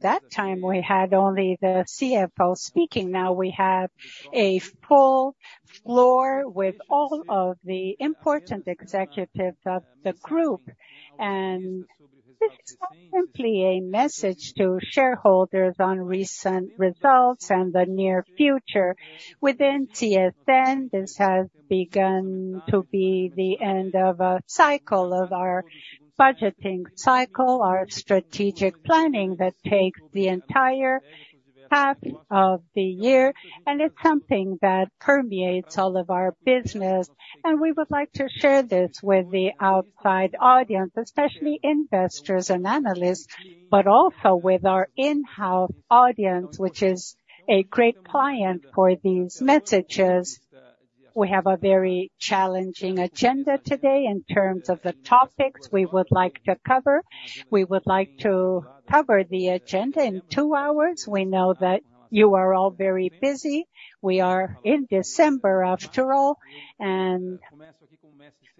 That time we had only the CFO speaking. Now we have a full floor with all of the important executives of the group, and this is not simply a message to shareholders on recent results and the near future. Within CSN, this has begun to be the end of a cycle, of our budgeting cycle, our strategic planning, that takes the entire half of the year, and it's something that permeates all of our business. We would like to share this with the outside audience, especially investors and analysts, but also with our in-house audience, which is a great client for these messages. We have a very challenging agenda today in terms of the topics we would like to cover. We would like to cover the agenda in two hours. We know that you are all very busy. We are in December, after all, and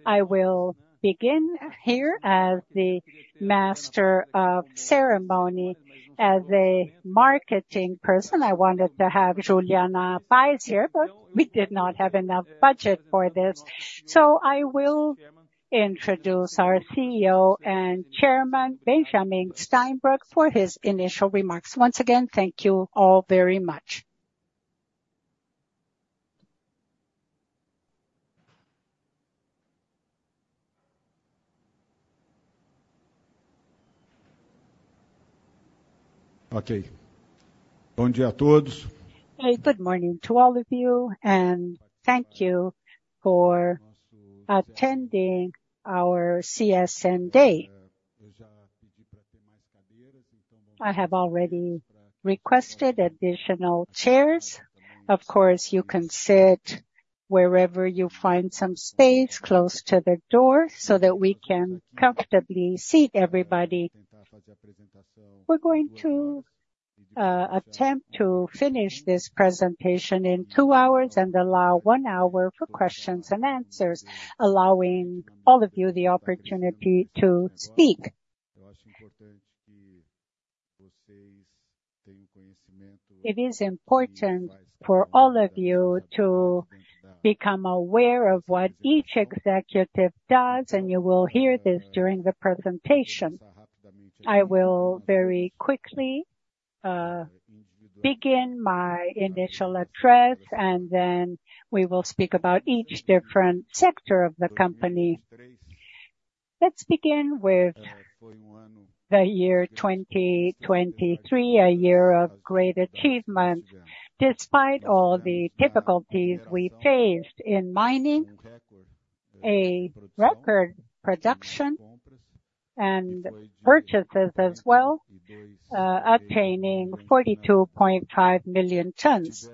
I will begin here as the master of ceremony. As a marketing person, I wanted to have Juliana Paes here, but we did not have enough budget for this. So I will introduce our CEO and Chairman, Benjamin Steinbruch, for his initial remarks. Once again, thank you all very much. Okay. Good day, everyone. Good morning to all of you, and thank you for attending our CSN Day. I have already requested additional chairs. Of course, you can sit wherever you find some space close to the door so that we can comfortably seat everybody. We're going to attempt to finish this presentation in two hours and allow one hour for questions and answers, allowing all of you the opportunity to speak. It is important for all of you to become aware of what each executive does, and you will hear this during the presentation. I will very quickly begin my initial address, and then we will speak about each different sector of the company. Let's begin with the year 2023, a year of great achievement. Despite all the difficulties we faced in mining, a record production and purchases as well, attaining 42.5 million tons.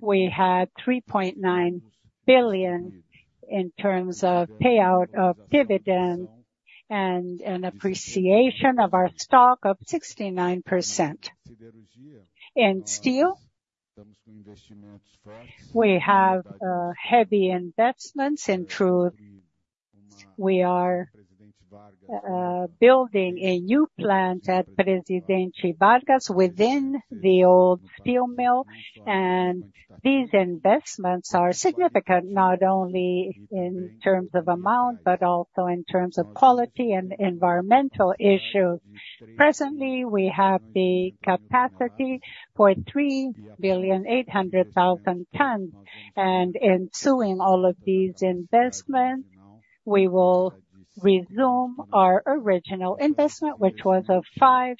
We had 3.9 billion in terms of payout of dividend and an appreciation of our stock of 69%. In steel, we have heavy investments. In truth, we are building a new plant at Presidente Vargas within the old steel mill, and these investments are significant, not only in terms of amount, but also in terms of quality and environmental issues. Presently, we have the capacity for 3.8 billion tons, and ensuing all of these investments, we will resume our original investment, which was of 5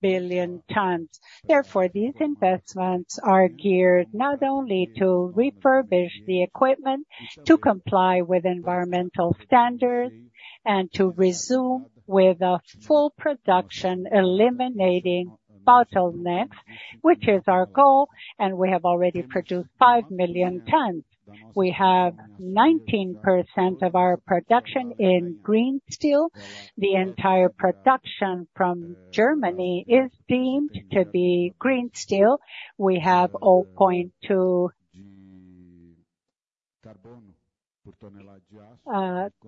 billion tons. Therefore, these investments are geared not only to refurbish the equipment, to comply with environmental standards and to resume with a full production, eliminating bottlenecks, which is our goal, and we have already produced 5 million tons. We have 19% of our production in green steel. The entire production from Germany is deemed to be green steel. We have 0.2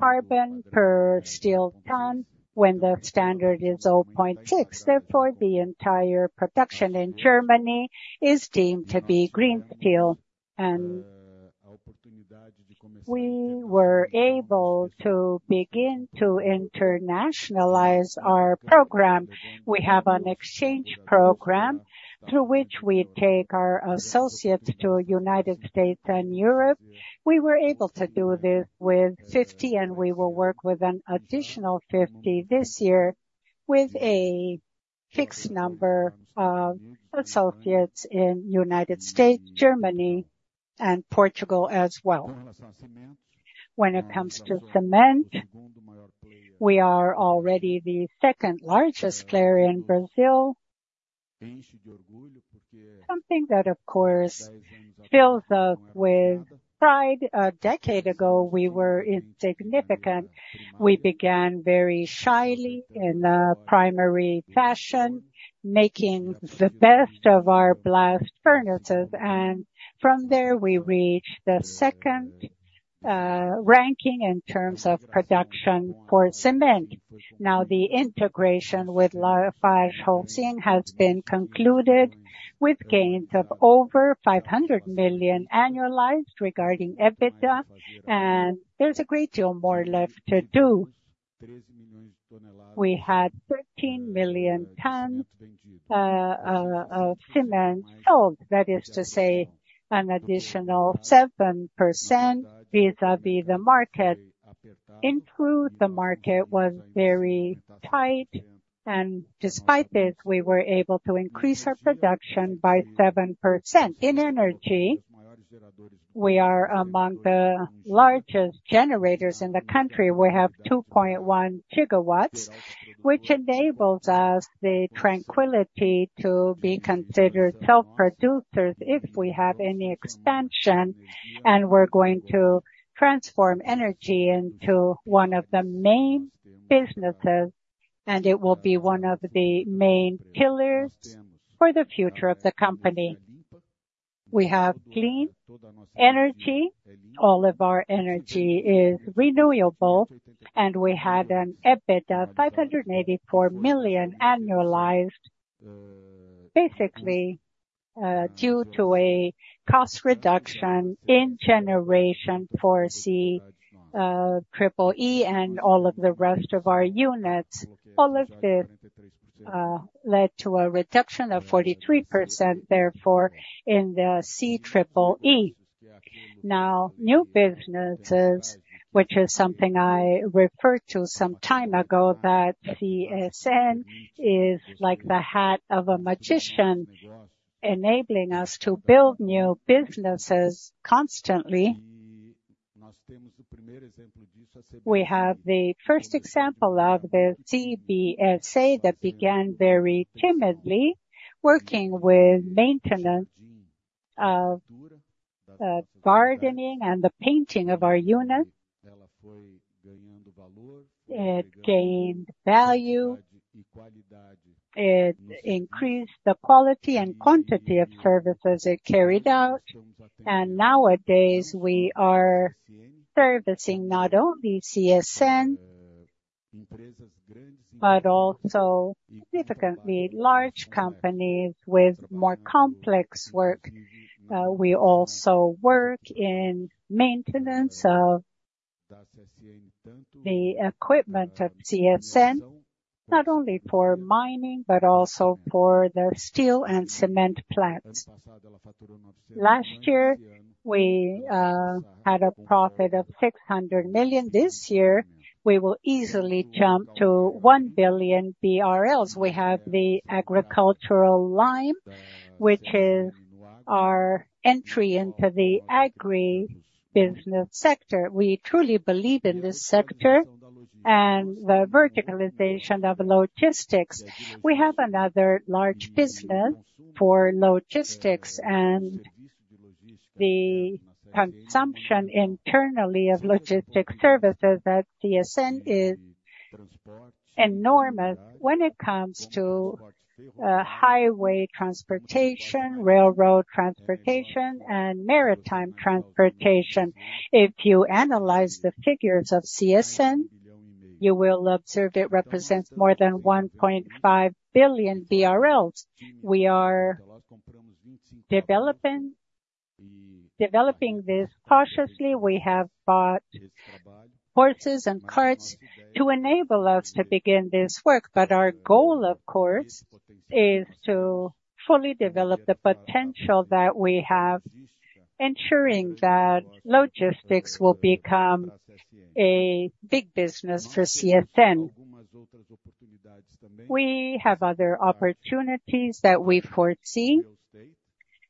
carbon per steel ton, when the standard is 0.6. Therefore, the entire production in Germany is deemed to be green steel, and we were able to begin to internationalize our program. We have an exchange program through which we take our associates to United States and Europe. We were able to do this with 50, and we will work with an additional 50 this year, with a fixed number of associates in United States, Germany, and Portugal as well. When it comes to cement, we are already the second largest player in Brazil. Something that, of course, fills us with pride. A decade ago, we were insignificant. We began very shyly in a primary fashion, making the best of our blast furnaces, and from there, we reached the second ranking in terms of production for cement. Now, the integration with LafargeHolcim has been concluded with gains of over 500 million annualized regarding EBITDA, and there's a great deal more left to do. We had 13 million tons of cement sold, that is to say, an additional 7% vis-à-vis the market. The market was very tight, and despite this, we were able to increase our production by 7%. In energy, we are among the largest generators in the country. We have 2.1 gigawatts, which enables us the tranquility to be considered self-producers if we have any expansion, and we're going to transform energy into one of the main businesses, and it will be one of the main pillars for the future of the company. We have clean energy. All of our energy is renewable, and we had an EBITDA, 584 million annualized, basically, due to a cost reduction in generation for CEEE, and all of the rest of our units. All of this led to a reduction of 43%, therefore, in the CEEE. Now, new businesses, which is something I referred to some time ago, that CSN is like the hat of a magician, enabling us to build new businesses constantly. We have the first example of the CBSI, that began very timidly, working with maintenance of gardening and the painting of our units. It gained value, it increased the quality and quantity of services it carried out, and nowadays, we are servicing not only CSN, but also significantly large companies with more complex work. We also work in maintenance of the equipment of CSN, not only for mining, but also for the steel and cement plants. Last year, we had a profit of 600 million. This year, we will easily jump to 1 billion BRL. We have the agricultural lime, which is our entry into the agribusiness sector. We truly believe in this sector and the verticalization of logistics. We have another large business for logistics and the consumption internally of logistics services at CSN is enormous when it comes to highway transportation, railroad transportation, and maritime transportation. If you analyze the figures of CSN, you will observe it represents more than 1.5 billion BRL. We are developing this cautiously. We have bought horses and carts to enable us to begin this work, but our goal, of course, is to fully develop the potential that we have, ensuring that logistics will become a big business for CSN. We have other opportunities that we foresee,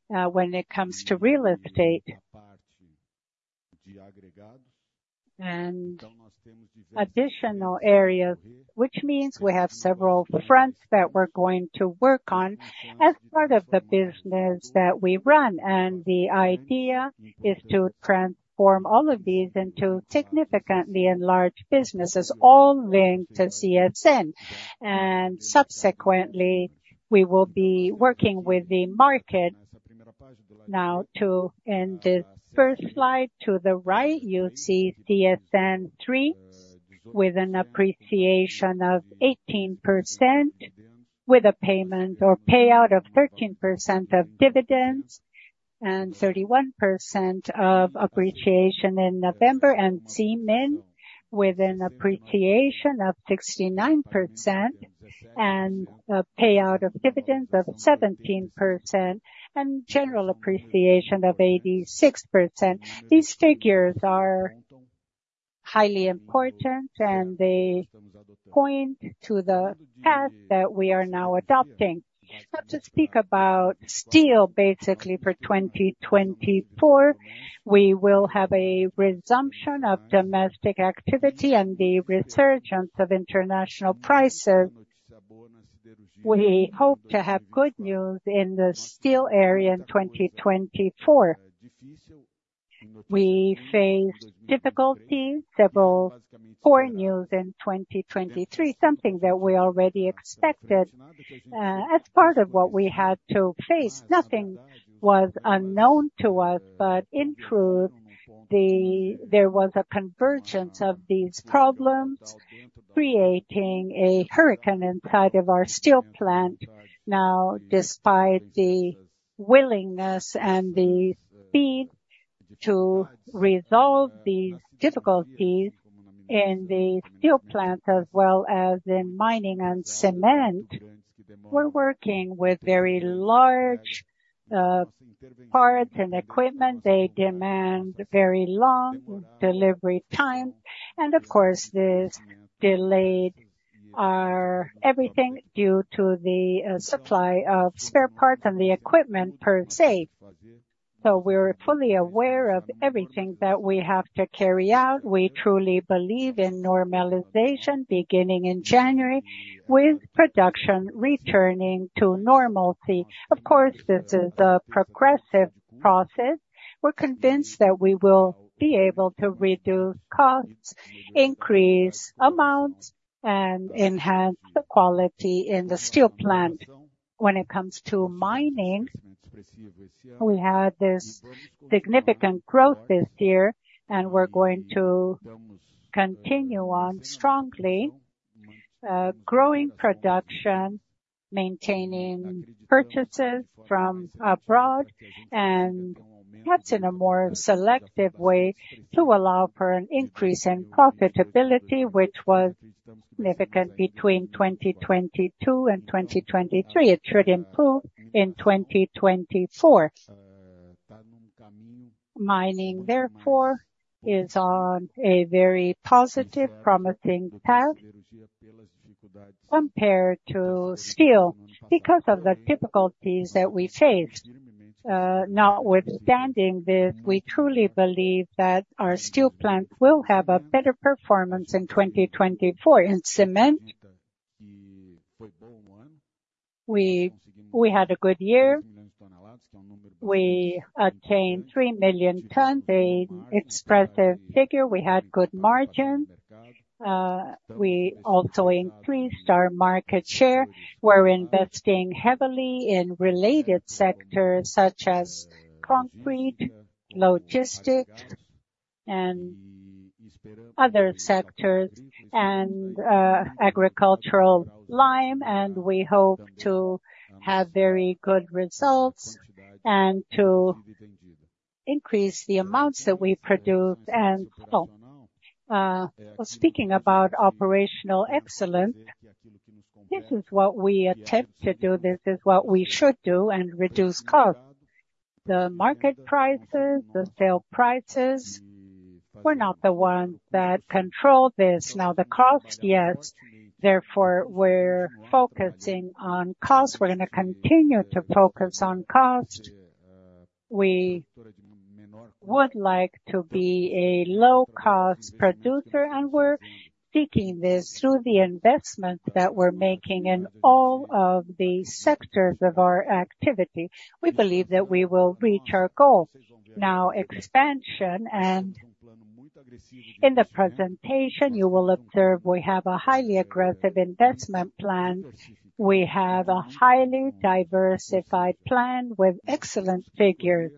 when it comes to real estate and additional areas, which means we have several fronts that we're going to work on as part of the business that we run, and the idea is to transform all of these into significantly enlarged businesses, all linked to CSN. Subsequently, we will be working with the market. Now, to in this first slide, to the right, you see CSN3 with an appreciation of 18%, with a payment or payout of 13% of dividends and 31% of appreciation in November, and CMIN, with an appreciation of 69% and a payout of dividends of 17%, and general appreciation of 86%. These figures are highly important, and they point to the path that we are now adopting. So to speak about steel, basically for 2024, we will have a resumption of domestic activity and the resurgence of international prices. We hope to have good news in the steel area in 2024. We faced difficulties, several poor news in 2023, something that we already expected, as part of what we had to face. Nothing was unknown to us, but in truth, there was a convergence of these problems, creating a hurricane inside of our steel plant. Now, despite the willingness and the speed to resolve these difficulties in the steel plant, as well as in mining and cement, we're working with very large, parts and equipment. They demand very long delivery time, and of course, this delayed our everything due to the supply of spare parts and the equipment per se. So we're fully aware of everything that we have to carry out. We truly believe in normalization beginning in January, with production returning to normalcy. Of course, this is a progressive process. We're convinced that we will be able to reduce costs, increase amounts, and enhance the quality in the steel plant. When it comes to mining, we had this significant growth this year, and we're going to continue on strongly, growing production, maintaining purchases from abroad, and perhaps in a more selective way to allow for an increase in profitability, which was significant between 2022 and 2023. It should improve in 2024. Mining, therefore, is on a very positive, promising path compared to steel, because of the difficulties that we faced. Notwithstanding this, we truly believe that our steel plant will have a better performance in 2024. In cement, we had a good year. We attained 3 million tons, an expressive figure. We had good margins. We also increased our market share. We're investing heavily in related sectors such as concrete, logistics, and other sectors, and agricultural lime, and we hope to have very good results and to increase the amounts that we produce. Well, speaking about operational excellence, this is what we attempt to do, this is what we should do and reduce costs. The market prices, the sale prices, we're not the ones that control this. Now, the cost, yes. Therefore, we're focusing on cost. We're gonna continue to focus on cost. We would like to be a low-cost producer, and we're seeking this through the investments that we're making in all of the sectors of our activity. We believe that we will reach our goal. Now, expansion, and in the presentation, you will observe we have a highly aggressive investment plan. We have a highly diversified plan with excellent figures.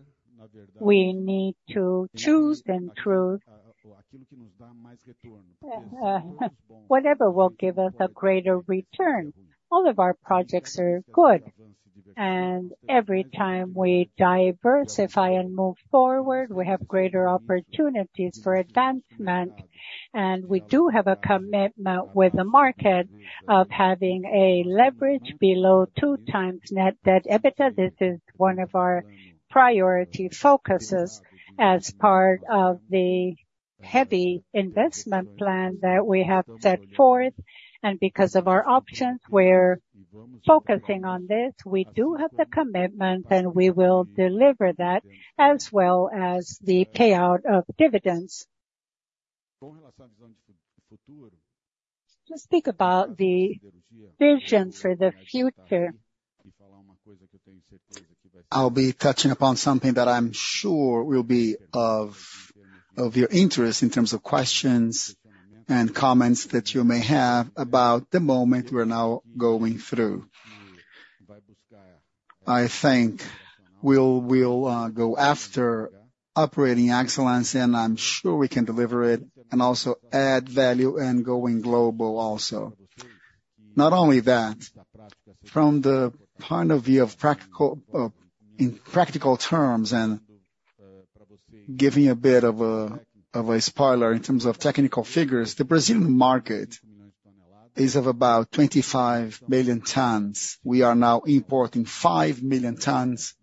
We need to choose and through whatever will give us a greater return. All of our projects are good, and every time we diversify and move forward, we have greater opportunities for advancement. And we do have a commitment with the market of having a leverage below 2x net debt EBITDA. This is one of our priority focuses as part of the heavy investment plan that we have set forth, and because of our options, we're focusing on this. We do have the commitment, and we will deliver that, as well as the payout of dividends. To speak about the vision for the future- I'll be touching upon something that I'm sure will be of your interest in terms of questions and comments that you may have about the moment we're now going through. I think we'll go after operating excellence, and I'm sure we can deliver it and also add value and going global also. Not only that, from the point of view of practical, in practical terms, and giving a bit of a spoiler in terms of technical figures, the Brazilian market is of about 25 million tons. We are now importing 5 million tons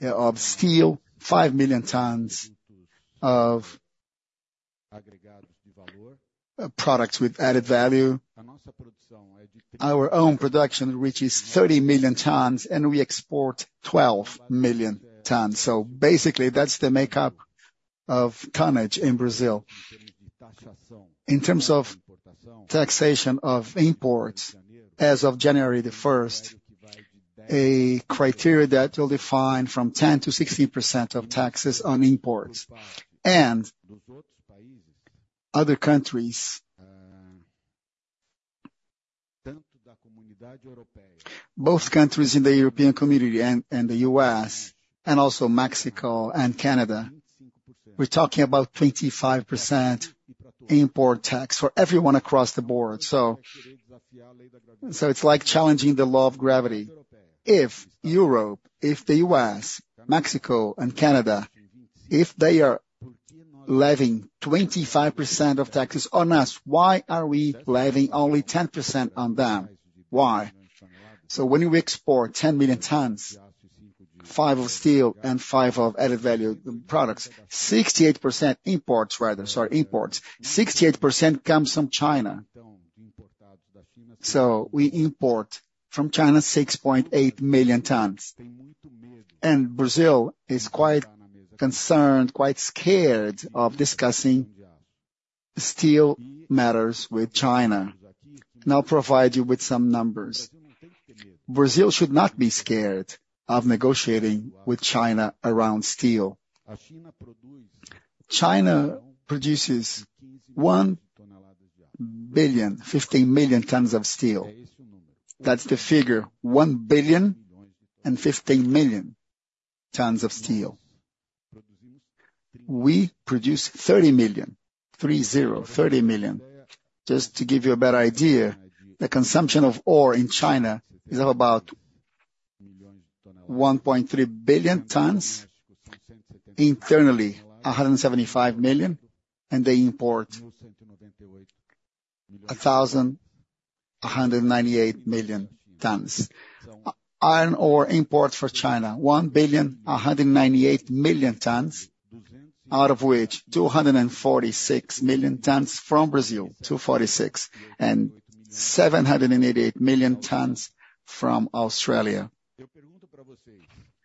of steel, 5 million tons of products with added value. Our own production reaches 30 million tons, and we export 12 million tons. So basically, that's the makeup of tonnage in Brazil. In terms of taxation of imports, as of January 1, a criteria that will define 10%-16% of taxes on imports. And other countries, both countries in the European community and the U.S., and also Mexico and Canada, we're talking about 25% import tax for everyone across the board. So it's like challenging the law of gravity. If Europe, if the U.S., Mexico, and Canada, if they are levying 25% of taxes on us, why are we levying only 10% on them? Why? So when we export 10 million tons, 5 of steel and 5 of added value products, 68% imports rather, sorry, imports, 68% comes from China. So we import from China 6.8 million tons, and Brazil is quite concerned, quite scared of discussing steel matters with China. Now, I'll provide you with some numbers. Brazil should not be scared of negotiating with China around steel. China produces 1.015 billion tons of steel. That's the figure, 1.015 billion tons of steel. We produce 30 million, three zero, 30 million. Just to give you a better idea, the consumption of ore in China is of about 1.3 billion tons. Internally, 175 million, and they import 1,198 million tons. Iron ore imports for China, 1.198 billion tons, out of which 246 million tons from Brazil, 246, and 788 million tons from Australia.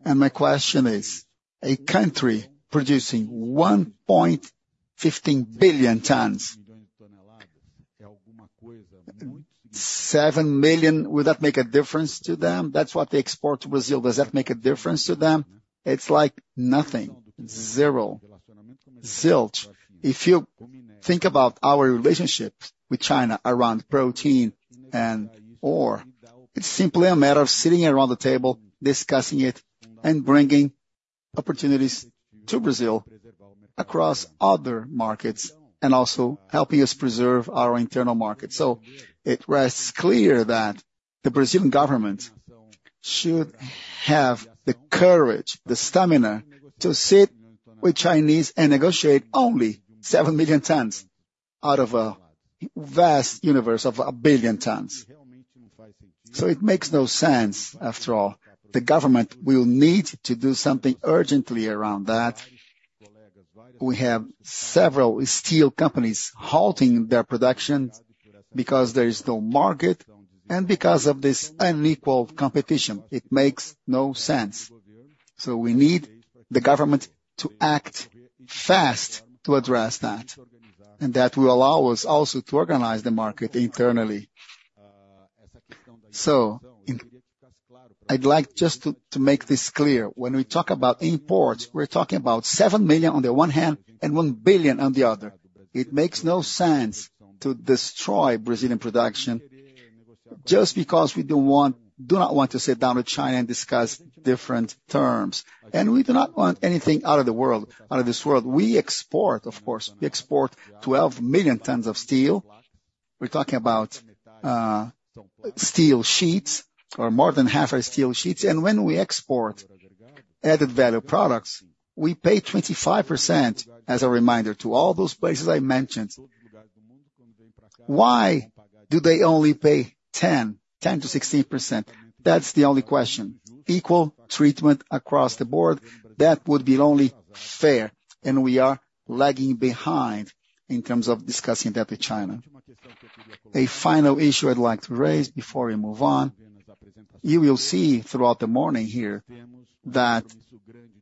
And my question is, a country producing 1.15 billion tons, 7 million, would that make a difference to them? That's what they export to Brazil. Does that make a difference to them? It's like nothing. Zero. Zilch. If you think about our relationships with China around protein and ore, it's simply a matter of sitting around the table, discussing it, and bringing opportunities to Brazil across other markets, and also helping us preserve our internal market. So it rests clear that the Brazilian government should have the courage, the stamina, to sit with Chinese and negotiate only 7 million tons out of a vast universe of 1 billion tons. So it makes no sense, after all, the government will need to do something urgently around that. We have several steel companies halting their production because there is no market, and because of this unequal competition, it makes no sense. So we need the government to act fast to address that, and that will allow us also to organize the market internally. So I'd like just to make this clear. When we talk about imports, we're talking about 7 million on the one hand and 1 billion on the other. It makes no sense to destroy Brazilian production just because we don't want - do not want to sit down with China and discuss different terms, and we do not want anything out of the world, out of this world. We export, of course, we export 12 million tons of steel. We're talking about steel sheets, or more than half are steel sheets. When we export added value products, we pay 25% as a reminder to all those places I mentioned. Why do they only pay 10, 10 to 16%? That's the only question. Equal treatment across the board, that would be only fair, and we are lagging behind in terms of discussing that with China. A final issue I'd like to raise before we move on. You will see throughout the morning here, that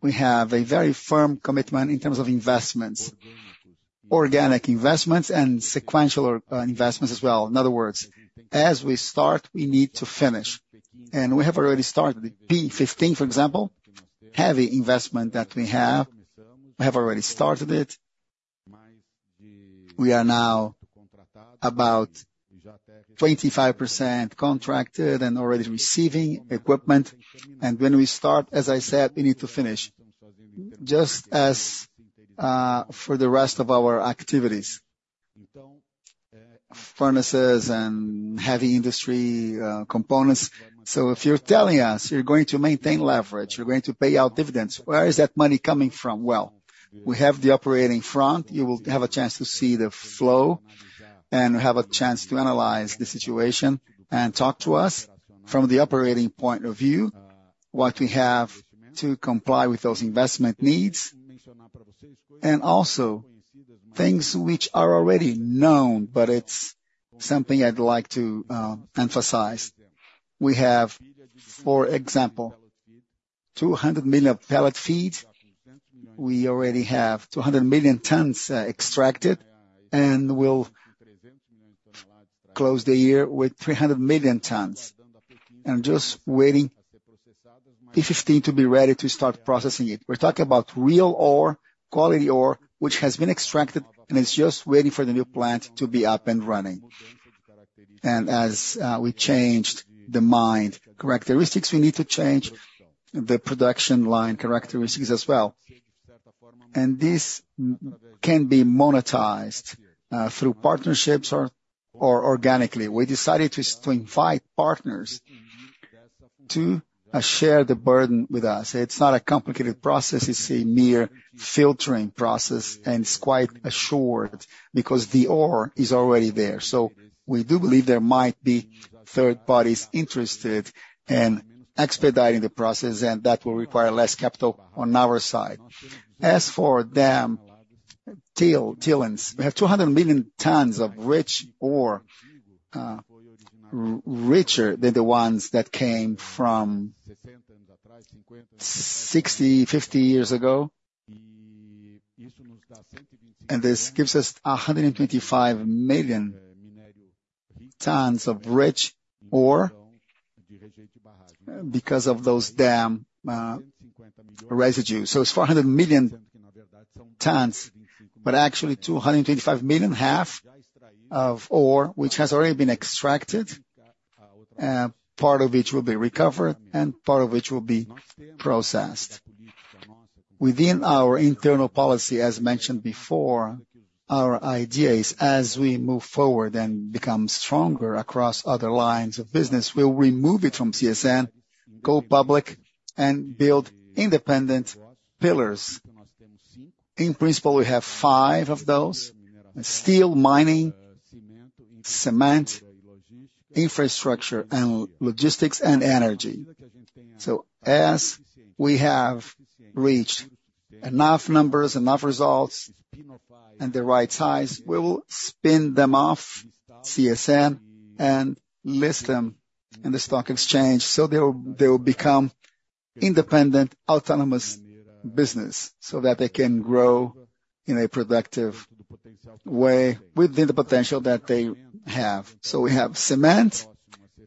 we have a very firm commitment in terms of investments, organic investments and sequential, investments as well. In other words, as we start, we need to finish, and we have already started. P-15, for example, heavy investment that we have, we have already started it. We are now about 25% contracted and already receiving equipment, and when we start, as I said, we need to finish, just as for the rest of our activities. Furnaces and heavy industry components. So if you're telling us you're going to maintain leverage, you're going to pay out dividends, where is that money coming from? Well, we have the operating front. You will have a chance to see the flow, and have a chance to analyze the situation and talk to us from the operating point of view, what we have to comply with those investment needs, and also things which are already known, but it's something I'd like to emphasize. We have, for example, 200 million pellet feed. We already have 200 million tons extracted, and we'll close the year with 300 million tons. Just waiting for P-15 to be ready to start processing it. We're talking about real ore, quality ore, which has been extracted, and it's just waiting for the new plant to be up and running. As we changed the mine characteristics, we need to change the production line characteristics as well. This can be monetized through partnerships or organically. We decided to invite partners to share the burden with us. It's not a complicated process, it's a mere filtering process, and it's quite assured, because the ore is already there. So we do believe there might be third parties interested in expediting the process, and that will require less capital on our side. As for the dam tailings, we have 200 million tons of rich ore, richer than the ones that came from 60, 50 years ago. This gives us 125 million tons of rich ore, because of those damn residues. It's 400 million tons, but actually 225 million, half of ore, which has already been extracted, part of which will be recovered, and part of which will be processed. Within our internal policy, as mentioned before, our idea is, as we move forward and become stronger across other lines of business, we'll remove it from CSN, go public and build independent pillars. In principle, we have 5 of those: steel, mining, cement, infrastructure, and logistics, and energy. So as we have reached enough numbers, enough results, and the right size, we will spin them off CSN and list them in the stock exchange, so they will, they will become independent, autonomous business, so that they can grow in a productive way within the potential that they have. So we have cement,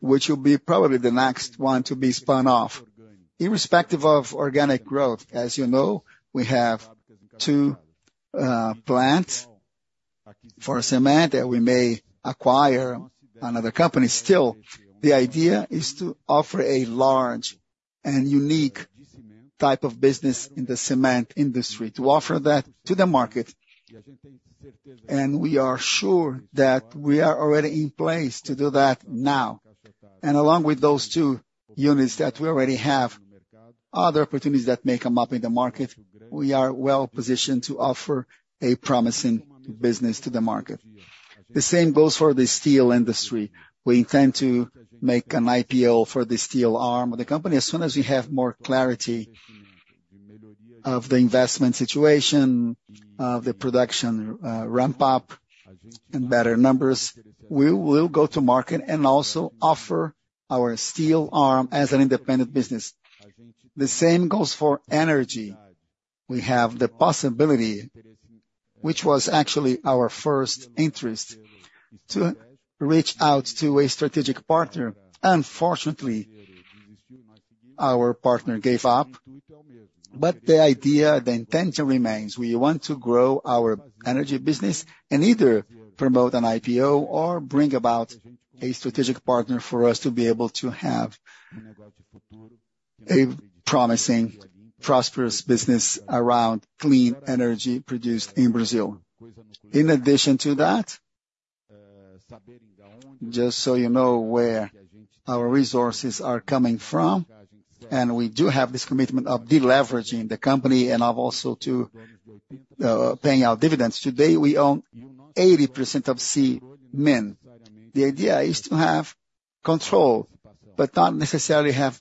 which will be probably the next one to be spun off. Irrespective of organic growth, as you know, we have two plants for cement, and we may acquire another company. Still, the idea is to offer a large and unique type of business in the cement industry, to offer that to the market. And we are sure that we are already in place to do that now. Along with those two units that we already have, other opportunities that may come up in the market, we are well-positioned to offer a promising business to the market. The same goes for the steel industry. We intend to make an IPO for the steel arm of the company. As soon as we have more clarity of the investment situation, of the production, ramp up and better numbers, we will go to market and also offer our steel arm as an independent business. The same goes for energy. We have the possibility, which was actually our first interest, to reach out to a strategic partner. Unfortunately, our partner gave up, but the idea, the intention remains. We want to grow our energy business and either promote an IPO or bring about a strategic partner for us to be able to have a promising, prosperous business around clean energy produced in Brazil. In addition to that, just so you know where our resources are coming from, and we do have this commitment of deleveraging the company and of also to paying out dividends. Today, we own 80% of CMIN. The idea is to have control, but not necessarily have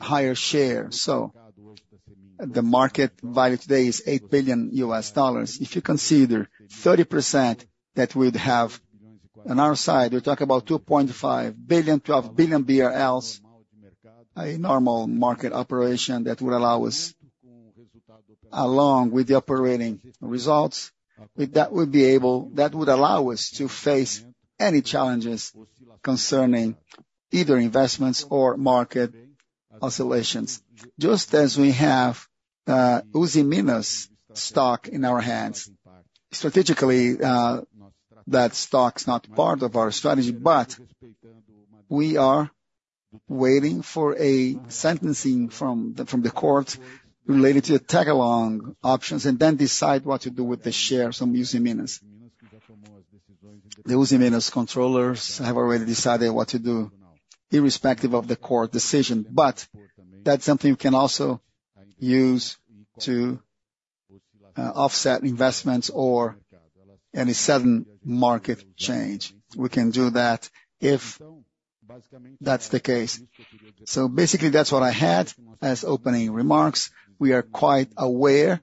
higher share. So the market value today is $8 billion. If you consider 30% that we'd have on our side, we're talking about $2.5 billion, 12 billion BRL, a normal market operation that would allow us, along with the operating results, with that, we'd be able-- that would allow us to face any challenges concerning either investments or market oscillations. Just as we have Usiminas stock in our hands, strategically, that stock is not part of our strategy, but we are waiting for a sentencing from the court related to the tag-along options, and then decide what to do with the shares from Usiminas. The Usiminas controllers have already decided what to do, irrespective of the court decision, but that's something we can also use to offset investments or any sudden market change. We can do that if that's the case. So basically, that's what I had as opening remarks. We are quite aware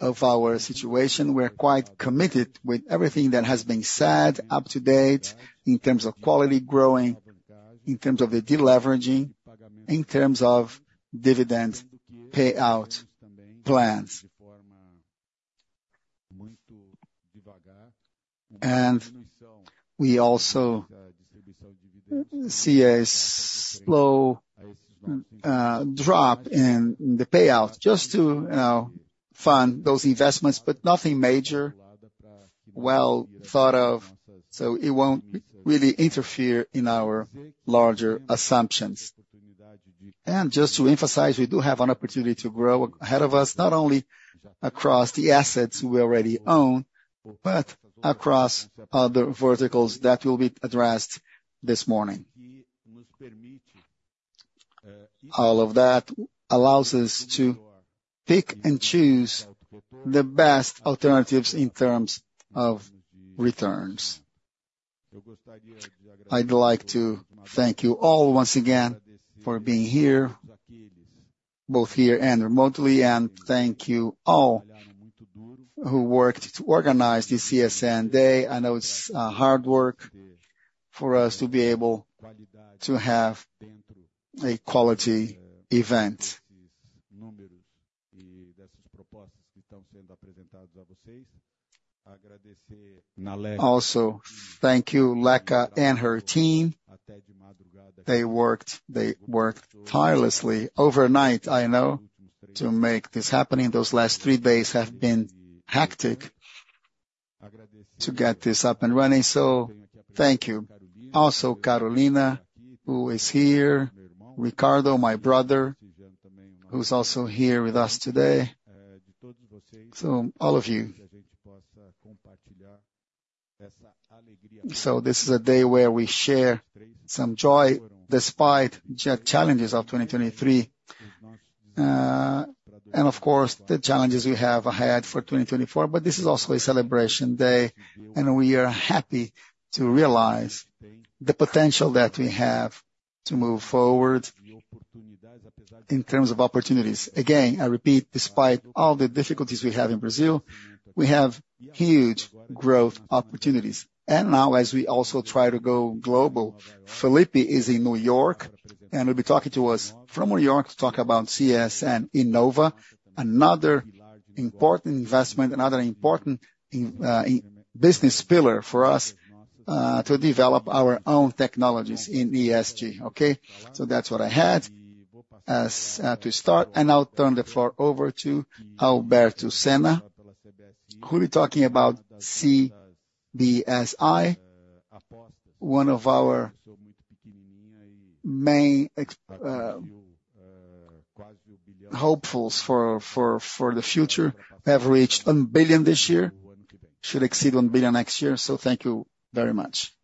of our situation, we're quite committed with everything that has been said up to date, in terms of quality growing, in terms of the deleveraging, in terms of dividend payout plans. And we also see a slow drop in the payout, just to, you know, fund those investments, but nothing major, well thought of, so it won't really interfere in our larger assumptions. And just to emphasize, we do have an opportunity to grow ahead of us, not only across the assets we already own, but across other verticals that will be addressed this morning. All of that allows us to pick and choose the best alternatives in terms of returns. I'd like to thank you all once again for being here, both here and remotely, and thank you all who worked to organize this CSN Day. I know it's hard work for us to be able to have a quality event. Also, thank you, Leca, and her team. They worked, they worked tirelessly overnight, I know, to make this happen. Those last 3 days have been hectic to get this up and running, so thank you. Also, Carolina, who is here, Ricardo, my brother, who's also here with us today, so all of you. So this is a day where we share some joy despite the challenges of 2023, and of course, the challenges we have ahead for 2024, but this is also a celebration day, and we are happy to realize the potential that we have to move forward in terms of opportunities. Again, I repeat, despite all the difficulties we have in Brazil, we have huge growth opportunities. Now, as we also try to go global, Felipe is in New York, and he'll be talking to us from New York to talk about CSN Inova, another important investment, another important in business pillar for us, to develop our own technologies in ESG, okay? So that's what I had as to start, and I'll turn the floor over to Alberto Senna, who'll be talking about CBSI, one of our main hopefuls for the future, have reached 1 billion this year, should exceed 1 billion next year. So thank you very much.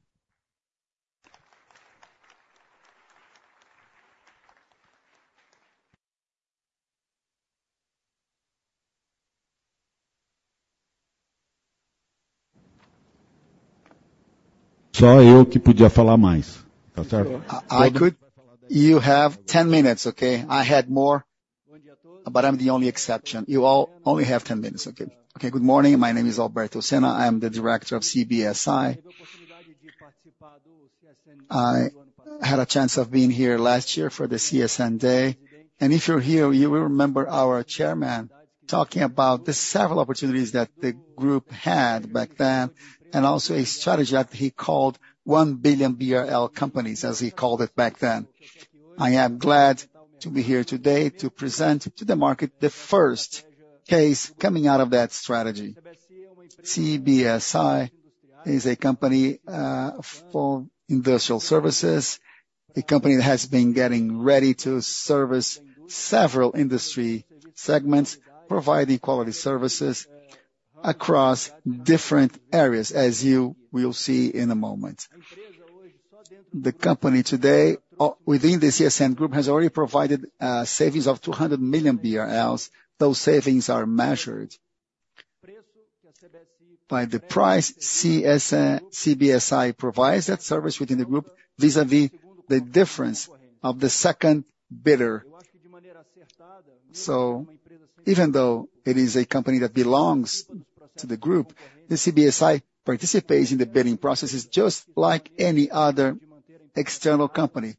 So I hope you could get far more. Is that so? I could. You have 10 minutes, okay? I had more, but I'm the only exception. You all only have 10 minutes, okay. Okay, good morning, my name is Alberto Senna, I am the director of CBSI. I had a chance of being here last year for the CSN Day, and if you're here, you will remember our chairman talking about the several opportunities that the group had back then, and also a strategy that he called 1 billion BRL companies, as he called it back then. I am glad to be here today to present to the market the first case coming out of that strategy. CBSI is a company for industrial services, a company that has been getting ready to service several industry segments, providing quality services across different areas, as you will see in a moment. The company today, within the CSN Group, has already provided savings of 200 million BRL. Those savings are measured by the price CBSI provides that service within the group, vis-a-vis the difference of the second bidder. Even though it is a company that belongs to the group, the CBSI participates in the bidding processes, just like any other external company,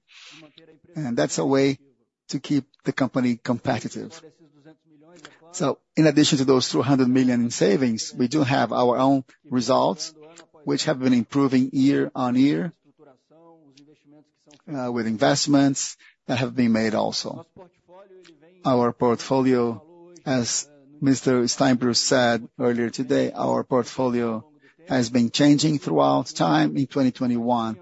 and that's a way to keep the company competitive. In addition to those 200 million in savings, we do have our own results, which have been improving year-over-year with investments that have been made also. Our portfolio, as Mr. Steinbruch said earlier today, our portfolio has been changing throughout time. In 2021,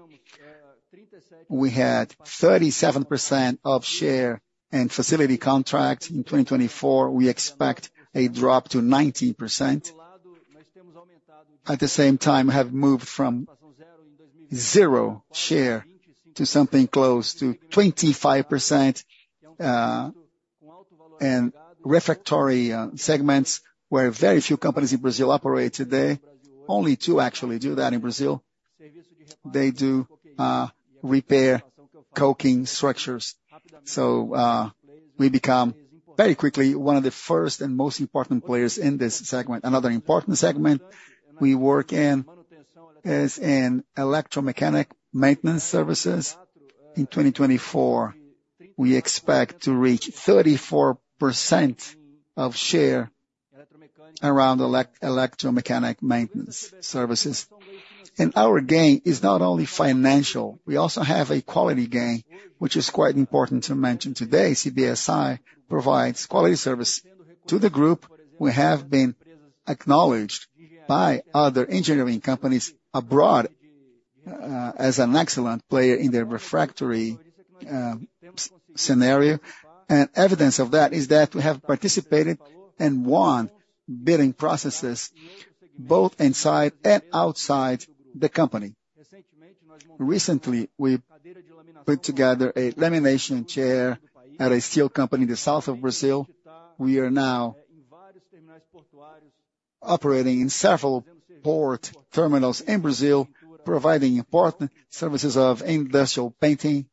we had 37% of share and facility contracts. In 2024, we expect a drop to 19%. At the same time, we have moved from zero share to something close to 25%, and refractory segments, where very few companies in Brazil operate today. Only two actually do that in Brazil. They do repair coking structures. So, we become very quickly one of the first and most important players in this segment. Another important segment we work in is electromechanical maintenance services. In 2024, we expect to reach 34% share around electromechanical maintenance services. And our gain is not only financial, we also have a quality gain, which is quite important to mention today. CBSI provides quality service to the group. We have been acknowledged by other engineering companies abroad as an excellent player in their refractory scenario. And evidence of that is that we have participated and won bidding processes both inside and outside the company. Recently, we put together a lamination shear at a steel company in the south of Brazil. We are now operating in several port terminals in Brazil, providing important services of industrial painting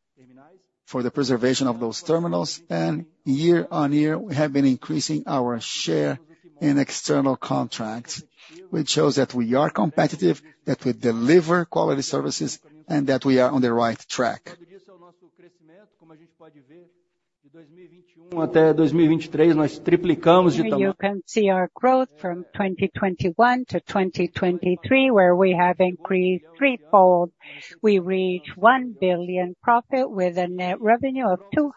for the preservation of those terminals. Year-on-year, we have been increasing our share in external contracts, which shows that we are competitive, that we deliver quality services, and that we are on the right track. You can see our growth from 2021 to 2023, where we have increased threefold. We reach 1 billion profit with a net revenue of 2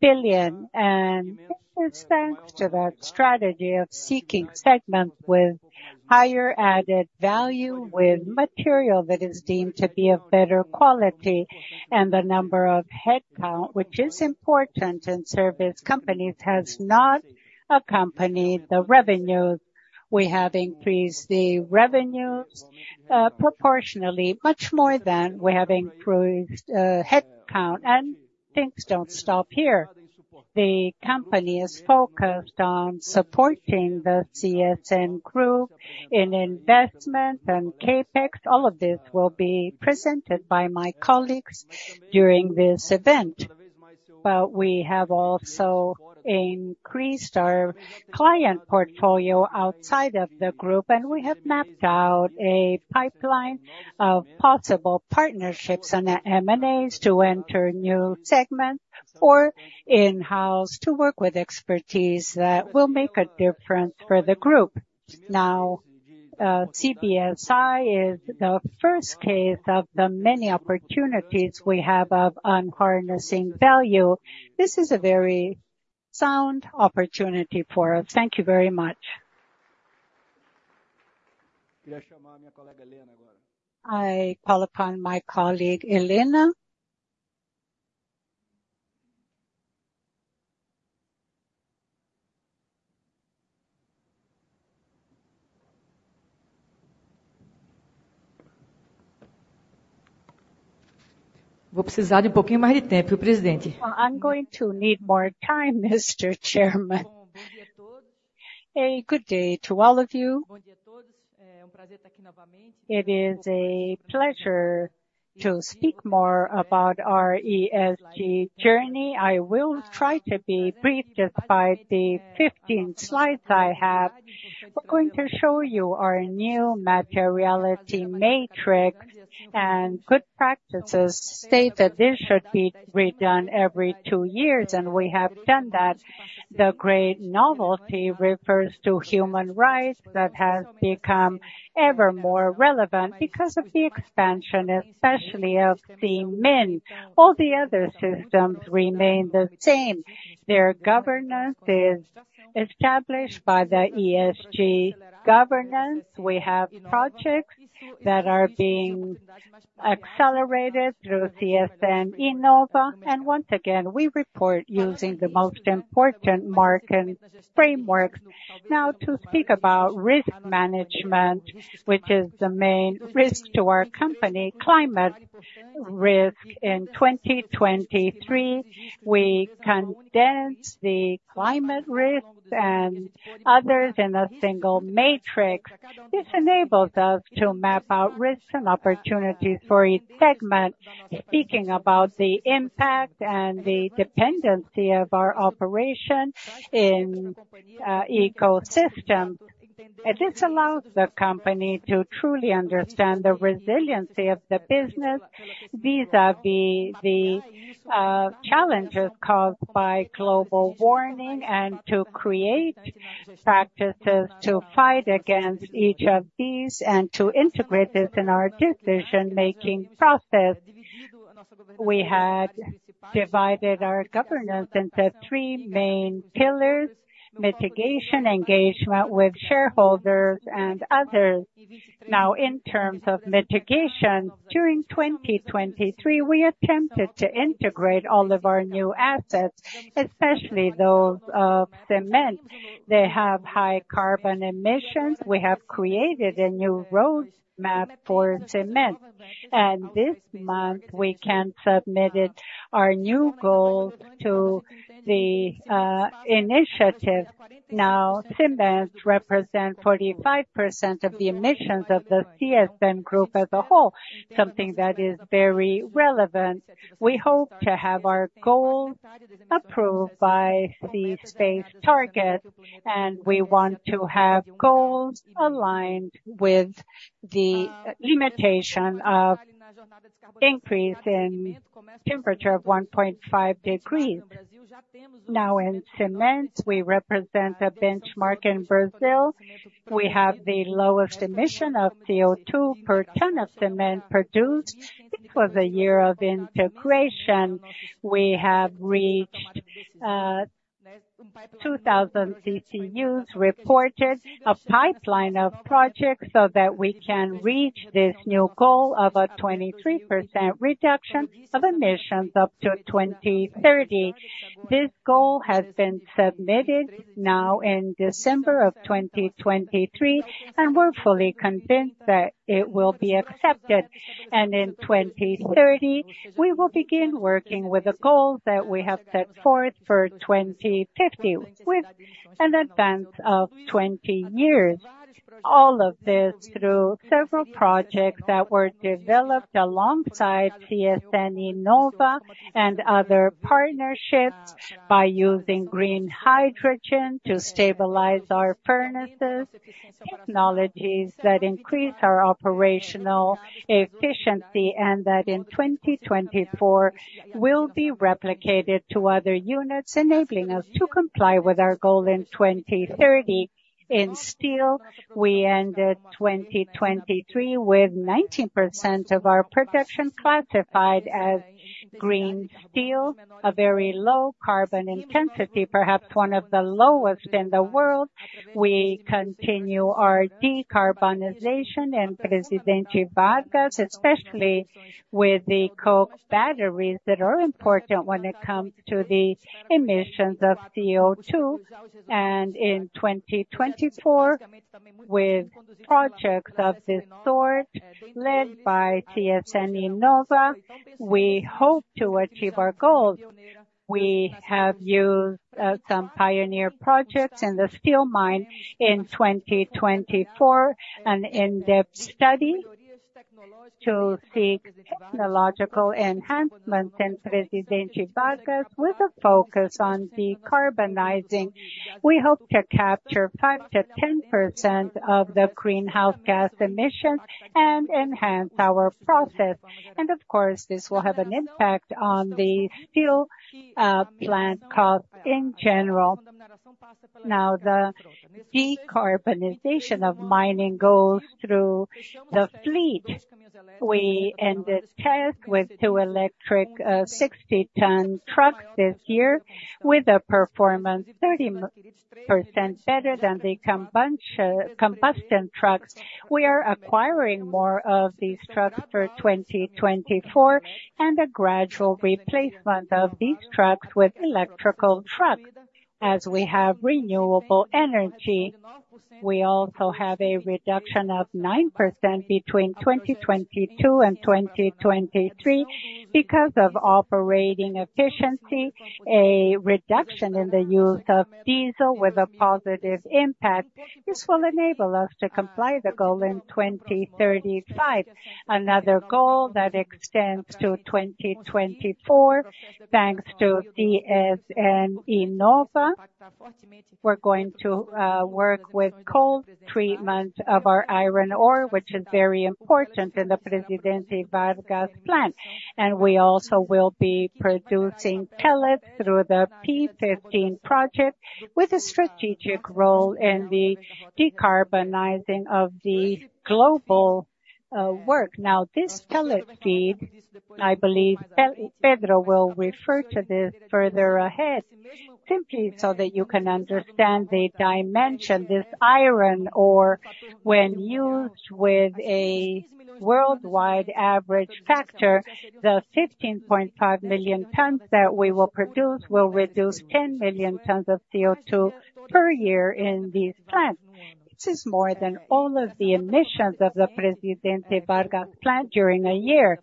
billion, and it's thanks to that strategy of seeking segments with higher added value, with material that is deemed to be of better quality. The number of headcount, which is important in service companies, has not accompanied the revenues. We have increased the revenues, proportionally, much more than we have improved, headcount. Things don't stop here. The company is focused on supporting the CSN group in investment and CapEx. All of this will be presented by my colleagues during this event. We have also increased our client portfolio outside of the group, and we have mapped out a pipeline of possible partnerships and M&As to enter new segments, or in-house to work with expertise that will make a difference for the group. Now, CBSI is the first case of the many opportunities we have of unleashing value. This is a very sound opportunity for us. Thank you very much. I call upon my colleague, Helena. I'm going to need more time, Mr. Chairman. Good day to all of you. It is a pleasure to speak more about our ESG journey. I will try to be brief, despite the 15 slides I have. We're going to show you our new materiality matrix and good practices state that this should be redone every two years, and we have done that. The great novelty refers to human rights, that has become ever more relevant because of the expansion, especially of the mining. All the other systems remain the same. Their governance is established by the ESG governance. We have projects that are being accelerated through CSN Inova, and once again, we report using the most important market frameworks. Now, to speak about risk management, which is the main risk to our company, climate risk. In 2023, we condensed the climate risks and others in a single matrix. This enables us to map out risks and opportunities for each segment. Speaking about the impact and the dependency of our operation in ecosystem, this allows the company to truly understand the resiliency of the business, vis-à-vis the challenges caused by global warming and to create practices to fight against each of these, and to integrate this in our decision-making process. We had divided our governance into three main pillars: mitigation, engagement with shareholders and others. Now, in terms of mitigation, during 2023, we attempted to integrate all of our new assets, especially those of cement. They have high carbon emissions. We have created a new roadmap for cement, and this month, we can submit it, our new goal to the initiative. Now, cements represent 45% of the emissions of the CSN group as a whole, something that is very relevant. We hope to have our goal approved by the SBTi, and we want to have goals aligned with the limitation of increase in temperature of 1.5 degrees. Now, in cement, we represent a benchmark in Brazil. We have the lowest emission of CO₂ per ton of cement produced. It was a year of integration. We have reached 2,000 SKUs, reported a pipeline of projects so that we can reach this new goal of a 23% reduction of emissions up to 2030. This goal has been submitted now in December of 2023, and we're fully convinced that it will be accepted. In 2030, we will begin working with the goals that we have set forth for 2050, with an advance of 20 years. All of this through several projects that were developed alongside CSN Inova and other partnerships by using green hydrogen to stabilize our furnaces, technologies that increase our operational efficiency, and that in 2024, will be replicated to other units, enabling us to comply with our goal in 2030. In steel, we ended 2023 with 19% of our production classified as green steel, a very low carbon intensity, perhaps one of the lowest in the world. We continue our decarbonization in Presidente Vargas, especially with the coke batteries that are important when it comes to the emissions of CO₂. In 2024, with projects of this sort, led by CSN Inova, we hope to achieve our goals. We have used some pioneer projects in the steel mine in 2024, an in-depth study to seek technological enhancements in Presidente Vargas, with a focus on decarbonizing. We hope to capture 5%-10% of the greenhouse gas emissions and enhance our process. Of course, this will have an impact on the steel plant cost in general. Now, the decarbonization of mining goes through the fleet. We ended test with two electric 60-ton trucks this year, with a performance 30% better than the combustion trucks. We are acquiring more of these trucks for 2024, and a gradual replacement of these trucks with electrical truck, as we have renewable energy. We also have a reduction of 9% between 2022 and 2023, because of operating efficiency, a reduction in the use of diesel with a positive impact. This will enable us to comply the goal in 2035. Another goal that extends to 2024, thanks to CSN Inova. We're going to work with cold treatment of our iron ore, which is very important in the Presidente Vargas plant. And we also will be producing pellets through the P-15 project, with a strategic role in the decarbonizing of the global world. Now, this pellet feed, I believe Pedro will refer to this further ahead, simply so that you can understand the dimension. This iron ore, when used with a worldwide average factor, the 15.5 million tons that we will produce, will reduce 10 million tons of CO₂ per year in these plants, which is more than all of the emissions of the Presidente Vargas plant during a year.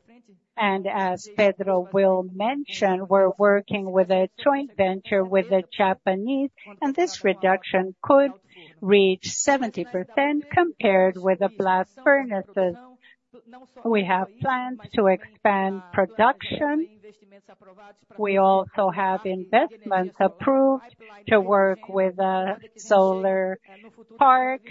As Pedro will mention, we're working with a joint venture with the Japanese, and this reduction could reach 70% compared with the blast furnaces. We have plans to expand production. We also have investments approved to work with a solar park,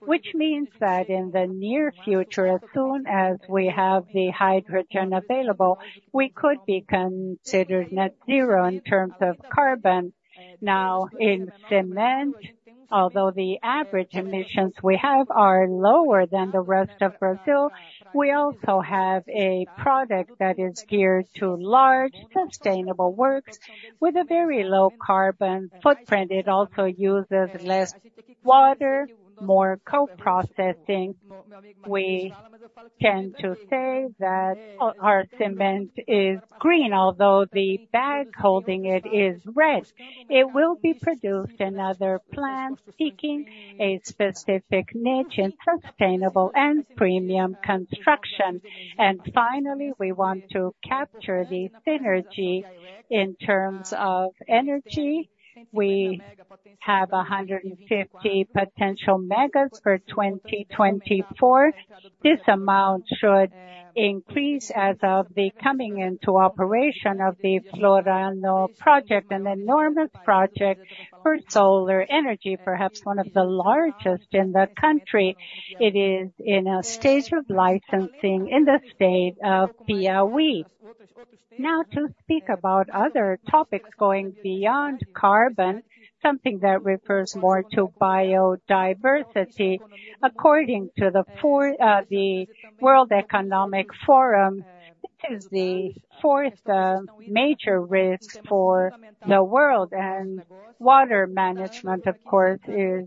which means that in the near future, as soon as we have the hydrogen available, we could be considered net zero in terms of carbon. Now, in cement, although the average emissions we have are lower than the rest of Brazil, we also have a product that is geared to large, sustainable works with a very low carbon footprint. It also uses less water, more co-processing. We tend to say that our cement is green, although the bag holding it is red. It will be produced in other plants seeking a specific niche in sustainable and premium construction. Finally, we want to capture the synergy in terms of energy. We have 150 potential megas for 2024. This amount should increase as of the coming into operation of the Floriano project, an enormous project for solar energy, perhaps one of the largest in the country. It is in a stage of licensing in the state of Piauí. Now, to speak about other topics going beyond carbon, something that refers more to biodiversity. According to the four, the World Economic Forum, this is the fourth major risk for the world, and water management, of course, is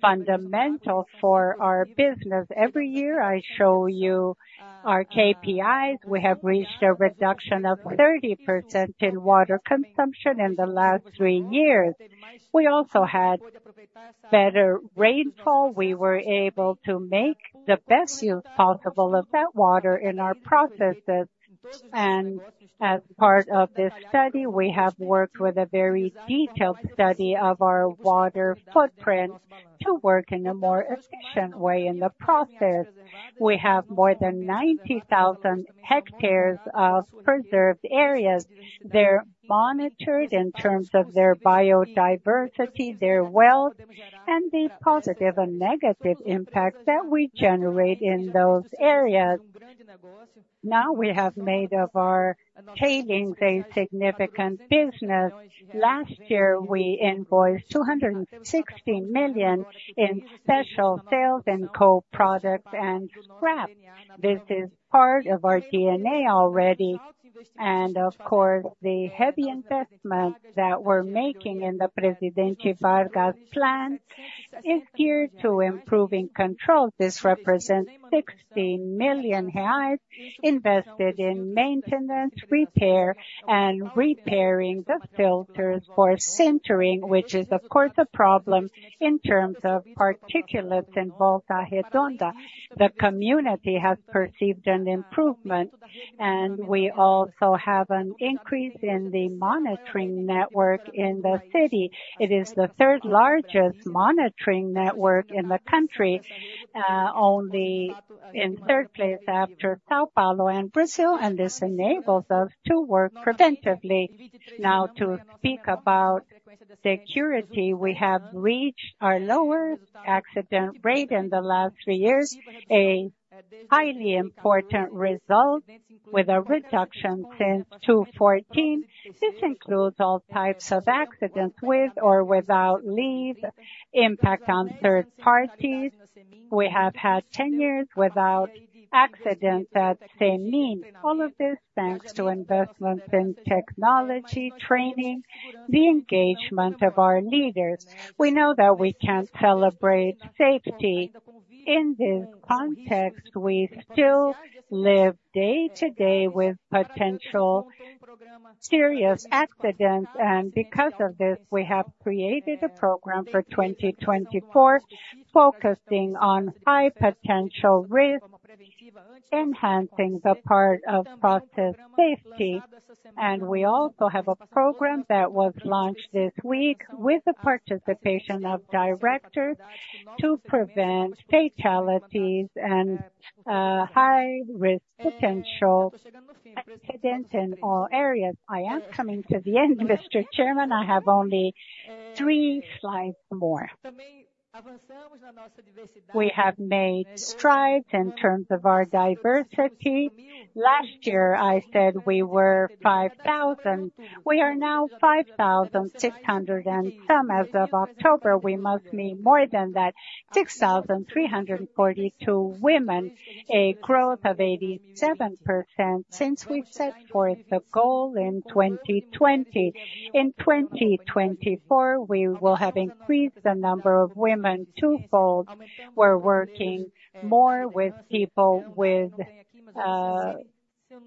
fundamental for our business. Every year, I show you our KPIs. We have reached a reduction of 30% in water consumption in the last three years. We also had better rainfall. We were able to make the best use possible of that water in our processes, and as part of this study, we have worked with a very detailed study of our water footprint to work in a more efficient way in the process. We have more than 90,000 hectares of preserved areas. They're monitored in terms of their biodiversity, their wealth, and the positive and negative impacts that we generate in those areas. Now, we have made of our tailings a significant business. Last year, we invoiced 260 million in special sales and co-products and scraps. This is part of our DNA already, and of course, the heavy investment that we're making in the Presidente Vargas plant is geared to improving control. This represents 16 million invested in maintenance, repair, and repairing the filters for centering, which is of course, a problem in terms of particulates in Volta Redonda. The community has perceived an improvement, and we also have an increase in the monitoring network in the city. It is the third largest monitoring network in the country, only in third place after São Paulo and Brazil, and this enables us to work preventively. Now, to speak about security, we have reached our lowest accident rate in the last three years, a highly important result with a reduction since 2014. This includes all types of accidents, with or without leave, impact on third parties. We have had 10 years without accidents at Cimentos. All of this, thanks to investments in technology, training, the engagement of our leaders. We know that we can't celebrate safety. In this context, we still live day to day with potential serious accidents, and because of this, we have created a program for 2024, focusing on high potential risks, enhancing the part of process safety. We also have a program that was launched this week with the participation of directors to prevent fatalities and high-risk potential accidents in all areas. I am coming to the end, Mr. Chairman. I have only three slides more. We have made strides in terms of our diversity. Last year, I said we were 5,000. We are now 5,600 and some as of October; we must be more than that: 6,342 women, a growth of 87% since we set forth the goal in 2020. In 2024, we will have increased the number of women twofold. We're working more with people with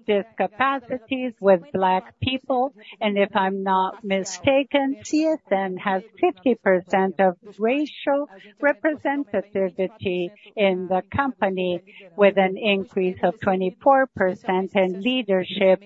disabilities, with Black people, and if I'm not mistaken, CSN has 50% of racial representativity in the company, with an increase of 24% in leadership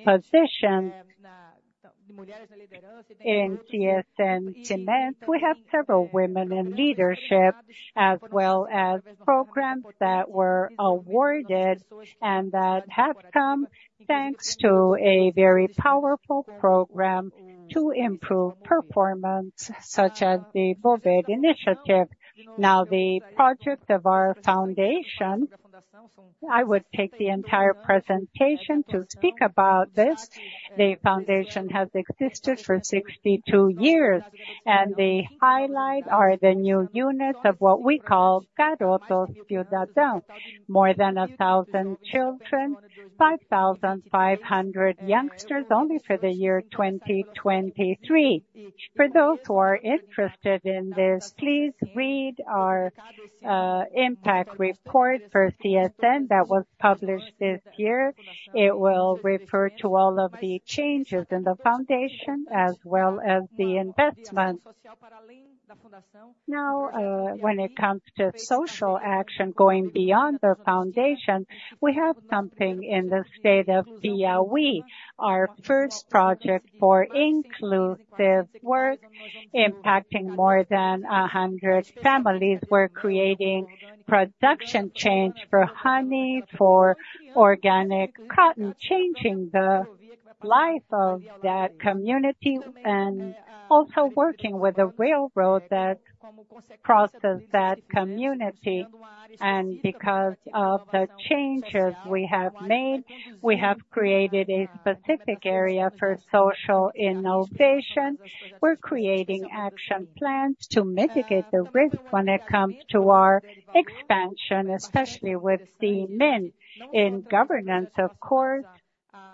positions. In CSN Cement, we have several women in leadership, as well as programs that were awarded and that have come thanks to a very powerful program to improve performance, such as the WOB Initiative. Now, the project of our foundation, I would take the entire presentation to speak about this. The foundation has existed for 62 years, and the highlight are the new units of what we call Garoto Cidadão. More than 1,000 children, 5,500 youngsters, only for the year 2023. For those who are interested in this, please read our impact report for CSN that was published this year. It will refer to all of the changes in the foundation as well as the investments. Now, when it comes to social action, going beyond the foundation, we have something in the state of Piauí, our first project for inclusive work, impacting more than 100 families. We're creating production change for honey, for organic cotton, changing the life of that community, and also working with the railroad that crosses that community. And because of the changes we have made, we have created a specific area for social innovation. We're creating action plans to mitigate the risk when it comes to our expansion, especially with CMIN. In governance, of course,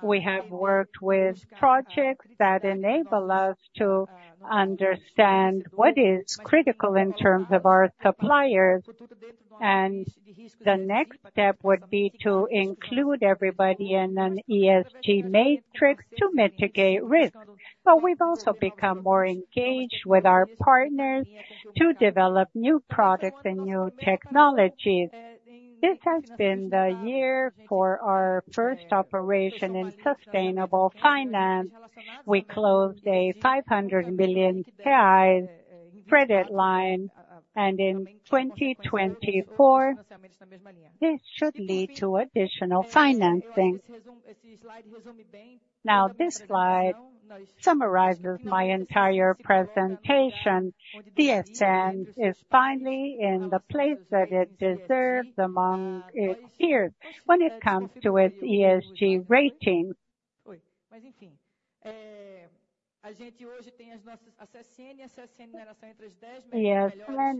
we have worked with projects that enable us to understand what is critical in terms of our suppliers, and the next step would be to include everybody in an ESG matrix to mitigate risk. But we've also become more engaged with our partners to develop new products and new technologies. This has been the year for our first operation in sustainable finance. We closed a 500 million credit line, and in 2024, this should lead to additional financing. Now, this slide summarizes my entire presentation. CSN is finally in the place that it deserves among its peers when it comes to its ESG ratings. CSN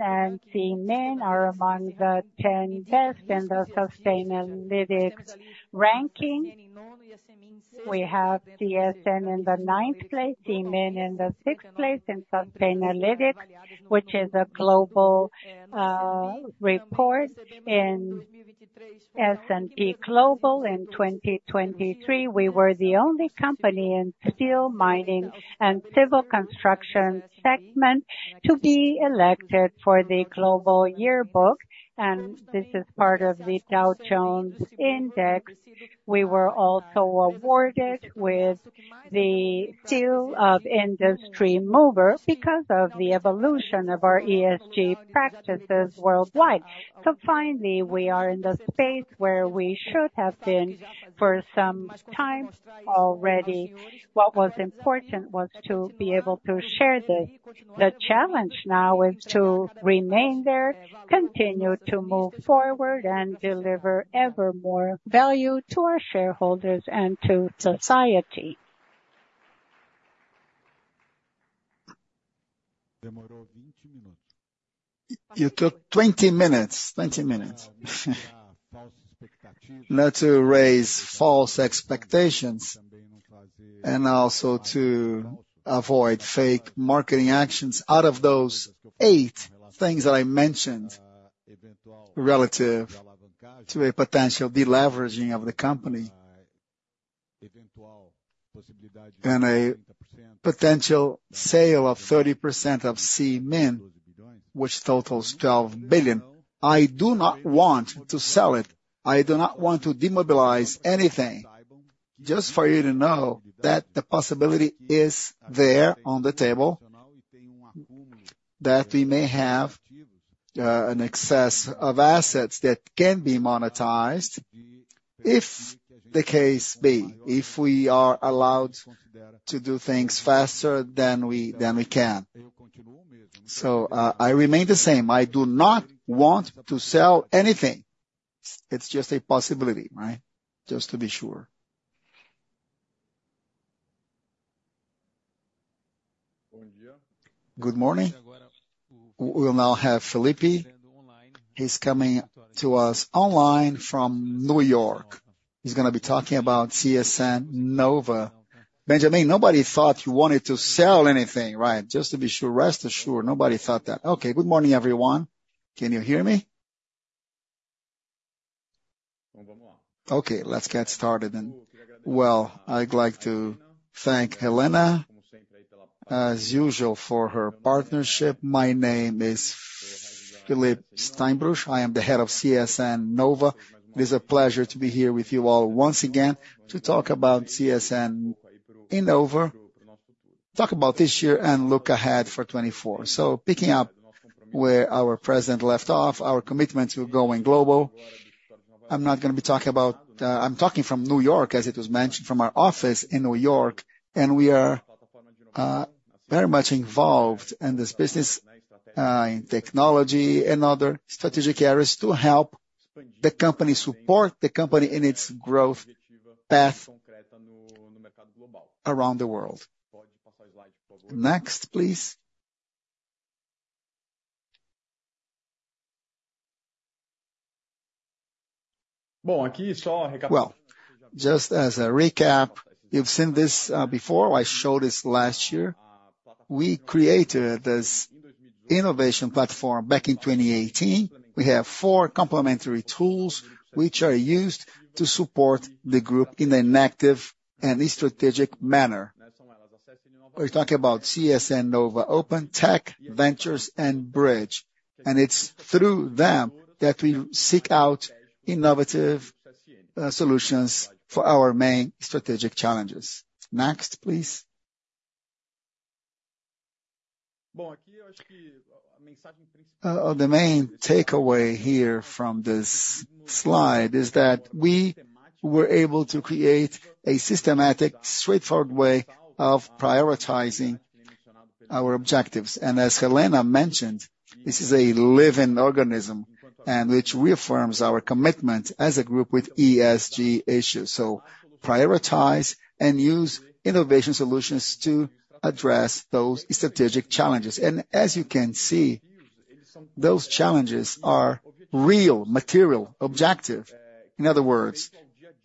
and CMIN are among the 10 best in the Sustainalytics ranking. We have CSN in the ninth place, CMIN in the sixth place, in Sustainalytics, which is a global report in S&P Global. In 2023, we were the only company in steel, mining, and civil construction segment to be elected for the Global Yearbook, and this is part of the Dow Jones Index. We were also awarded with the Seal of Industry Mover because of the evolution of our ESG practices worldwide. So finally, we are in the space where we should have been for some time already. What was important was to be able to share this. The challenge now is to remain there, continue to move forward, and deliver ever more value to our shareholders and to society. You took 20 minutes. 20 minutes, not to raise false expectations and also to avoid fake marketing actions. Out of those 8 things that I mentioned, relative to a potential deleveraging of the company, and a potential sale of 30% of CMIN, which totals 12 billion, I do not want to sell it. I do not want to demobilize anything. Just for you to know that the possibility is there on the table, that we may have, an excess of assets that can be monetized if the case be, if we are allowed to do things faster than we, than we can. So, I remain the same. I do not want to sell anything. It's just a possibility, right? Just to be sure. Good morning. We will now have Felipe. He's coming to us online from New York. He's gonna be talking about CSN Inova. Benjamin, nobody thought you wanted to sell anything, right? Just to be sure. Rest assured, nobody thought that. Okay, good morning, everyone. Can you hear me? Okay, let's get started then. Well, I'd like to thank Helena, as usual, for her partnership. My name is Felipe Steinbruch. I am the head of CSN Inova. It is a pleasure to be here with you all once again to talk about CSN Inova, talk about this year and look ahead for 2024. So picking up where our president left off, our commitment to going global, I'm not gonna be talking about. I'm talking from New York, as it was mentioned, from our office in New York, and we are very much involved in this business in technology and other strategic areas to help the company, support the company in its growth path around the world. Next, please. Well, just as a recap, you've seen this before. I showed this last year. We created this innovation platform back in 2018. We have four complementary tools which are used to support the group in an active and strategic manner. We're talking about CSN Inova Open, Tech, Ventures and Bridge. And it's through them that we seek out innovative solutions for our main strategic challenges. Next, please. The main takeaway here from this slide is that we were able to create a systematic, straightforward way of prioritizing our objectives. And as Helena mentioned, this is a living organism, and which reaffirms our commitment as a group with ESG issues. So prioritize and use innovation solutions to address those strategic challenges. As you can see, those challenges are real, material, objective. In other words,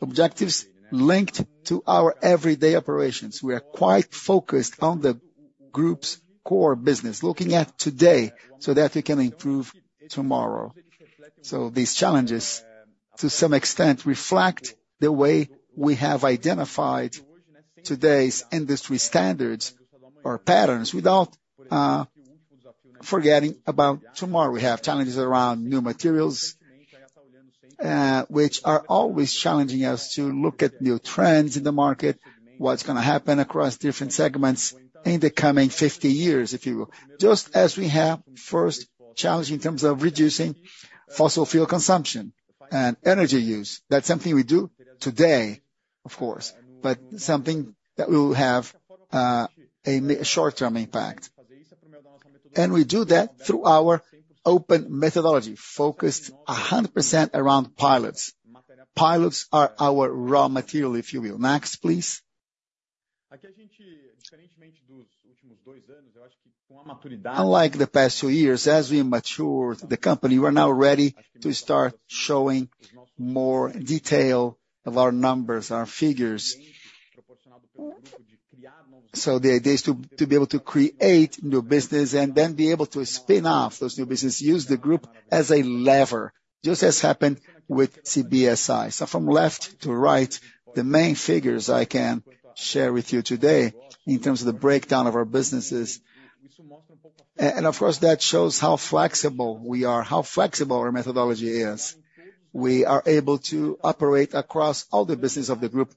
objectives linked to our everyday operations. We are quite focused on the group's core business, looking at today so that we can improve tomorrow. So these challenges, to some extent, reflect the way we have identified today's industry standards or patterns, without forgetting about tomorrow. We have challenges around new materials, which are always challenging us to look at new trends in the market, what's gonna happen across different segments in the coming 50 years, if you will. Just as we have first challenge in terms of reducing fossil fuel consumption and energy use. That's something we do today, of course, but something that will have a short-term impact. And we do that through our open methodology, focused 100% around pilots. Pilots are our raw material, if you will. Next, please. Unlike the past two years, as we mature the company, we are now ready to start showing more detail of our numbers, our figures. The idea is to, to be able to create new business and then be able to spin off those new business, use the group as a lever, just as happened with CBSI. From left to right, the main figures I can share with you today in terms of the breakdown of our businesses. And, and of course, that shows how flexible we are, how flexible our methodology is. We are able to operate across all the business of the group.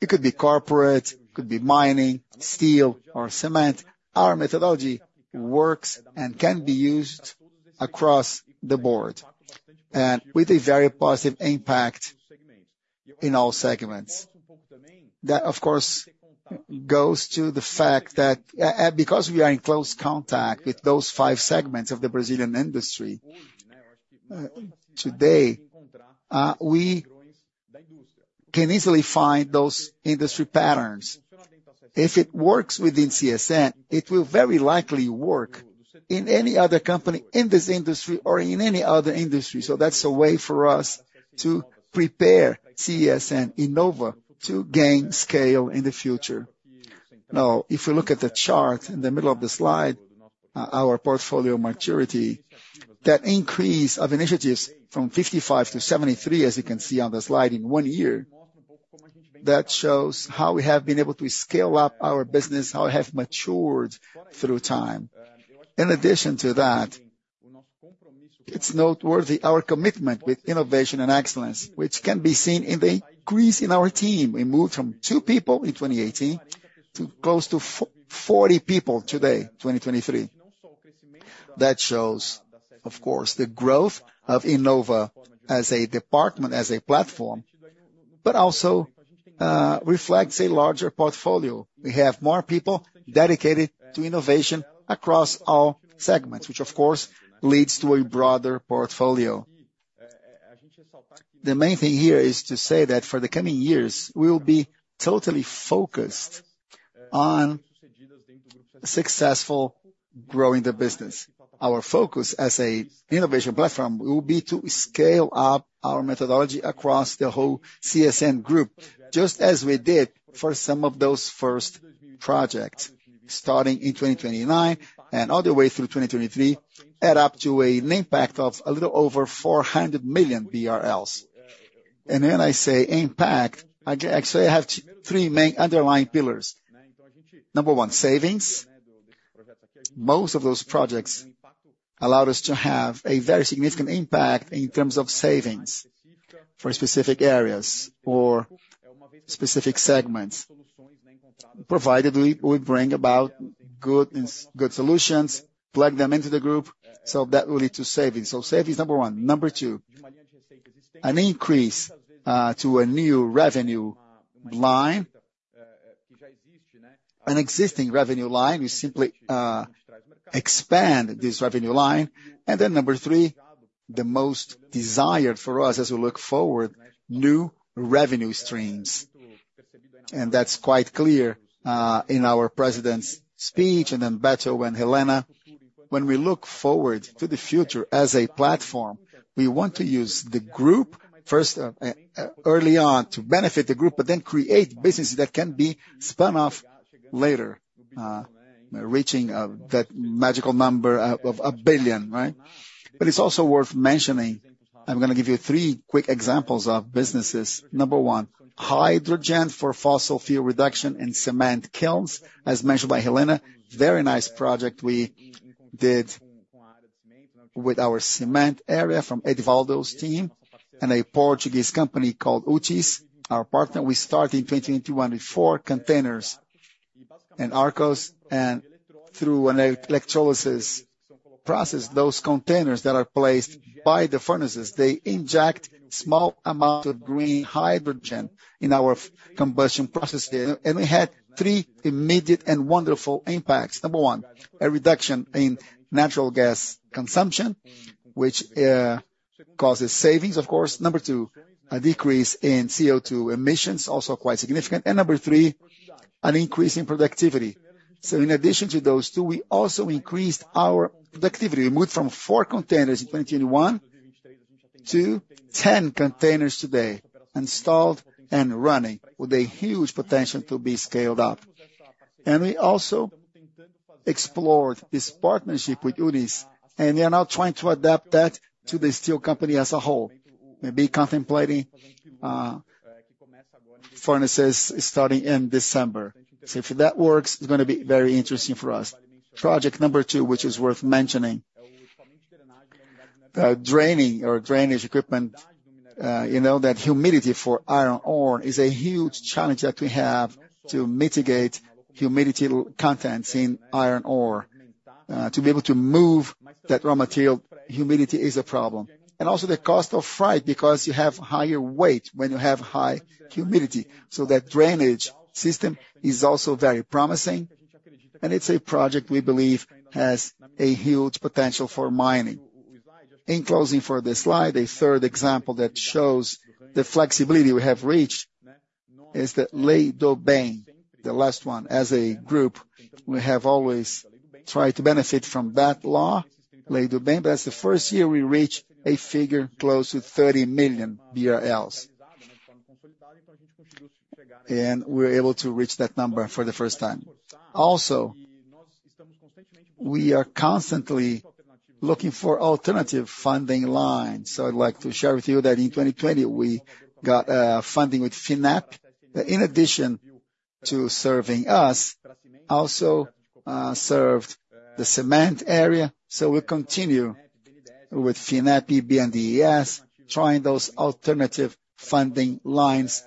It could be corporate, it could be mining, steel or cement. Our methodology works and can be used across the board, and with a very positive impact in all segments. That, of course, goes to the fact that, because we are in close contact with those five segments of the Brazilian industry, today, we can easily find those industry patterns. If it works within CSN, it will very likely work in any other company in this industry or in any other industry. So that's a way for us to prepare CSN Inova to gain scale in the future. Now, if we look at the chart in the middle of the slide, our portfolio maturity, that increase of initiatives from 55 to 73, as you can see on the slide, in one year, that shows how we have been able to scale up our business, how we have matured through time. In addition to that, it's noteworthy, our commitment with innovation and excellence, which can be seen in the increase in our team. We moved from 2 people in 2018 to close to 40 people today, 2023. That shows, of course, the growth of Inova as a department, as a platform, but also reflects a larger portfolio. We have more people dedicated to innovation across all segments, which of course, leads to a broader portfolio. The main thing here is to say that for the coming years, we will be totally focused on successfully growing the business. Our focus as an innovation platform will be to scale up our methodology across the whole CSN group, just as we did for some of those first projects, starting in 2029 and all the way through 2023, add up to an impact of a little over 400 million BRL. And when I say impact, I actually have three main underlying pillars. Number one, savings. Most of those projects allowed us to have a very significant impact in terms of savings for specific areas or specific segments, provided we bring about good solutions, plug them into the group, so that will lead to savings. So savings, number one. Number two, an increase to a new revenue line. An existing revenue line, we simply expand this revenue line. And then number three, the most desired for us as we look forward, new revenue streams. And that's quite clear in our president's speech, and then Beto and Helena. When we look forward to the future as a platform, we want to use the group first early on to benefit the group, but then create businesses that can be spun off later, reaching that magical number of a billion, right?... But it's also worth mentioning, I'm gonna give you 3 quick examples of businesses. Number one, hydrogen for fossil fuel reduction in cement kilns, as mentioned by Helena. Very nice project we did with our cement area from Edvaldo's team and a Portuguese company called UTIS, our partner. We start in 2021 with 4 containers in Arcos, and through an electrolysis process, those containers that are placed by the furnaces, they inject small amount of Green hydrogen in our combustion process there. And we had 3 immediate and wonderful impacts. Number one, a reduction in natural gas consumption, which causes savings, of course. Number two, a decrease in CO₂ emissions, also quite significant. And number three, an increase in productivity. So in addition to those two, we also increased our productivity. We moved from 4 containers in 2021 to 10 containers today, installed and running, with a huge potential to be scaled up. We also explored this partnership with UTIS, and we are now trying to adapt that to the steel company as a whole. We'll be contemplating furnaces starting in December. So if that works, it's gonna be very interesting for us. Project number two, which is worth mentioning, the draining or drainage equipment, you know, that humidity for iron ore is a huge challenge that we have to mitigate humidity contents in iron ore. To be able to move that raw material, humidity is a problem. And also the cost of freight, because you have higher weight when you have high humidity. So that drainage system is also very promising, and it's a project we believe has a huge potential for mining. In closing for this slide, a third example that shows the flexibility we have reached is the Lei do Bem, the last one. As a group, we have always tried to benefit from that law, Lei do Bem, but that's the first year we reached a figure close to 30 million BRL. And we're able to reach that number for the first time. Also, we are constantly looking for alternative funding lines. So I'd like to share with you that in 2020, we got funding with FINEP. In addition to serving us, also served the cement area. So we continue with FINEP, BNDES, trying those alternative funding lines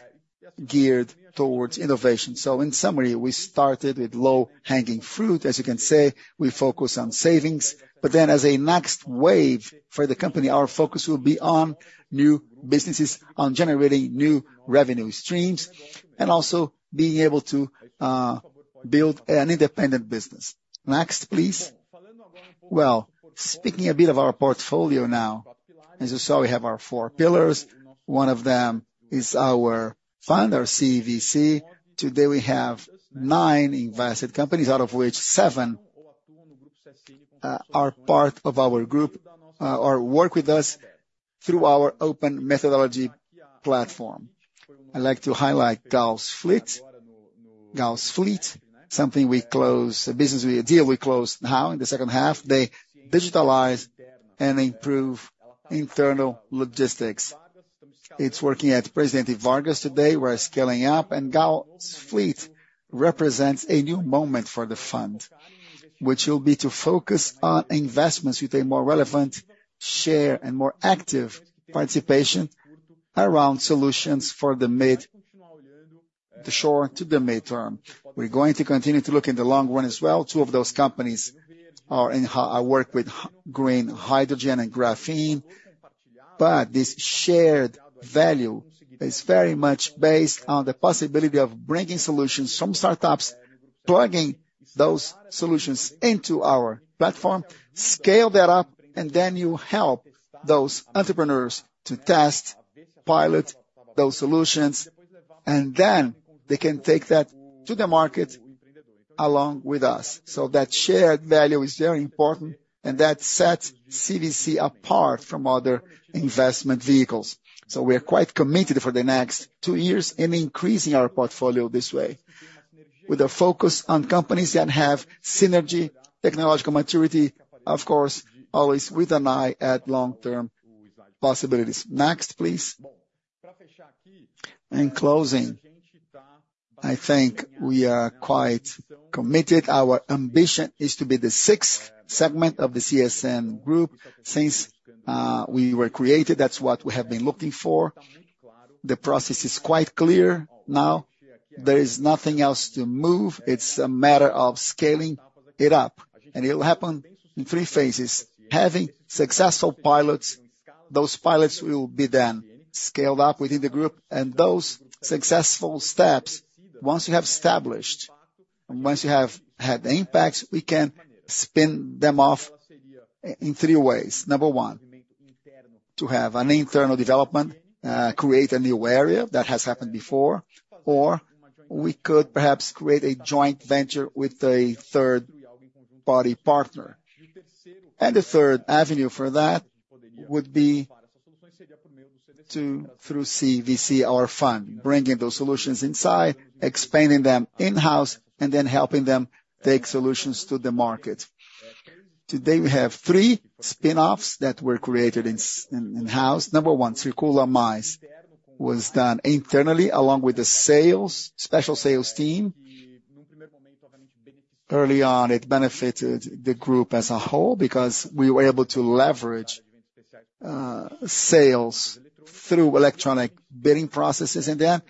geared towards innovation. So in summary, we started with low-hanging fruit. As you can see, we focus on savings, but then as a next wave for the company, our focus will be on new businesses, on generating new revenue streams, and also being able to build an independent business. Next, please. Well, speaking a bit of our portfolio now. As you saw, we have our four pillars. One of them is our fund, our CVC. Today, we have nine invested companies, out of which seven are part of our group or work with us through our open methodology platform. I'd like to highlight GaussFleet. GaussFleet, something we closed, a deal we closed now in the second half. They digitalize and improve internal logistics. It's working at Presidente Vargas today. We're scaling up, and GaussFleet represents a new moment for the fund, which will be to focus on investments with a more relevant share and more active participation around solutions for the mid, the short to the mid-term. We're going to continue to look in the long run as well. Two of those companies work with green hydrogen and graphene. But this shared value is very much based on the possibility of bringing solutions from startups, plugging those solutions into our platform, scale that up, and then you help those entrepreneurs to test, pilot those solutions, and then they can take that to the market along with us. So that shared value is very important, and that sets CVC apart from other investment vehicles. So we are quite committed for the next two years in increasing our portfolio this way, with a focus on companies that have synergy, technological maturity, of course, always with an eye at long-term possibilities. Next, please. In closing, I think we are quite committed. Our ambition is to be the sixth segment of the CSN group. Since we were created, that's what we have been looking for. The process is quite clear now. There is nothing else to move. It's a matter of scaling it up, and it will happen in three phases. Having successful pilots, those pilots will be then scaled up within the group, and those successful steps, once you have established, and once you have had impacts, we can spin them off in three ways. Number one, to have an internal development, create a new area, that has happened before, or we could perhaps create a joint venture with a third-party partner. And the third avenue for that would be to, through CVC, our fund, bringing those solutions inside, expanding them in-house, and then helping them take solutions to the market. Today, we have three spin-offs that were created in-house. Number one, CirculaMais, was done internally, along with the sales, special sales team. Early on, it benefited the group as a whole, because we were able to leverage sales through electronic bidding processes in there.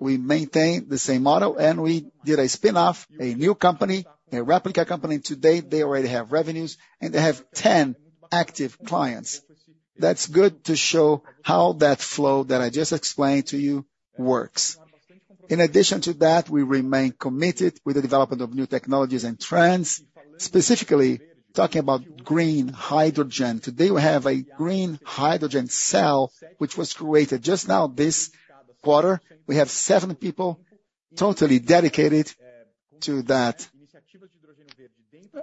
We maintained the same model, and we did a spin-off, a new company, a replica company. Today, they already have revenues, and they have 10 active clients. That's good to show how that flow that I just explained to you works. In addition to that, we remain committed with the development of new technologies and trends, specifically talking about green hydrogen. Today, we have a green hydrogen cell, which was created just now, this quarter. We have seven people totally dedicated to that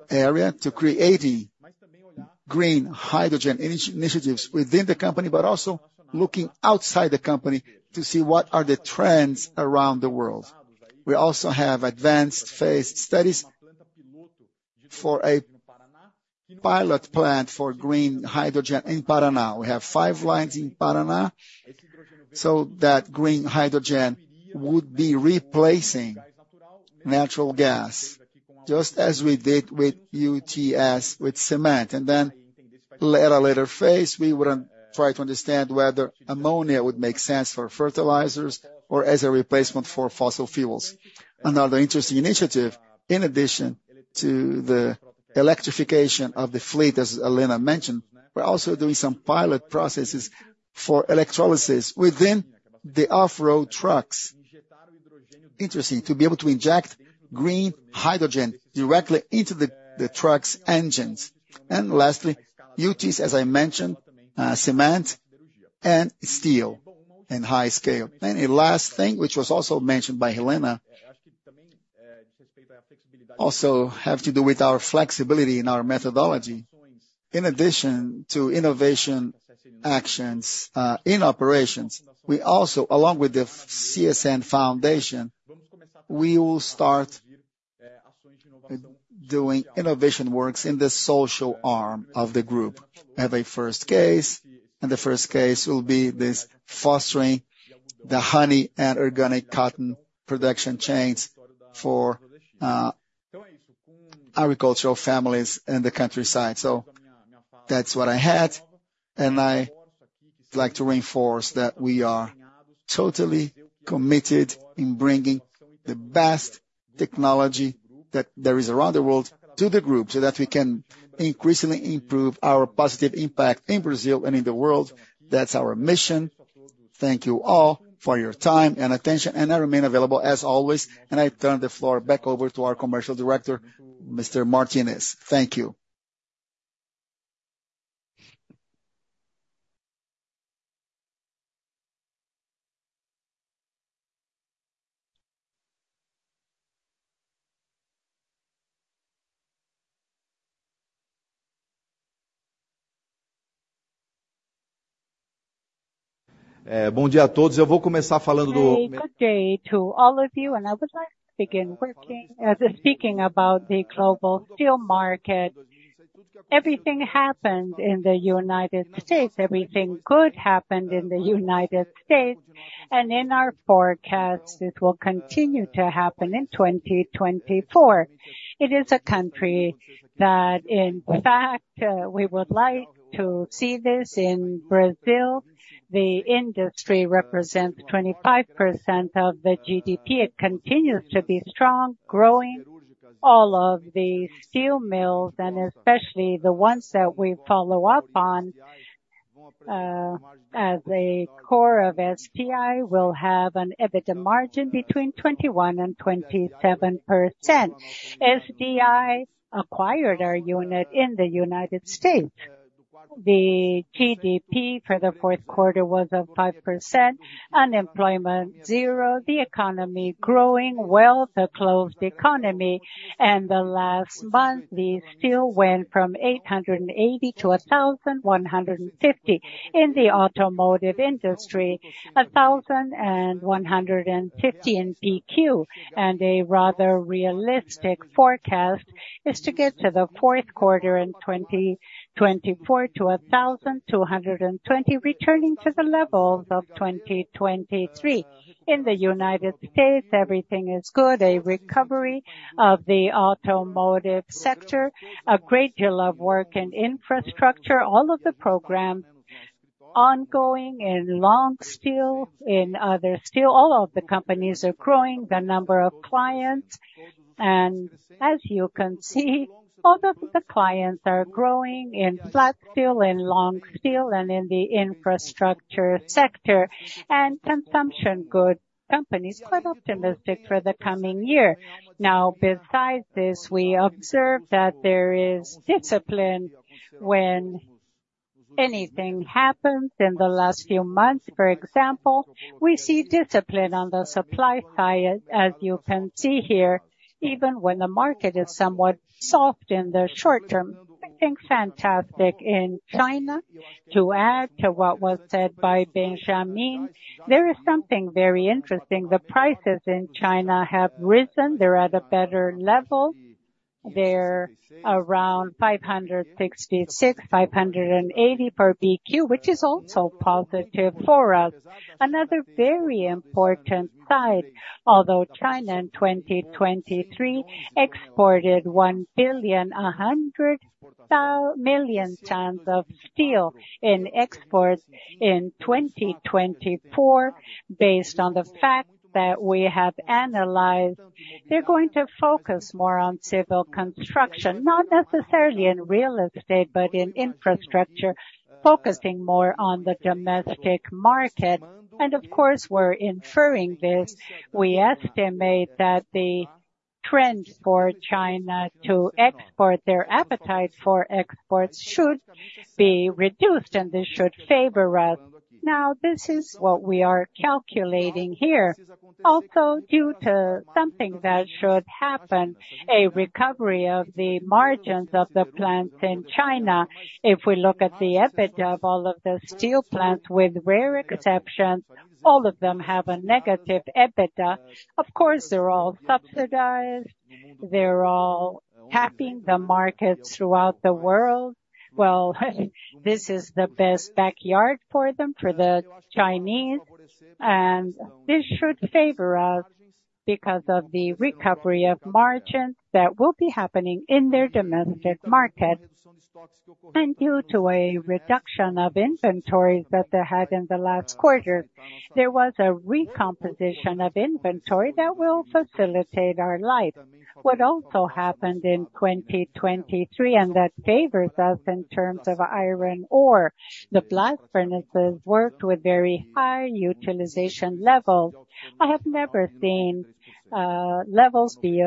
area, to creating green hydrogen initiatives within the company, but also looking outside the company to see what are the trends around the world. We also have advanced phase studies for a pilot plant for green hydrogen in Paraná. We have five lines in Paraná, so that green hydrogen would be replacing natural gas, just as we did with UTIS, with cement. And then, at a later phase, we would try to understand whether ammonia would make sense for fertilizers or as a replacement for fossil fuels. Another interesting initiative, in addition to the electrification of the fleet, as Helena mentioned, we're also doing some pilot processes for electrolysis within the off-road trucks. Interesting, to be able to inject green hydrogen directly into the, the trucks' engines. And lastly, UTIS, as I mentioned, cement and steel in high scale. And a last thing, which was also mentioned by Helena, also have to do with our flexibility in our methodology. In addition to innovation actions, in operations, we also, along with the CSN Foundation, we will start, doing innovation works in the social arm of the group. We have a first case, and the first case will be this fostering the honey and organic cotton production chains for, agricultural families in the countryside. So that's what I had. I'd like to reinforce that we are totally committed in bringing the best technology that there is around the world to the group, so that we can increasingly improve our positive impact in Brazil and in the world. That's our mission. Thank you all for your time and attention, and I remain available as always, and I turn the floor back over to our commercial director, Mr. Martinez. Thank you. Good day to all of you, and I would like to begin working, speaking about the global steel market. Everything happened in the United States. Everything good happened in the United States, and in our forecast, it will continue to happen in 2024. It is a country that, in fact, we would like to see this in Brazil. The industry represents 25% of the GDP. It continues to be strong, growing all of the steel mills, and especially the ones that we follow up on, as a core of SDI, will have an EBITDA margin between 21%-27%. SDI acquired our unit in the United States. The GDP for the fourth quarter was up 5%, unemployment zero, the economy growing, well, a closed economy, and the last month, the steel went from 880 to 1,150. In the automotive industry, 1,150 in BQ, and a rather realistic forecast is to get to the fourth quarter in 2024 to 1,220, returning to the levels of 2023. In the United States, everything is good, a recovery of the automotive sector, a great deal of work and infrastructure, all of the programs ongoing in long steel, in other steel. All of the companies are growing the number of clients, and as you can see, all of the clients are growing in flat steel, in long steel, and in the infrastructure sector. And consumption, good. Companies quite optimistic for the coming year. Now, besides this, we observe that there is discipline when anything happens in the last few months. For example, we see discipline on the supply side, as you can see here, even when the market is somewhat soft in the short term.... I think fantastic in China. To add to what was said by Benjamin, there is something very interesting. The prices in China have risen, they're at a better level. They're around $566-$580 per BQ, which is also positive for us. Another very important side, although China in 2023 exported 1.1 billion tons of steel in exports in 2024, based on the fact that we have analyzed, they're going to focus more on civil construction, not necessarily in real estate, but in infrastructure, focusing more on the domestic market. Of course, we're inferring this. We estimate that the trends for China to export, their appetite for exports should be reduced, and this should favor us. Now, this is what we are calculating here, also due to something that should happen, a recovery of the margins of the plants in China. If we look at the EBITDA of all of the steel plants, with rare exceptions, all of them have a negative EBITDA. Of course, they're all subsidized, they're all tapping the markets throughout the world. Well, this is the best backyard for them, for the Chinese, and this should favor us because of the recovery of margins that will be happening in their domestic market. Due to a reduction of inventories that they had in the last quarter, there was a recomposition of inventory that will facilitate our life. What also happened in 2023, and that favors us in terms of iron ore, the blast furnaces worked with very high utilization levels. I have never seen levels be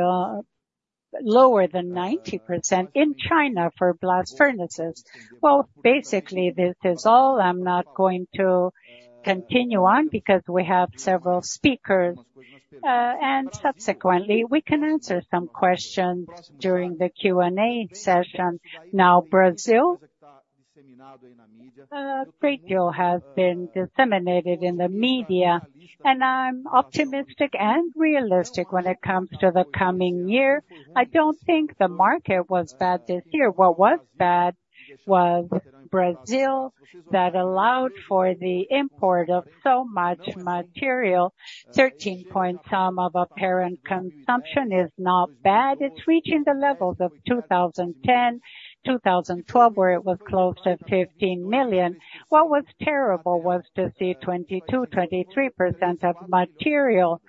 lower than 90% in China for blast furnaces. Well, basically, this is all. I'm not going to continue on because we have several speakers. And subsequently, we can answer some questions during the Q&A session. Now, Brazil, great deal has been disseminated in the media, and I'm optimistic and realistic when it comes to the coming year. I don't think the market was bad this year. What was bad was Brazil that allowed for the import of so much material. 13 point some of apparent consumption is not bad. It's reaching the levels of 2010, 2012, where it was close to 15 million. What was terrible was to see 22%-23% of material,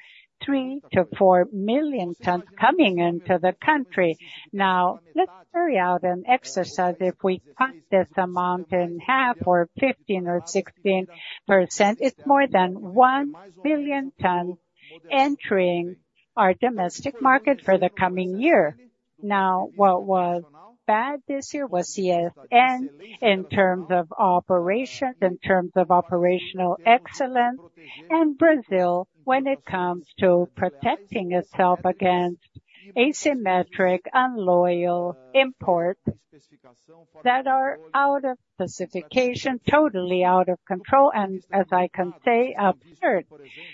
3-4 million tons coming into the country. Now, let's carry out an exercise. If we cut this amount in half or 15% or 16%, it's more than 1 billion ton entering our domestic market for the coming year. Now, what was bad this year was CSN in terms of operations, in terms of operational excellence, and Brazil, when it comes to protecting itself against asymmetric, unloyal imports that are out of specification, totally out of control, and as I can say, absurd.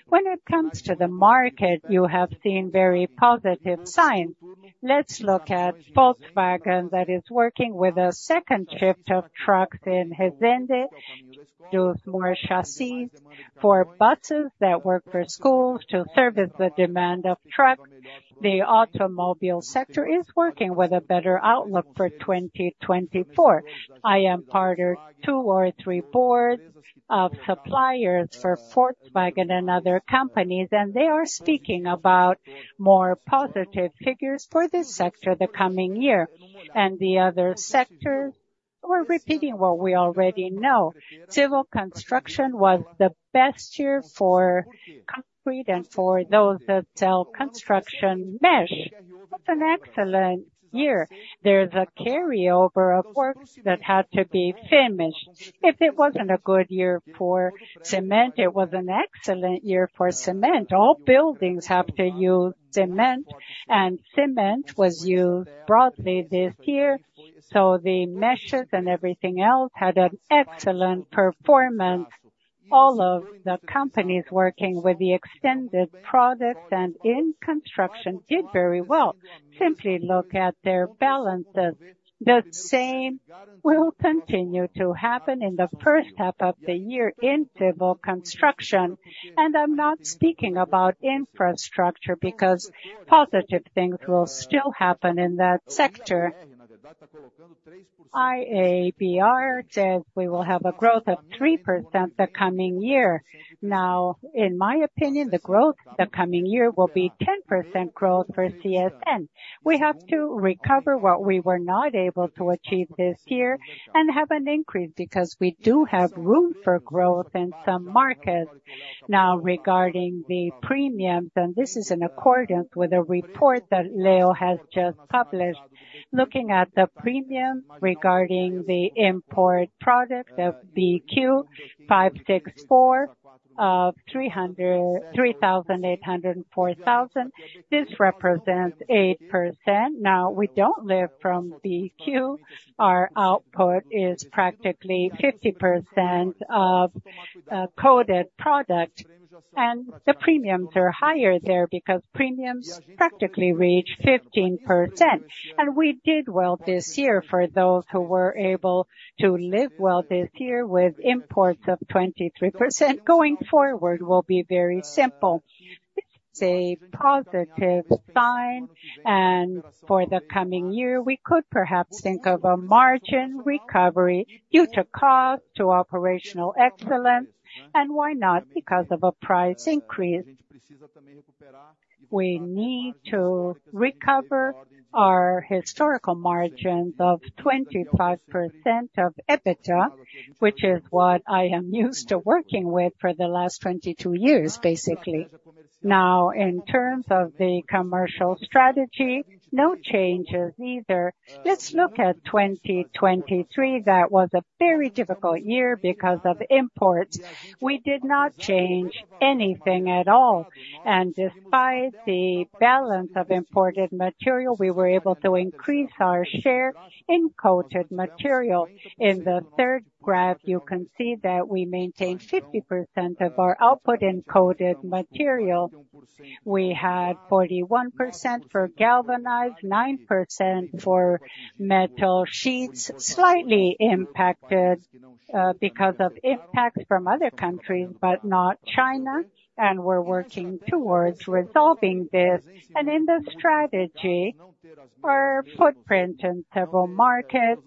When it comes to the market, you have seen very positive signs. Let's look at Volkswagen, that is working with a second shift of trucks in Resende, do more chassis for buses that work for schools to service the demand of trucks. The automobile sector is working with a better outlook for 2024. I am part of two or three boards of suppliers for Volkswagen and other companies, and they are speaking about more positive figures for this sector the coming year. The other sector, we're repeating what we already know. Civil construction was the best year for concrete and for those that sell construction mesh. It was an excellent year. There's a carryover of work that had to be finished. If it wasn't a good year for cement, it was an excellent year for cement. All buildings have to use cement, and cement was used broadly this year, so the meshes and everything else had an excellent performance. All of the companies working with the extended products and in construction did very well. Simply look at their balances. The same will continue to happen in the first half of the year in civil construction, and I'm not speaking about infrastructure, because positive things will still happen in that sector. IABr says we will have a growth of 3% the coming year. Now, in my opinion, the growth the coming year will be 10% growth for CSN. We have to recover what we were not able to achieve this year and have an increase, because we do have room for growth in some markets. Now, regarding the premiums, and this is in accordance with a report that Leo has just published. Looking at the premium regarding the import product of BQ 564 of 3,800-4,000. This represents 8%. Now, we don't live from the Q. Our output is practically 50% of coated product, and the premiums are higher there because premiums practically reach 15%. We did well this year for those who were able to live well this year, with imports of 23%. Going forward will be very simple. It's a positive sign, and for the coming year, we could perhaps think of a margin recovery due to cost, to operational excellence, and why not? Because of a price increase. We need to recover our historical margins of 25% of EBITDA, which is what I am used to working with for the last 22 years, basically. Now, in terms of the commercial strategy, no changes either. Let's look at 2023. That was a very difficult year because of imports. We did not change anything at all, and despite the balance of imported material, we were able to increase our share in coated material. In the third graph, you can see that we maintained 50% of our output in coated material. We had 41% for galvanized, 9% for metal sheets. Slightly impacted, because of impacts from other countries, but not China, and we're working towards resolving this. In the strategy, our footprint in several markets,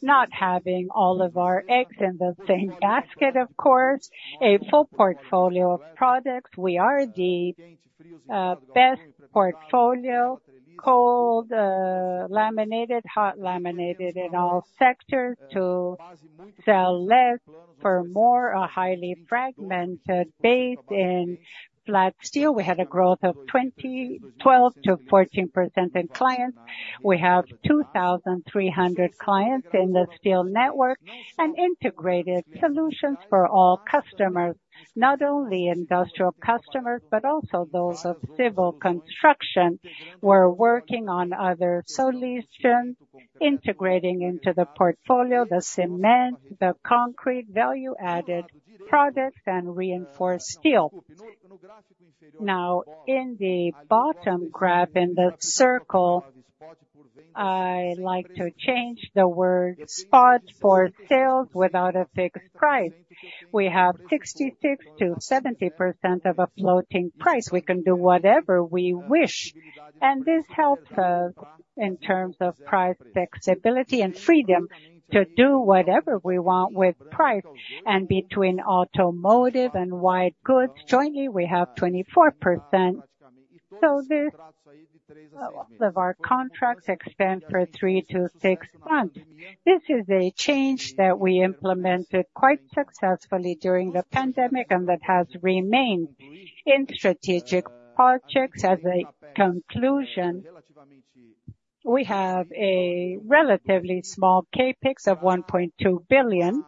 not having all of our eggs in the same basket, of course, a full portfolio of products. We are the, best portfolio, cold, laminated, hot laminated in all sectors to sell less for more, a highly fragmented base. In flat steel, we had a growth of 12%-14% in clients. We have 2,300 clients in the steel network, and integrated solutions for all customers. Not only industrial customers, but also those of civil construction. We're working on other solutions, integrating into the portfolio, the cement, the concrete, value-added products, and reinforced steel. Now, in the bottom graph, in the circle, I like to change the word spot for sales without a fixed price. We have 66%-70% of a floating price. We can do whatever we wish, and this helps us in terms of price flexibility and freedom to do whatever we want with price. And between automotive and white goods, jointly, we have 24%. So this, of our contracts extend for 3-6 months. This is a change that we implemented quite successfully during the pandemic and that has remained. In strategic projects as a conclusion, we have a relatively small CapEx of 1.2 billion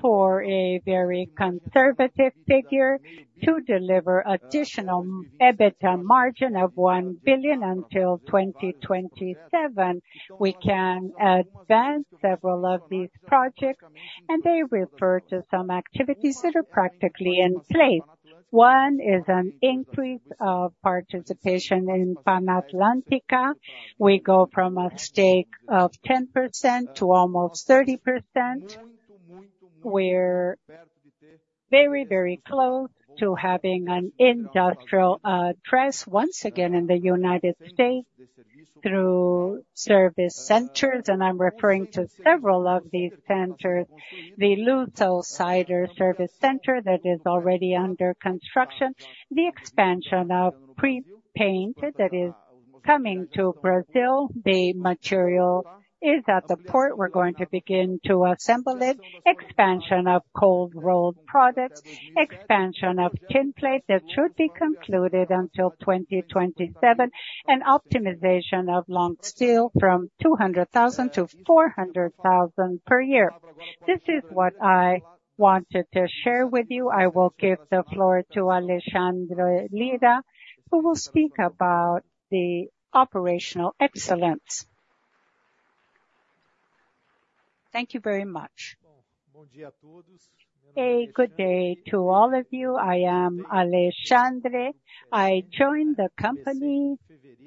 for a very conservative figure to deliver additional EBITDA margin of 1 billion until 2027. We can advance several of these projects, and they refer to some activities that are practically in place. One is an increase of participation in Panatlântica. We go from a stake of 10% to almost 30%. We're very, very close to having an industrial trust once again in the United States through service centers, and I'm referring to several of these centers. The Lusosider service center, that is already under construction. The expansion of pre-paint that is coming to Brazil. The material is at the port. We're going to begin to assemble it. Expansion of cold rolled products, expansion of tinplate that should be concluded until 2027, and optimization of long steel from 200,000 to 400,000 per year. This is what I wanted to share with you. I will give the floor to Alexandre Lyra, who will speak about the operational excellence. Thank you very much. A good day to all of you. I am Alexandre. I joined the company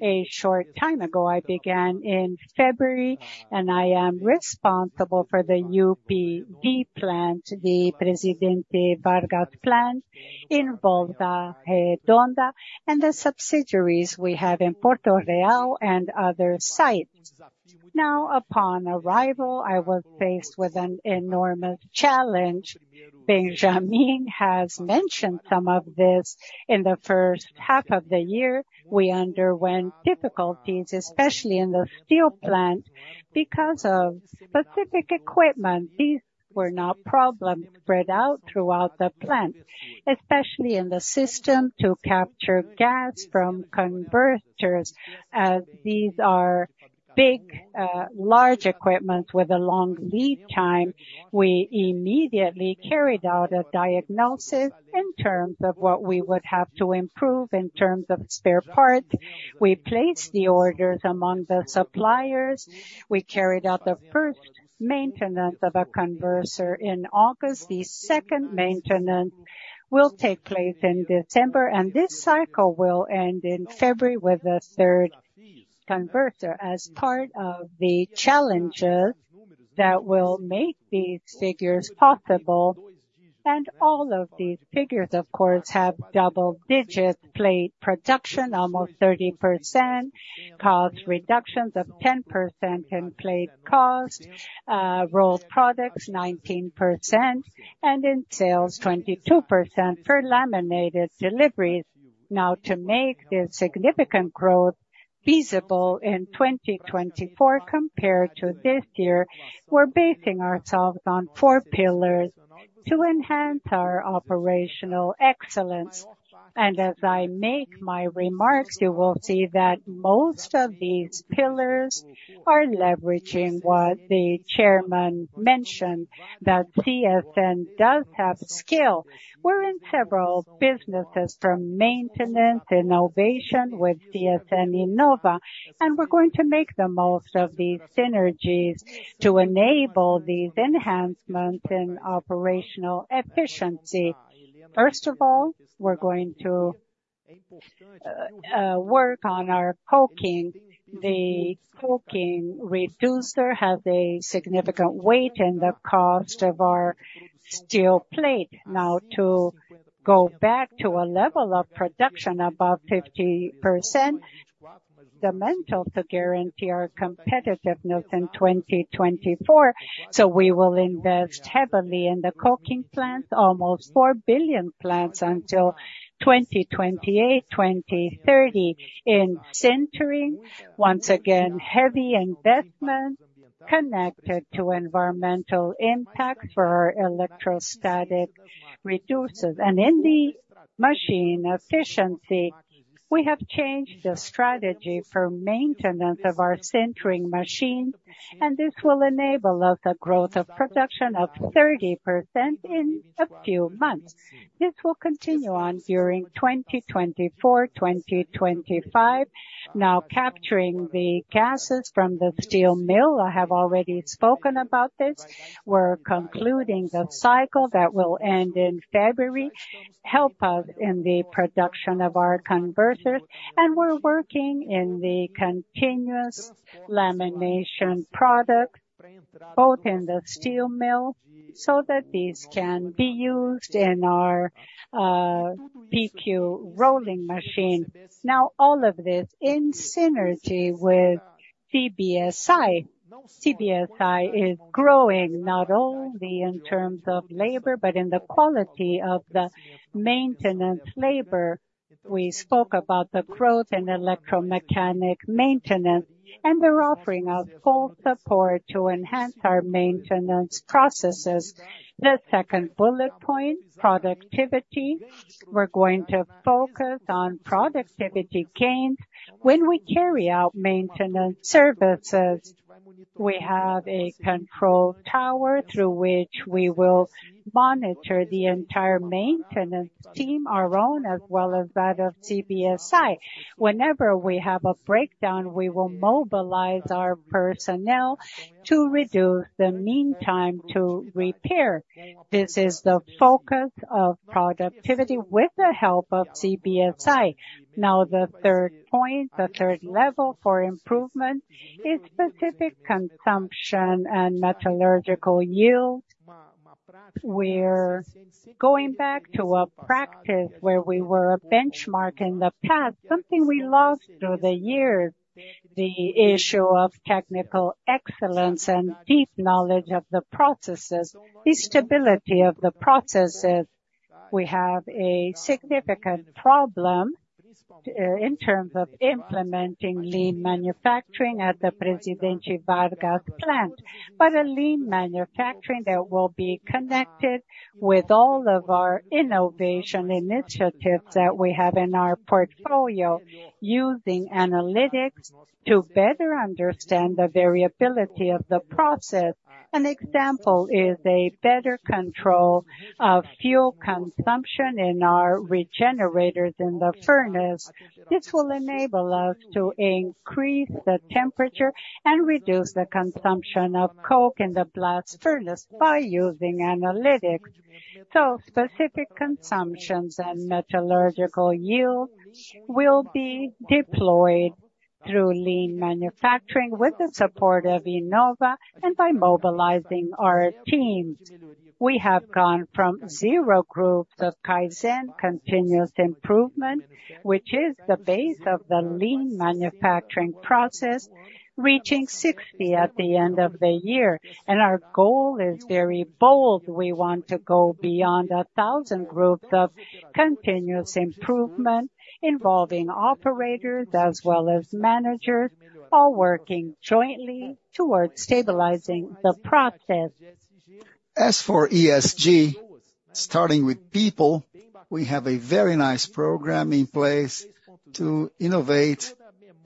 a short time ago. I began in February, and I am responsible for the UPV plant, the Presidente Vargas plant in Volta Redonda, and the subsidiaries we have in Porto Real and other sites. Now, upon arrival, I was faced with an enormous challenge. Benjamin has mentioned some of this. In the first half of the year, we underwent difficulties, especially in the steel plant, because of specific equipment. These were not problems spread out throughout the plant, especially in the system to capture gas from converters, as these are big, large equipment with a long lead time. We immediately carried out a diagnosis in terms of what we would have to improve, in terms of spare parts. We placed the orders among the suppliers. We carried out the first maintenance of a converter in August. The second maintenance will take place in December, and this cycle will end in February with the third maintenance... converter as part of the challenges that will make these figures possible. And all of these figures, of course, have double-digit plate production, almost 30%, cost reductions of 10% in plate cost, rolled products 19%, and in sales, 22% for laminated deliveries. Now, to make this significant growth feasible in 2024 compared to this year, we're basing ourselves on four pillars to enhance our operational excellence. As I make my remarks, you will see that most of these pillars are leveraging what the chairman mentioned, that CSN does have skill. We're in several businesses, from maintenance, innovation with CSN Inova, and we're going to make the most of these synergies to enable these enhancements in operational efficiency. First of all, we're going to work on our coking. The coke and reducers have a significant weight in the cost of our steel plate. Now, to go back to a level of production above 50%, essential to guarantee our competitiveness in 2024, so we will invest heavily in the coking plant, almost 4 billion planned until 2028, 2030. In sintering, once again, heavy investment connected to environmental impact for our electrostatic reducers. In the machine efficiency, we have changed the strategy for maintenance of our sintering machine, and this will enable us a growth of production of 30% in a few months. This will continue on during 2024, 2025. Now, capturing the gases from the steel mill, I have already spoken about this. We're concluding the cycle that will end in February, help us in the production of our converters, and we're working in the continuous lamination products, both in the steel mill, so that these can be used in our BQ rolling machine. Now, all of this in synergy with CBSI. CBSI is growing not only in terms of labor, but in the quality of the maintenance labor. We spoke about the growth in electromechanical maintenance, and they're offering us full support to enhance our maintenance processes. The second bullet point, productivity. We're going to focus on productivity gains. When we carry out maintenance services, we have a control tower through which we will monitor the entire maintenance team, our own, as well as that of CBSI. Whenever we have a breakdown, we will mobilize our personnel to reduce the mean time to repair. This is the focus of productivity with the help of CBSI. Now, the third point, the third level for improvement is specific consumption and metallurgical yield. We're going back to a practice where we were a benchmark in the past, something we lost through the years, the issue of technical excellence and deep knowledge of the processes, the stability of the processes. We have a significant problem in terms of implementing Lean Manufacturing at the Presidente Vargas plant. But a Lean Manufacturing that will be connected with all of our innovation initiatives that we have in our portfolio, using analytics to better understand the variability of the process. An example is a better control of fuel consumption in our regenerators in the furnace. This will enable us to increase the temperature and reduce the consumption of coke in the blast furnace by using analytics. So specific consumptions and metallurgical yield will be deployed through Lean Manufacturing with the support of Inova and by mobilizing our teams. We have gone from 0 groups of Kaizen continuous improvement, which is the base of the Lean Manufacturing process, reaching 60 at the end of the year, and our goal is very bold. We want to go beyond 1,000 groups of continuous improvement, involving operators as well as managers, all working jointly towards stabilizing the process. As for ESG, starting with people, we have a very nice program in place to innovate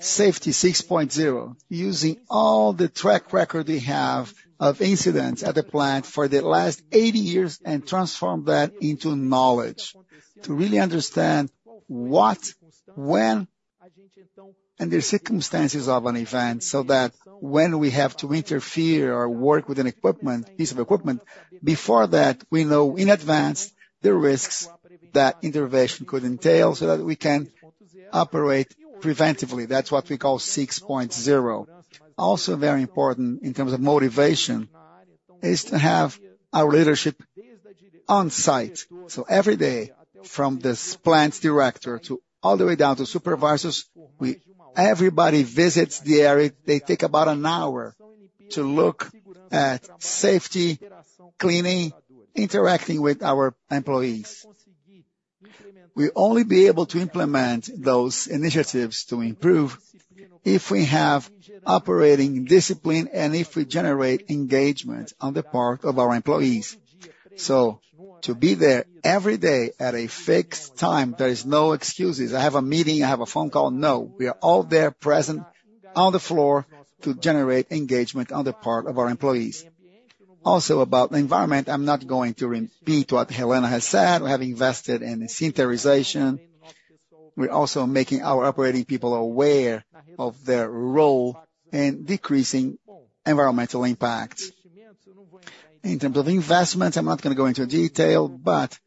Safety 6.0, using all the track record we have of incidents at the plant for the last 80 years and transform that into knowledge to really understand what, when, and the circumstances of an event, so that when we have to interfere or work with an equipment, piece of equipment, before that, we know in advance the risks that intervention could entail, so that we can operate preventively. That's what we call 6.0. Also very important in terms of motivation is to have our leadership on site. So every day, from this plant's director to all the way down to supervisors, we everybody visits the area. They take about an hour to look at safety, cleaning, interacting with our employees. We only be able to implement those initiatives to improve, if we have operating discipline and if we generate engagement on the part of our employees. So to be there every day at a fixed time, there is no excuses. I have a meeting, I have a phone call. No, we are all there present on the floor to generate engagement on the part of our employees. Also, about the environment, I'm not going to repeat what Helena has said. We have invested in the sintering. We're also making our operating people aware of their role in decreasing environmental impact. In terms of investments, I'm not gonna go into detail, but,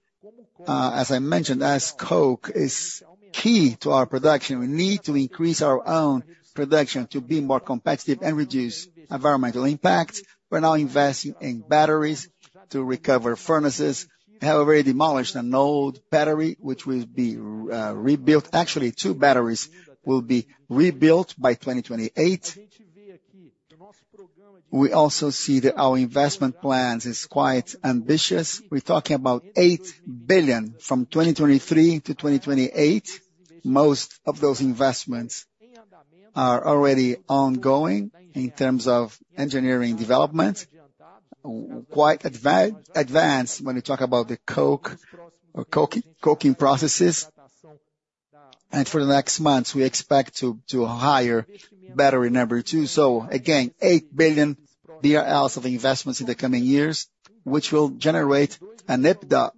as I mentioned, as coke is key to our production, we need to increase our own production to be more competitive and reduce environmental impact. We're now investing in batteries to recover furnaces. We have already demolished an old battery, which will be rebuilt. Actually, two batteries will be rebuilt by 2028. We also see that our investment plans is quite ambitious. We're talking about 8 billion from 2023 to 2028. Most of those investments are already ongoing in terms of engineering development. Quite advanced when you talk about the coke or coking processes. And for the next months, we expect to hire battery number two. So again, 8 billion BRL of investments in the coming years, which will generate an EBITDA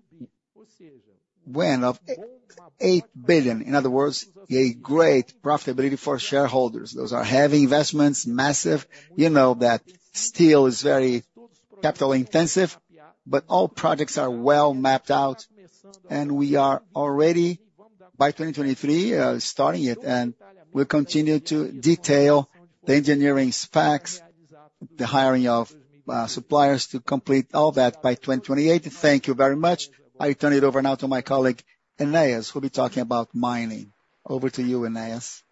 win of 8 billion. In other words, a great profitability for shareholders. Those are heavy investments, massive. You know that steel is very capital intensive, but all projects are well mapped out, and we are already, by 2023, starting it. We'll continue to detail the engineering specs, the hiring of suppliers to complete all that by 2028. Thank you very much. I turn it over now to my colleague, Andreas, who'll be talking about mining. Over to you, Andreas.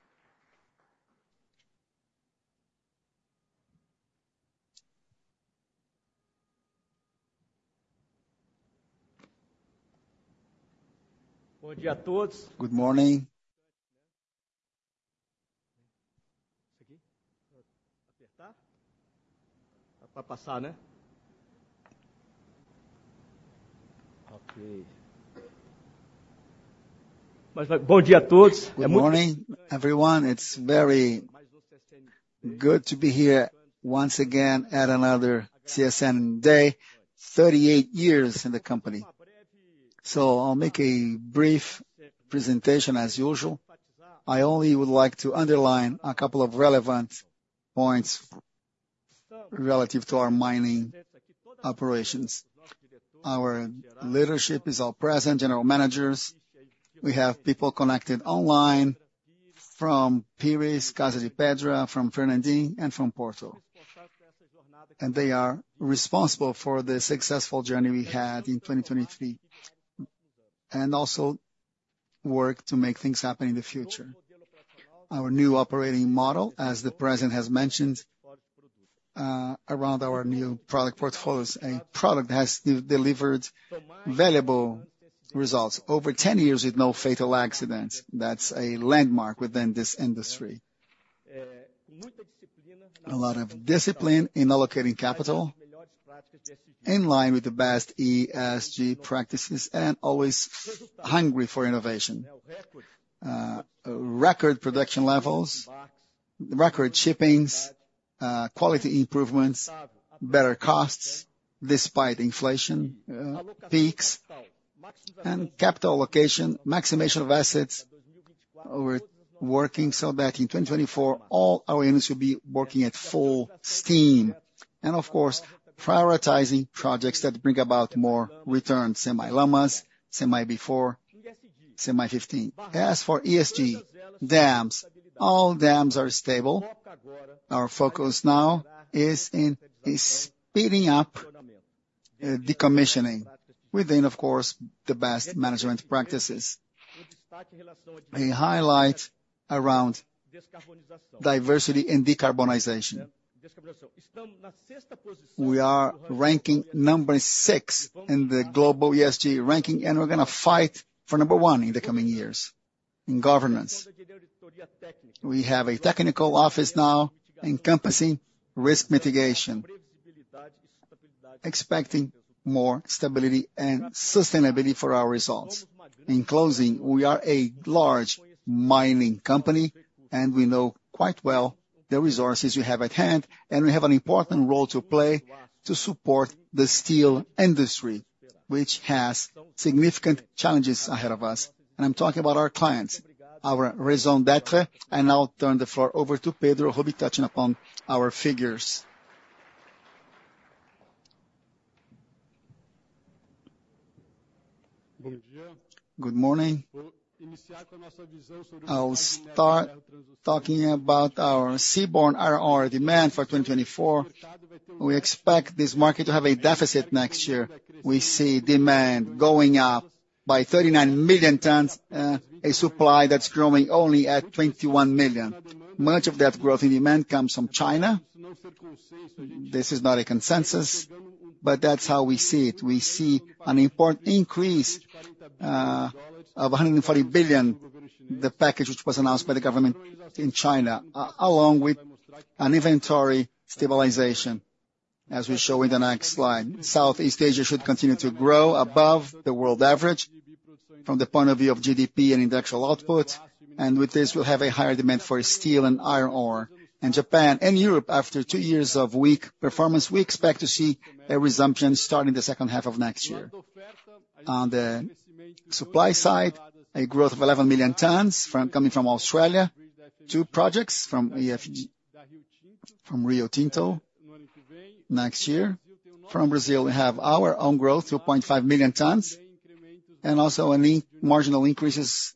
Good morning. Good morning, everyone. It's very good to be here once again at another CSN Day, 38 years in the company. So I'll make a brief presentation as usual. I only would like to underline a couple of relevant points relative to our mining operations. Our leadership is all present, general managers. We have people connected online from Pires, Casa de Pedra, from Fernandinho, and from Porto. And they are responsible for the successful journey we had in 2023, and also work to make things happen in the future. Our new operating model, as the president has mentioned, around our new product portfolios, a product that has delivered valuable results over 10 years with no fatal accidents. That's a landmark within this industry. A lot of discipline in allocating capital, in line with the best ESG practices, and always hungry for innovation. Record production levels, record shippings, quality improvements, better costs despite inflation, peaks and capital allocation, maximization of assets. We're working so that in 2024, all our units will be working at full steam. And of course, prioritizing projects that bring about more return, CMIN-Lamas, CMIN P4, CMIN P15. As for ESG, dams. All dams are stable. Our focus now is in speeding up decommissioning within, of course, the best management practices. A highlight around diversity and decarbonization. We are ranking number 6 in the global ESG ranking, and we're gonna fight for number 1 in the coming years in governance. We have a technical office now encompassing risk mitigation, expecting more stability and sustainability for our results. In closing, we are a large mining company, and we know quite well the resources we have at hand, and we have an important role to play to support the steel industry, which has significant challenges ahead of us. And I'm talking about our clients, our raison d'être. I now turn the floor over to Pedro, who'll be touching upon our figures. Good morning. I'll start talking about our seaborne iron ore demand for 2024. We expect this market to have a deficit next year. We see demand going up by 39 million tons, a supply that's growing only at 21 million. Much of that growth in demand comes from China. This is not a consensus, but that's how we see it. We see an important increase of $140 billion, the package which was announced by the government in China, along with an inventory stabilization, as we show in the next slide. Southeast Asia should continue to grow above the world average from the point of view of GDP and industrial output, and with this, we'll have a higher demand for steel and iron ore. Japan and Europe, after two years of weak performance, we expect to see a resumption starting the second half of next year. On the supply side, a growth of 11 million tons coming from Australia, two projects from Rio Tinto next year. From Brazil, we have our own growth, 2.5 million tons, and also marginal increases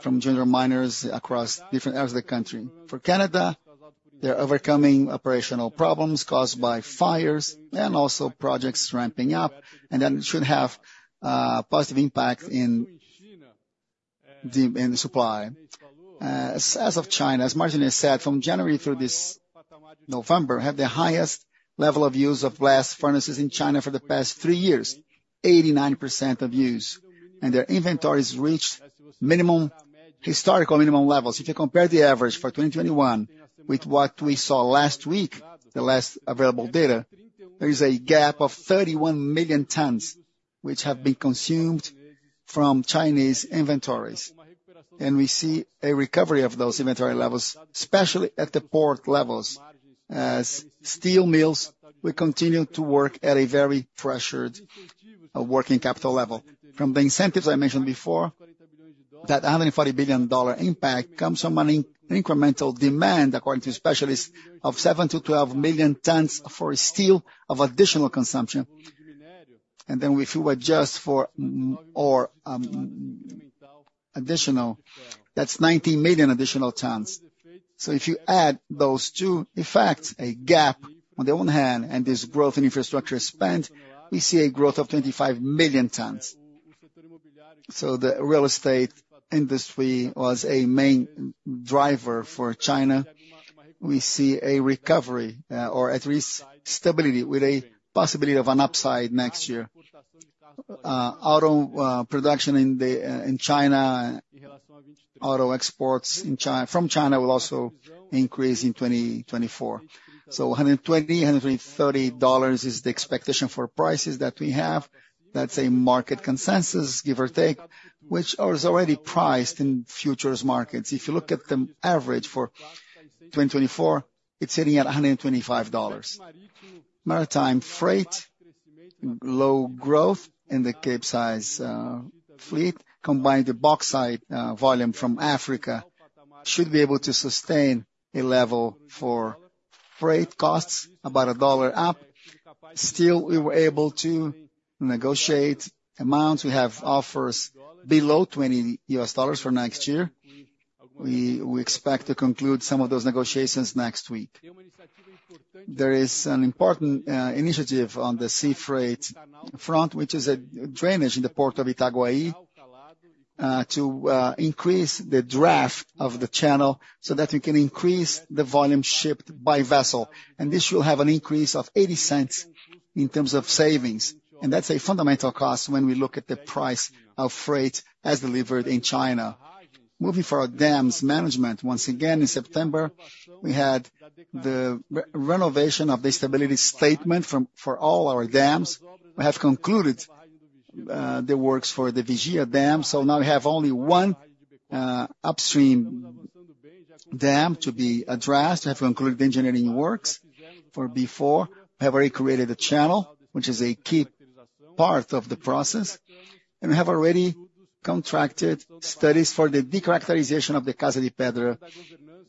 from general miners across different areas of the country. For Canada, they're overcoming operational problems caused by fires and also projects ramping up, and that should have positive impact in demand and supply. As of China, as Martinez said, from January through this November, have the highest level of use of blast furnaces in China for the past three years, 89% of use, and their inventories reached historical minimum levels. If you compare the average for 2021 with what we saw last week, the last available data, there is a gap of 31 million tons which have been consumed from Chinese inventories. We see a recovery of those inventory levels, especially at the port levels. As steel mills, we continue to work at a very pressured, working capital level. From the incentives I mentioned before, that $140 billion impact comes from an incremental demand, according to specialists, of 7-12 million tons for steel of additional consumption. And then if you adjust for additional, that's 19 million additional tons. So if you add those two effects, a gap on the one hand, and this growth in infrastructure spend, we see a growth of 25 million tons. So the real estate industry was a main driver for China. We see a recovery, or at least stability, with a possibility of an upside next year. Auto production in the in China, auto exports in China - from China will also increase in 2024. $120-$130 is the expectation for prices that we have. That's a market consensus, give or take, which is already priced in futures markets. If you look at the average for 2024, it's sitting at $125. Maritime freight, low growth in the Capesize fleet, combined the bauxite volume from Africa, should be able to sustain a level for freight costs, about $1 up. Still, we were able to negotiate amounts. We have offers below $20 for next year. We expect to conclude some of those negotiations next week. There is an important initiative on the sea freight front, which is a dredging in the port of Itaguaí to increase the draft of the channel so that we can increase the volume shipped by vessel. This will have an increase of $0.80 in terms of savings, and that's a fundamental cost when we look at the price of freight as delivered in China. Moving on to our dams management. Once again, in September, we had the revalidation of the stability statement from ANM for all our dams. We have concluded the works for the Vigia Dam, so now we have only one upstream dam to be addressed. We have concluded the engineering works for the Breu. We have already created a channel, which is a key part of the process, and we have already contracted studies for the de-characterization of the Casa de Pedra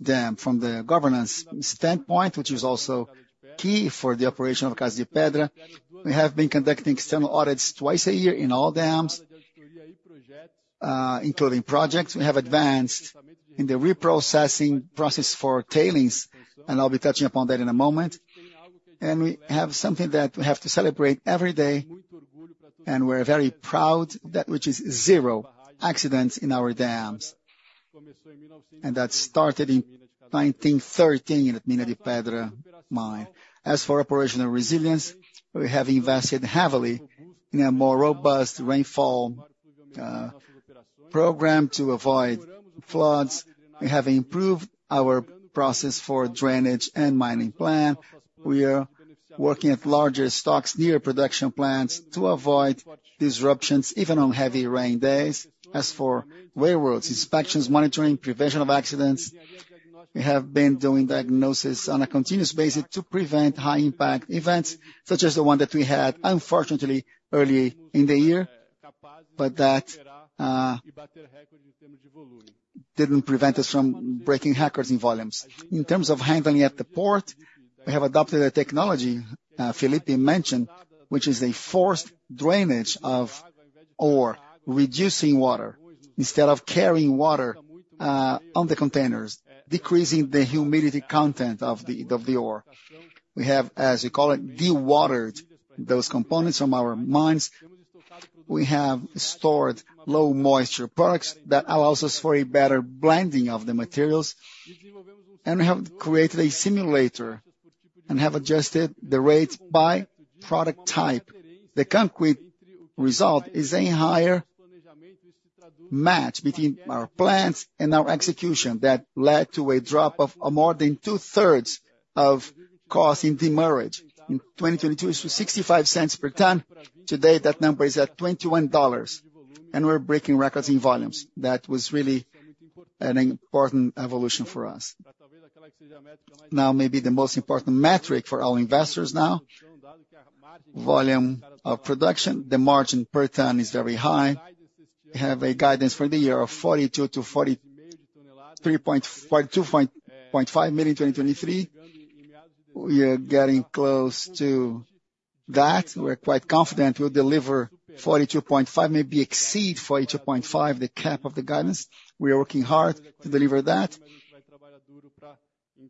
Dam from the governance standpoint, which is also key for the operation of Casa de Pedra. We have been conducting external audits twice a year in all dams, including projects. We have advanced in the reprocessing process for tailings, and I'll be touching upon that in a moment. We have something that we have to celebrate every day, and we're very proud, that which is zero accidents in our dams. That started in 1913 in the Casa de Pedra mine. As for operational resilience, we have invested heavily in a more robust rainfall program to avoid floods. We have improved our process for drainage and mining plan. We are working at larger stocks near production plants to avoid disruptions, even on heavy rain days. As for railroads, inspections, monitoring, prevention of accidents, we have been doing diagnosis on a continuous basis to prevent high impact events, such as the one that we had, unfortunately, early in the year, but that didn't prevent us from breaking records in volumes. In terms of handling at the port, we have adopted a technology, Felipe mentioned, which is a forced drainage of ore, reducing water instead of carrying water on the containers, decreasing the humidity content of the ore. We have, as you call it, dewatered those components from our mines. We have stored low moisture products that allows us for a better blending of the materials, and we have created a simulator and have adjusted the rates by product type. The concrete result is a higher match between our plans and our execution that led to a drop of more than two-thirds of cost in demurrage. In 2022, it was $0.65 per ton. Today, that number is at $0.21, and we're breaking records in volumes. That was really an important evolution for us. Now, maybe the most important metric for our investors now, volume of production. The margin per ton is very high. We have a guidance for the year of 42-42.5 million in 2023. We are getting close to that. We're quite confident we'll deliver 42.5, maybe exceed 42.5, the cap of the guidance. We are working hard to deliver that.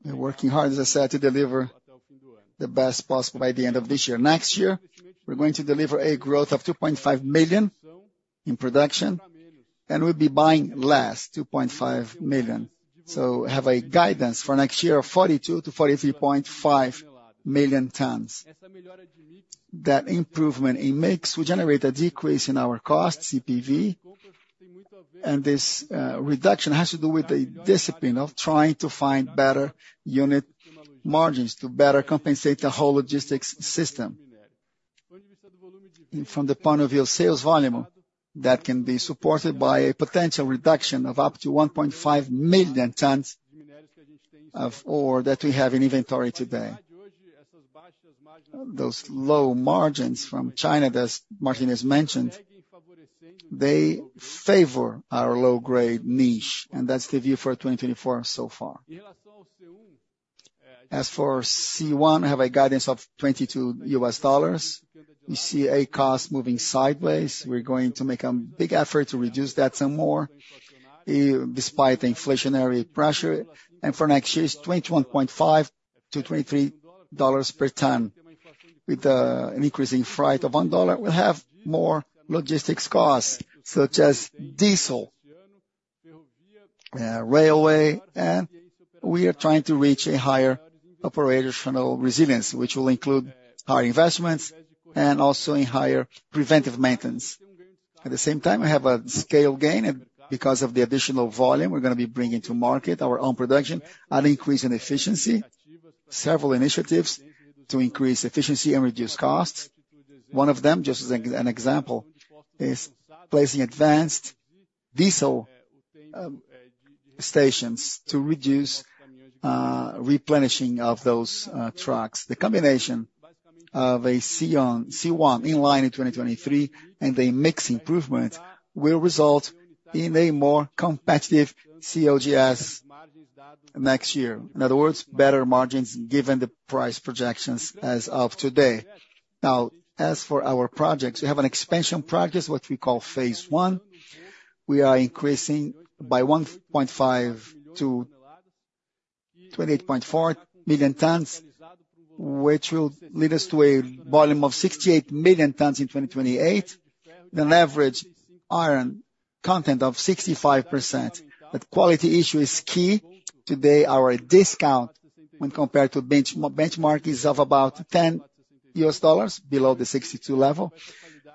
We're working hard, as I said, to deliver the best possible by the end of this year. Next year, we're going to deliver a growth of 2.5 million in production, and we'll be buying less, 2.5 million. So we have a guidance for next year of 42-43.5 million tons. That improvement in mix will generate a decrease in our cost, CPV, and this reduction has to do with the discipline of trying to find better unit margins to better compensate the whole logistics system. From the point of view of sales volume, that can be supported by a potential reduction of up to 1.5 million tons of ore that we have in inventory today. Those low margins from China, as Martinez mentioned, they favor our low-grade niche, and that's the view for 2024 so far. As for C1, we have a guidance of $22. You see a cost moving sideways. We're going to make a big effort to reduce that some more, despite the inflationary pressure. And for next year, it's $21.5-$23 per ton. With an increase in freight of $1, we'll have more logistics costs, such as diesel, railway, and we are trying to reach a higher operational resilience, which will include higher investments and also in higher preventive maintenance. At the same time, we have a scale gain, and because of the additional volume, we're gonna be bringing to market our own production, an increase in efficiency, several initiatives to increase efficiency and reduce costs. One of them, just as an example, is placing advanced diesel stations to reduce replenishing of those trucks. The combination of a C1 in line in 2023 and a mix improvement will result in a more competitive COGS next year. In other words, better margins, given the price projections as of today. Now, as for our projects, we have an expansion project, what we call phase one. We are increasing by 1.5-28.4 million tons, which will lead us to a volume of 68 million tons in 2028, an average iron content of 65%. But quality issue is key. Today, our discount when compared to benchmark, is of about $10 below the 62 level.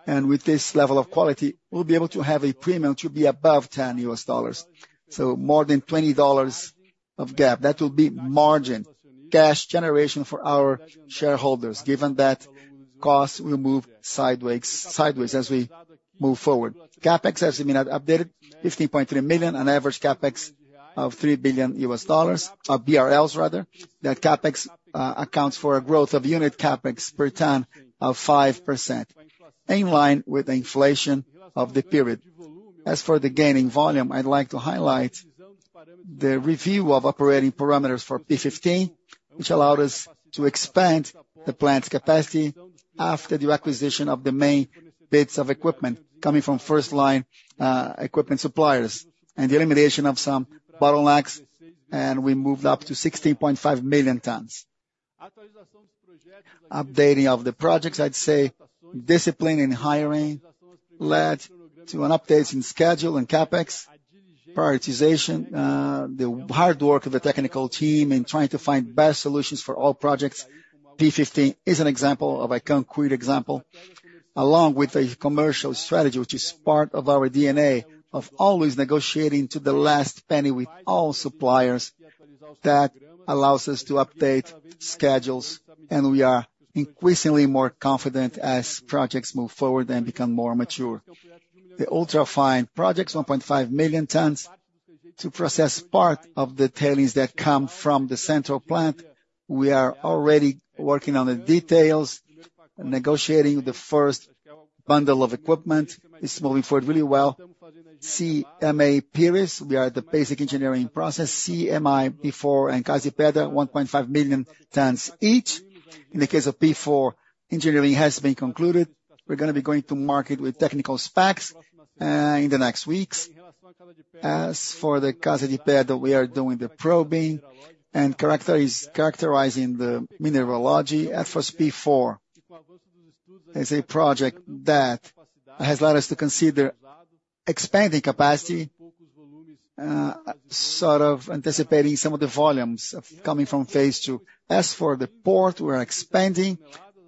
And with this level of quality, we'll be able to have a premium to be above $10. So more than $20 of gap, that will be margin, cash generation for our shareholders, given that costs will move sideways as we move forward. CapEx, as you may have updated, 15.3 million, an average CapEx of $3 billion, or BRL rather. That CapEx accounts for a growth of unit CapEx per ton of 5%, in line with the inflation of the period. As for the gain in volume, I'd like to highlight the review of operating parameters for P-15, which allowed us to expand the plant's capacity after the acquisition of the main bits of equipment coming from first-line equipment suppliers, and the elimination of some bottlenecks, and we moved up to 16.5 million tons. Updating of the projects, I'd say discipline in hiring led to an update in schedule and CapEx prioritization, the hard work of the technical team in trying to find best solutions for all projects. P-15 is an example, of a concrete example, along with a commercial strategy, which is part of our DNA, of always negotiating to the last penny with all suppliers. That allows us to update schedules, and we are increasingly more confident as projects move forward and become more mature. The ultra fine projects, 1.5 million tons to process part of the tailings that come from the central plant. We are already working on the details, negotiating the first bundle of equipment. It's moving forward really well. CMIN Pires, we are at the basic engineering process. CMIN, P4, and Casa de Pedra, 1.5 million tons each. In the case of P4, engineering has been concluded. We're gonna be going to market with technical specs in the next weeks. As for the Casa de Pedra, we are doing the probing and characterizing the mineralogy. As for P4, is a project that has led us to consider expanding capacity, sort of anticipating some of the volumes coming from phase two. As for the port, we're expanding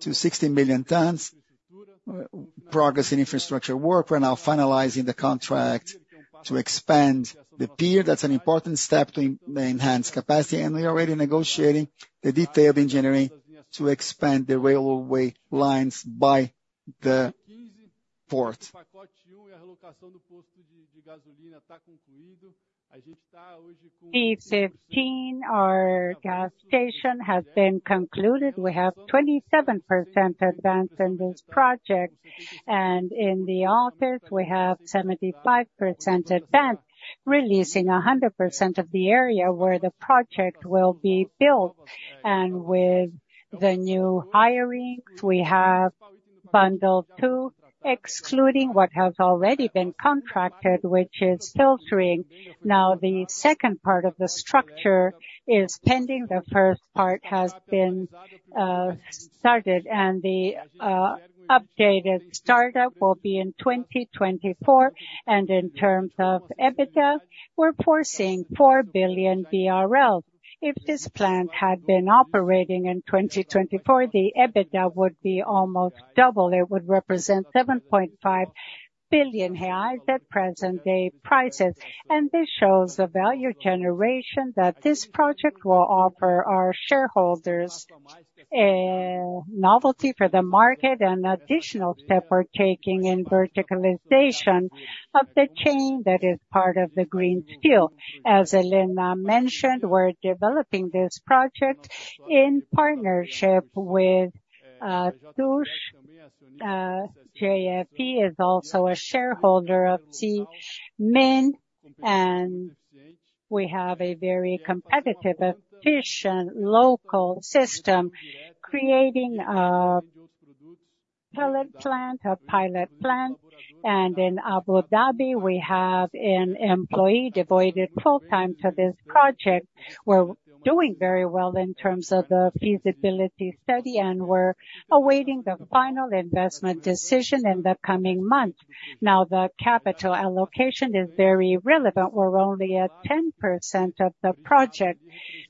to 60 million tons, progress in infrastructure work. We're now finalizing the contract to expand the pier. That's an important step to enhance capacity, and we are already negotiating the detailed engineering to expand the railway lines by the port. P-15, our gas station has been concluded. We have 27% advance in this project, and in the office, we have 75% advance, releasing 100% of the area where the project will be built. And with the new hiring, we have bundle two, excluding what has already been contracted, which is filtering. Now, the second part of the structure is pending. The first part has been started, and the updated startup will be in 2024. In terms of EBITDA, we're foreseeing 4 billion BRL. If this plant had been operating in 2024, the EBITDA would be almost double. It would represent 7.5 billion reais at present day prices. This shows the value generation that this project will offer our shareholders, novelty for the market and additional step we're taking in verticalization of the chain that is part of the green steel. As Helena mentioned, we're developing this project in partnership with JFE. JFE is also a shareholder of CMIN, and we have a very competitive, efficient local system, creating a pilot plant, a pilot plant. And in Abu Dhabi, we have an employee devoted full-time to this project. We're doing very well in terms of the feasibility study, and we're awaiting the final investment decision in the coming month. Now, the capital allocation is very relevant. We're only at 10% of the project.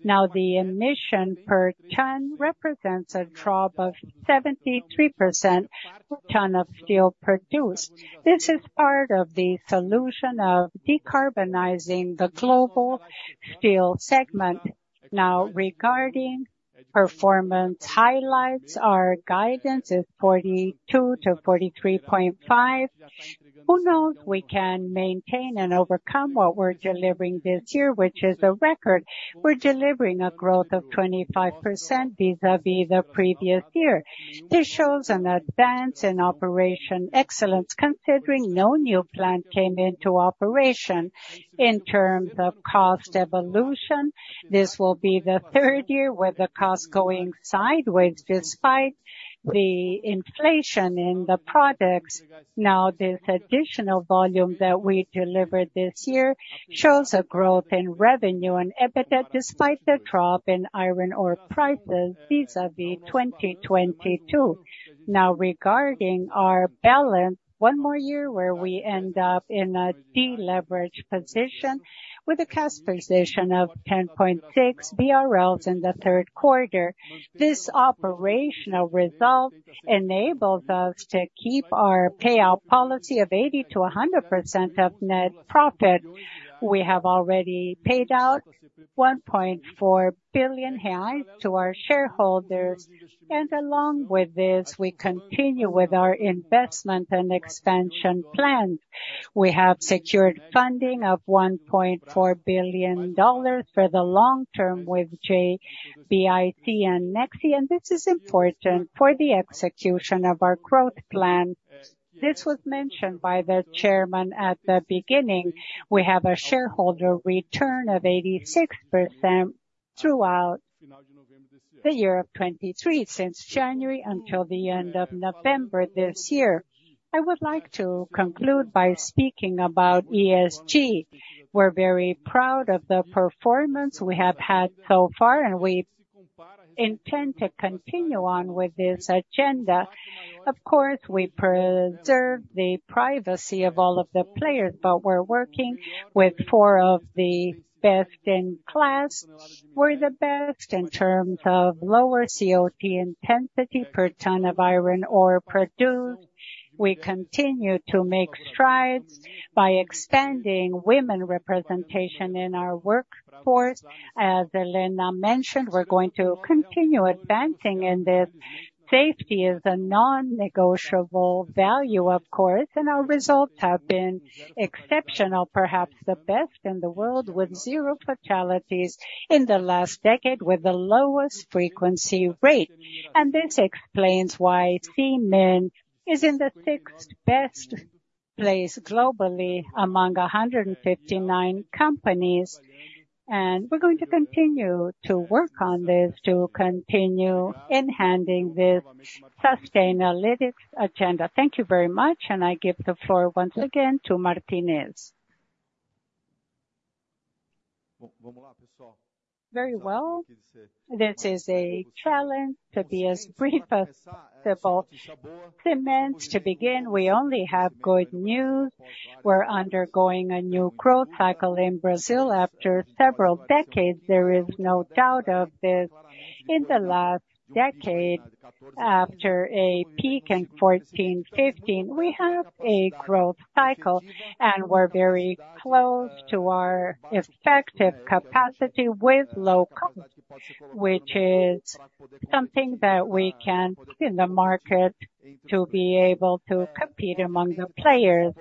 Now, the emission per ton represents a drop of 73% ton of steel produced. This is part of the solution of decarbonizing the global steel segment. Now, regarding performance highlights, our guidance is 42-43.5. Who knows, we can maintain and overcome what we're delivering this year, which is a record. We're delivering a growth of 25% vis-à-vis the previous year. This shows an advance in operational excellence, considering no new plant came into operation. In terms of cost evolution, this will be the third year with the cost going sideways despite the inflation in the products. Now, this additional volume that we delivered this year shows a growth in revenue and EBITDA, despite the drop in iron ore prices vis-à-vis 2022. Now, regarding our balance, one more year where we end up in a deleverage position with a cash position of 10.6 billion BRL in the third quarter. This operational result enables us to keep our payout policy of 80%-100% of net profit. We have already paid out 1.4 billion reais to our shareholders, and along with this, we continue with our investment and expansion plan. We have secured funding of $1.4 billion for the long term with JBIC and NEXI, and this is important for the execution of our growth plan. This was mentioned by the chairman at the beginning. We have a shareholder return of 86% throughout the year of 2023, since January until the end of November this year. I would like to conclude by speaking about ESG. We're very proud of the performance we have had so far, and we intend to continue on with this agenda. Of course, we preserve the privacy of all of the players, but we're working with four of the best in class. We're the best in terms of lower CO2 intensity per ton of iron ore produced. We continue to make strides by expanding women representation in our workforce. As Helena mentioned, we're going to continue advancing in this. Safety is a non-negotiable value, of course, and our results have been exceptional, perhaps the best in the world, with zero fatalities in the last decade, with the lowest frequency rate. And this explains why CMIN is in the sixth best place globally among 159 companies, and we're going to continue to work on this, to continue enhancing this Sustainalytics agenda. Thank you very much, and I give the floor once again to Martinez. Very well. This is a challenge to be as brief as possible. Cement to begin, we only have good news. We're undergoing a new growth cycle in Brazil after several decades, there is no doubt of this. In the last decade, after a peak in 2014, 2015, we have a growth cycle, and we're very close to our effective capacity with low cost, which is something that we can in the market to be able to compete among the players.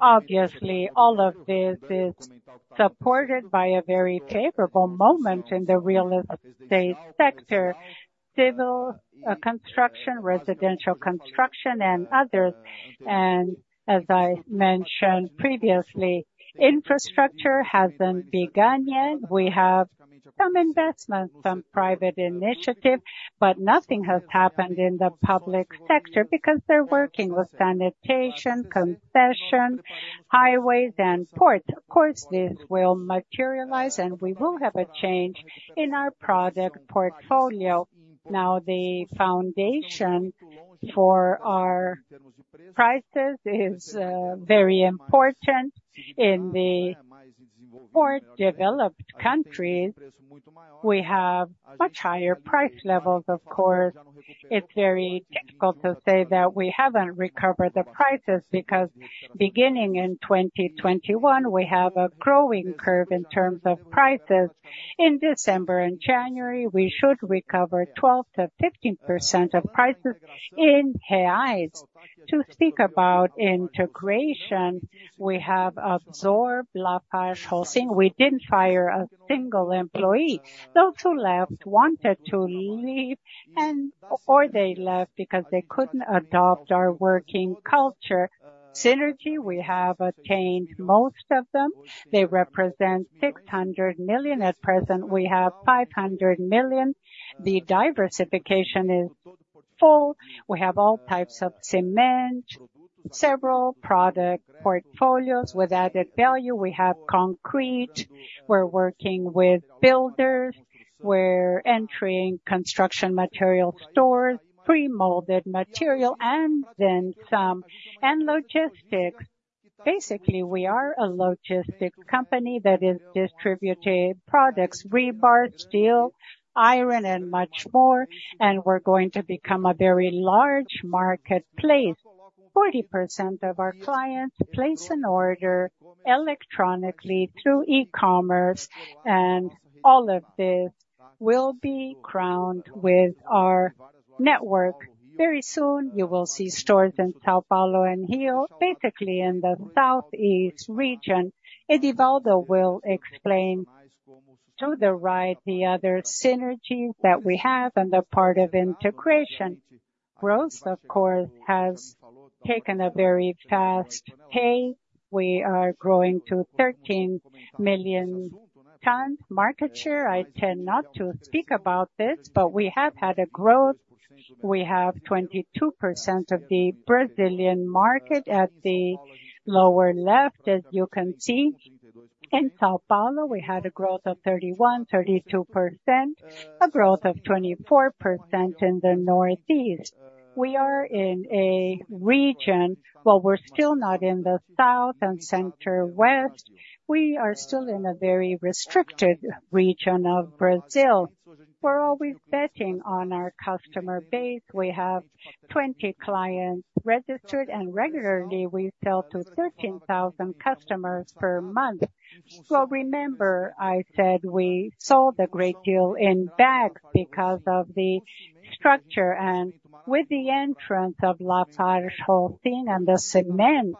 Obviously, all of this is supported by a very favorable moment in the real estate sector, civil, construction, residential construction, and others. And as I mentioned previously, infrastructure hasn't begun yet. We have some investments, some private initiative, but nothing has happened in the public sector because they're working with sanitation, concession, highways, and ports. Of course, this will materialize, and we will have a change in our product portfolio. Now, the foundation for our prices is very important. In the more developed countries, we have much higher price levels. Of course, it's very difficult to say that we haven't recovered the prices, because beginning in 2021, we have a growing curve in terms of prices. In December and January, we should recover 12%-15% of prices in reais. To speak about integration, we have absorbed LafargeHolcim. We didn't fire a single employee. Those who left, wanted to leave, and or they left because they couldn't adopt our working culture. Synergy, we have attained most of them. They represent 600 million. At present, we have 500 million. The diversification is full. We have all types of cement, several product portfolios. With added value, we have concrete. We're working with builders, we're entering construction material stores, pre-molded material, and then some, and logistics. Basically, we are a logistics company that is distributed products, rebar, steel, iron, and much more, and we're going to become a very large marketplace. 40% of our clients place an order electronically through e-commerce, and all of this will be crowned with our network. Very soon, you will see stores in São Paulo and Rio, basically in the Southeast region. Edivaldo will explain to the right the other synergies that we have and the part of integration. Growth, of course, has taken a very fast pay. We are growing to 13 million ton market share. I tend not to speak about this, but we have had a growth. We have 22% of the Brazilian market at the lower left, as you can see. In São Paulo, we had a growth of 31-32%, a growth of 24% in the Northeast. We are in a region, well, we're still not in the South and Central West. We are still in a very restricted region of Brazil. We're always betting on our customer base. We have 20 clients registered, and regularly, we sell to 13,000 customers per month. So remember, I said we sold a great deal in bases because of the structure and with the entrance of LafargeHolcim and the cement,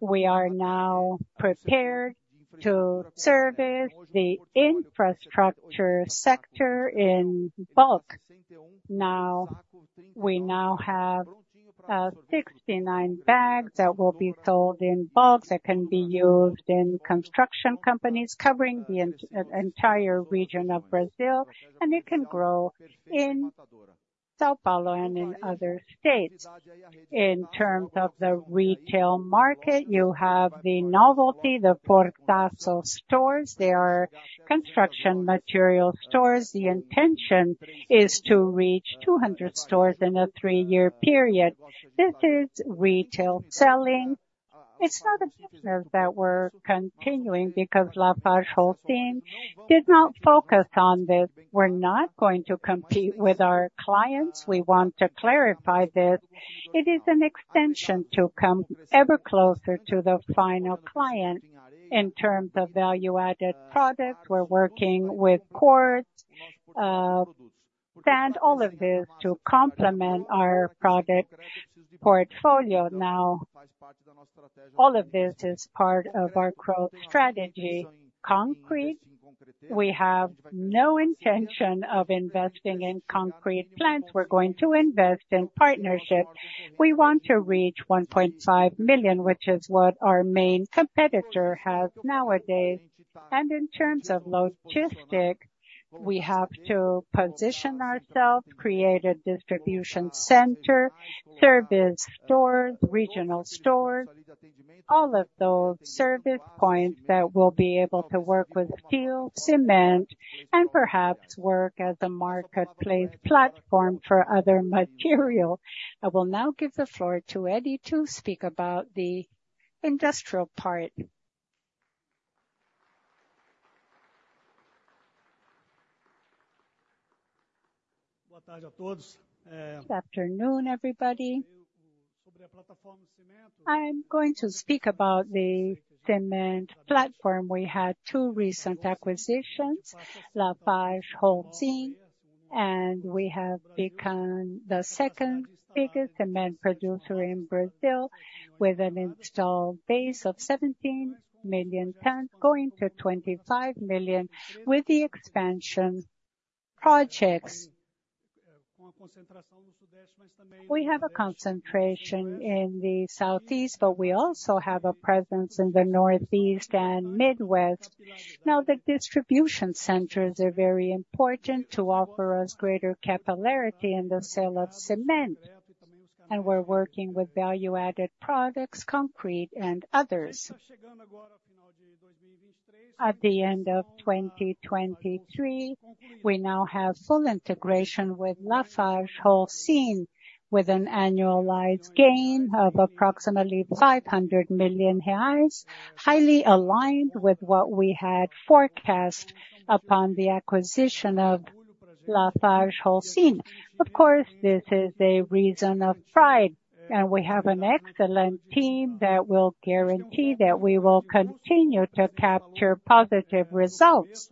we are now prepared to service the infrastructure sector in bulk. Now, we have 69 bases that will be sold in bulk, that can be used in construction companies covering the entire region of Brazil, and it can grow in São Paulo and in other states. In terms of the retail market, you have the novelty, the Fortaço stores. They are construction material stores. The intention is to reach 200 stores in a 3-year period. This is retail selling. It's not a business that we're continuing because LafargeHolcim did not focus on this. We're not going to compete with our clients. We want to clarify this. It is an extension to come ever closer to the final client. In terms of value-added products, we're working with quartz, sand, all of this to complement our product portfolio. Now, all of this is part of our growth strategy. Concrete? We have no intention of investing in concrete plants. We're going to invest in partnerships. We want to reach 1.5 million, which is what our main competitor has nowadays. In terms of logistics, we have to position ourselves, create a distribution center, service stores, regional stores, all of those service points that will be able to work with steel, cement, and perhaps work as a marketplace platform for other material. I will now give the floor to Edivaldo to speak about the industrial part. Good afternoon, everybody. I'm going to speak about the cement platform. We had two recent acquisitions, LafargeHolcim, and we have become the second biggest cement producer in Brazil, with an installed base of 17 million tons, going to 25 million with the expansion projects. We have a concentration in the Southeast, but we also have a presence in the Northeast and Midwest. Now, the distribution centers are very important to offer us greater capillarity in the sale of cement, and we're working with value-added products, concrete and others. At the end of 2023, we now have full integration with LafargeHolcim, with an annualized gain of approximately 500 million reais, highly aligned with what we had forecast upon the acquisition of LafargeHolcim. Of course, this is a reason of pride, and we have an excellent team that will guarantee that we will continue to capture positive results.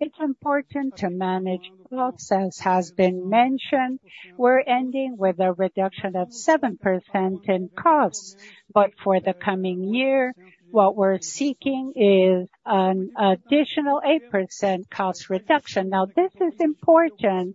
It's important to manage costs, as has been mentioned. We're ending with a reduction of 7% in costs, but for the coming year, what we're seeking is an additional 8% cost reduction. Now, this is important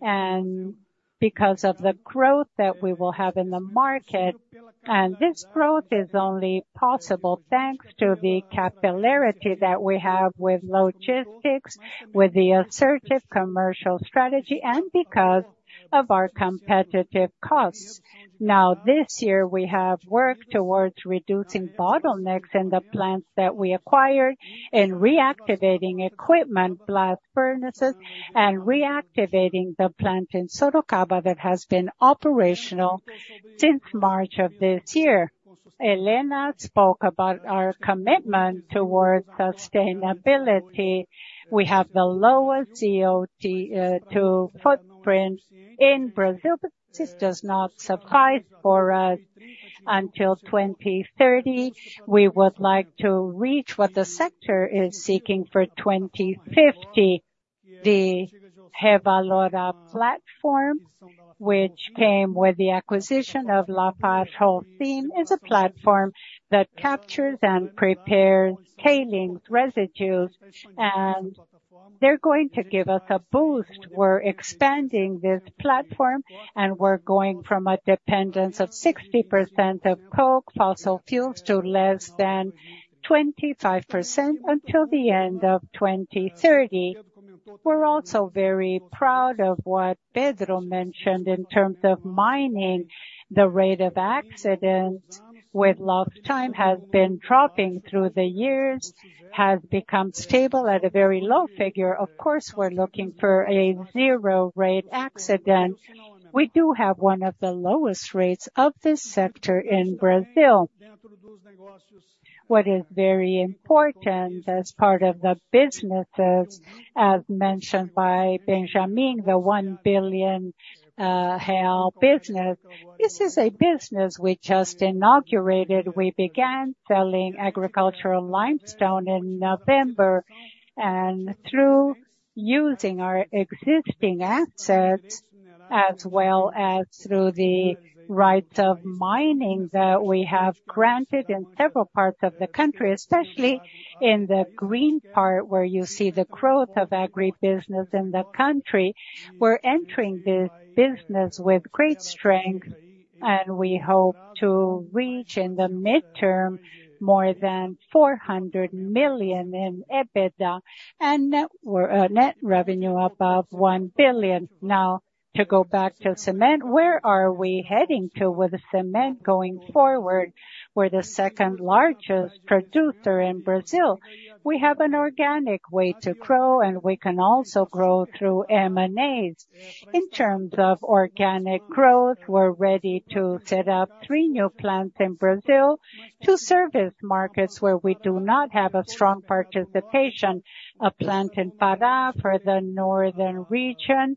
and because of the growth that we will have in the market, and this growth is only possible thanks to the capillarity that we have with logistics, with the assertive commercial strategy, and because of our competitive costs. Now, this year, we have worked towards reducing bottlenecks in the plants that we acquired and reactivating equipment, blast furnaces, and reactivating the plant in Sorocaba that has been operational since March of this year. Helena spoke about our commitment towards sustainability. We have the lowest CO2 footprint in Brazil, but this does not suffice for us. Until 2030, we would like to reach what the sector is seeking for 2050. The Geocycle platform, which came with the acquisition of LafargeHolcim, is a platform that captures and prepares tailings residues, and they're going to give us a boost. We're expanding this platform, and we're going from a dependence of 60% of coke fossil fuels to less than 25% until the end of 2030. We're also very proud of what Pedro mentioned in terms of mining. The rate of accidents with lost time has been dropping through the years, has become stable at a very low figure. Of course, we're looking for a zero rate accident. We do have one of the lowest rates of this sector in Brazil. What is very important as part of the businesses, as mentioned by Benjamin, the 1 billion real business. This is a business we just inaugurated. We began selling agricultural limestone in November, and through using our existing assets, as well as through the rights of mining that we have granted in several parts of the country, especially in the green part, where you see the growth of agribusiness in the country, we're entering this business with great strength, and we hope to reach, in the midterm, more than 400 million in EBITDA and net, net revenue above 1 billion. Now, to go back to cement, where are we heading to with cement going forward? We're the second largest producer in Brazil. We have an organic way to grow, and we can also grow through M&As. In terms of organic growth, we're ready to set up three new plants in Brazil to service markets where we do not have a strong participation. A plant in Pará for the northern region,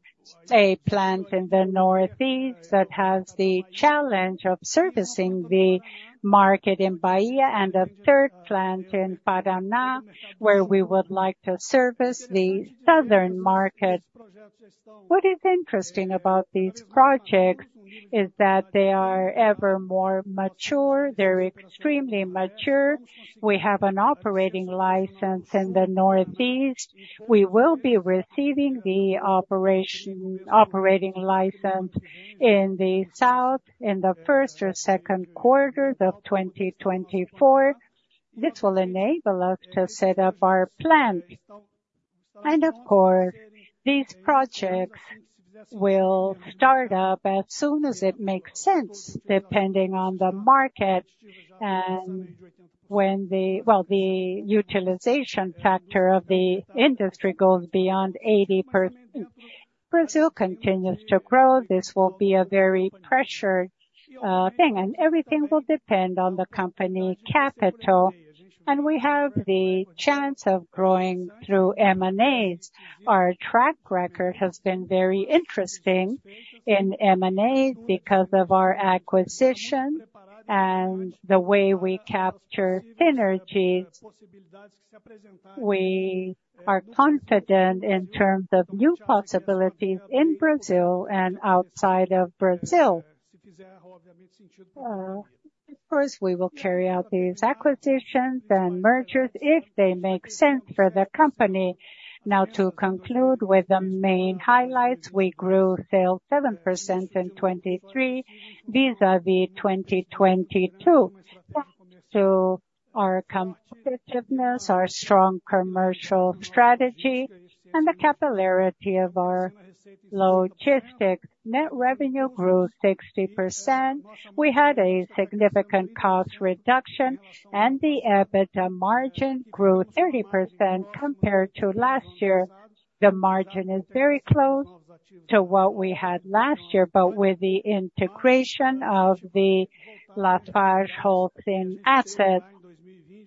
a plant in the Northeast that has the challenge of servicing the market in Bahia, and a third plant in Paraná, where we would like to service the southern market. What is interesting about these projects is that they are ever more mature, they're extremely mature. We have an operating license in the Northeast. We will be receiving the operating license in the South in the first or second quarter of 2024. This will enable us to set up our plant. Of course, these projects will start up as soon as it makes sense, depending on the market and when well, the utilization factor of the industry goes beyond 80%. Brazil continues to grow, this will be a very pressured, thing, and everything will depend on the company capital, and we have the chance of growing through M&As. Our track record has been very interesting in M&A because of our acquisition and the way we capture synergies. We are confident in terms of new possibilities in Brazil and outside of Brazil. Of course, we will carry out these acquisitions and mergers if they make sense for the company. Now, to conclude with the main highlights, we grew sales 7% in 2023, vis-à-vis 2022. So our competitiveness, our strong commercial strategy, and the capillarity of our logistics, net revenue grew 60%. We had a significant cost reduction, and the EBITDA margin grew 30% compared to last year. The margin is very close to what we had last year, but with the integration of the LafargeHolcim asset,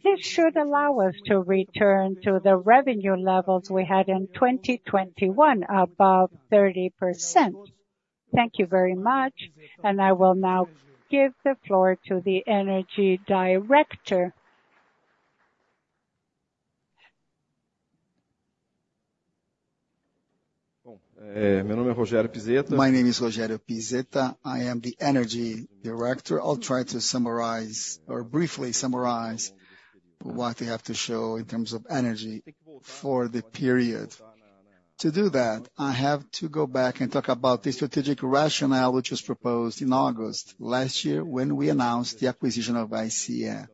this should allow us to return to the revenue levels we had in 2021, above 30%. Thank you very much, and I will now give the floor to the energy director. My name is Rogério Pizeta. I am the Energy Director. I'll try to summarize or briefly summarize what we have to show in terms of energy for the period. To do that, I have to go back and talk about the strategic rationale, which was proposed in August last year, when we announced the acquisition of CEEE.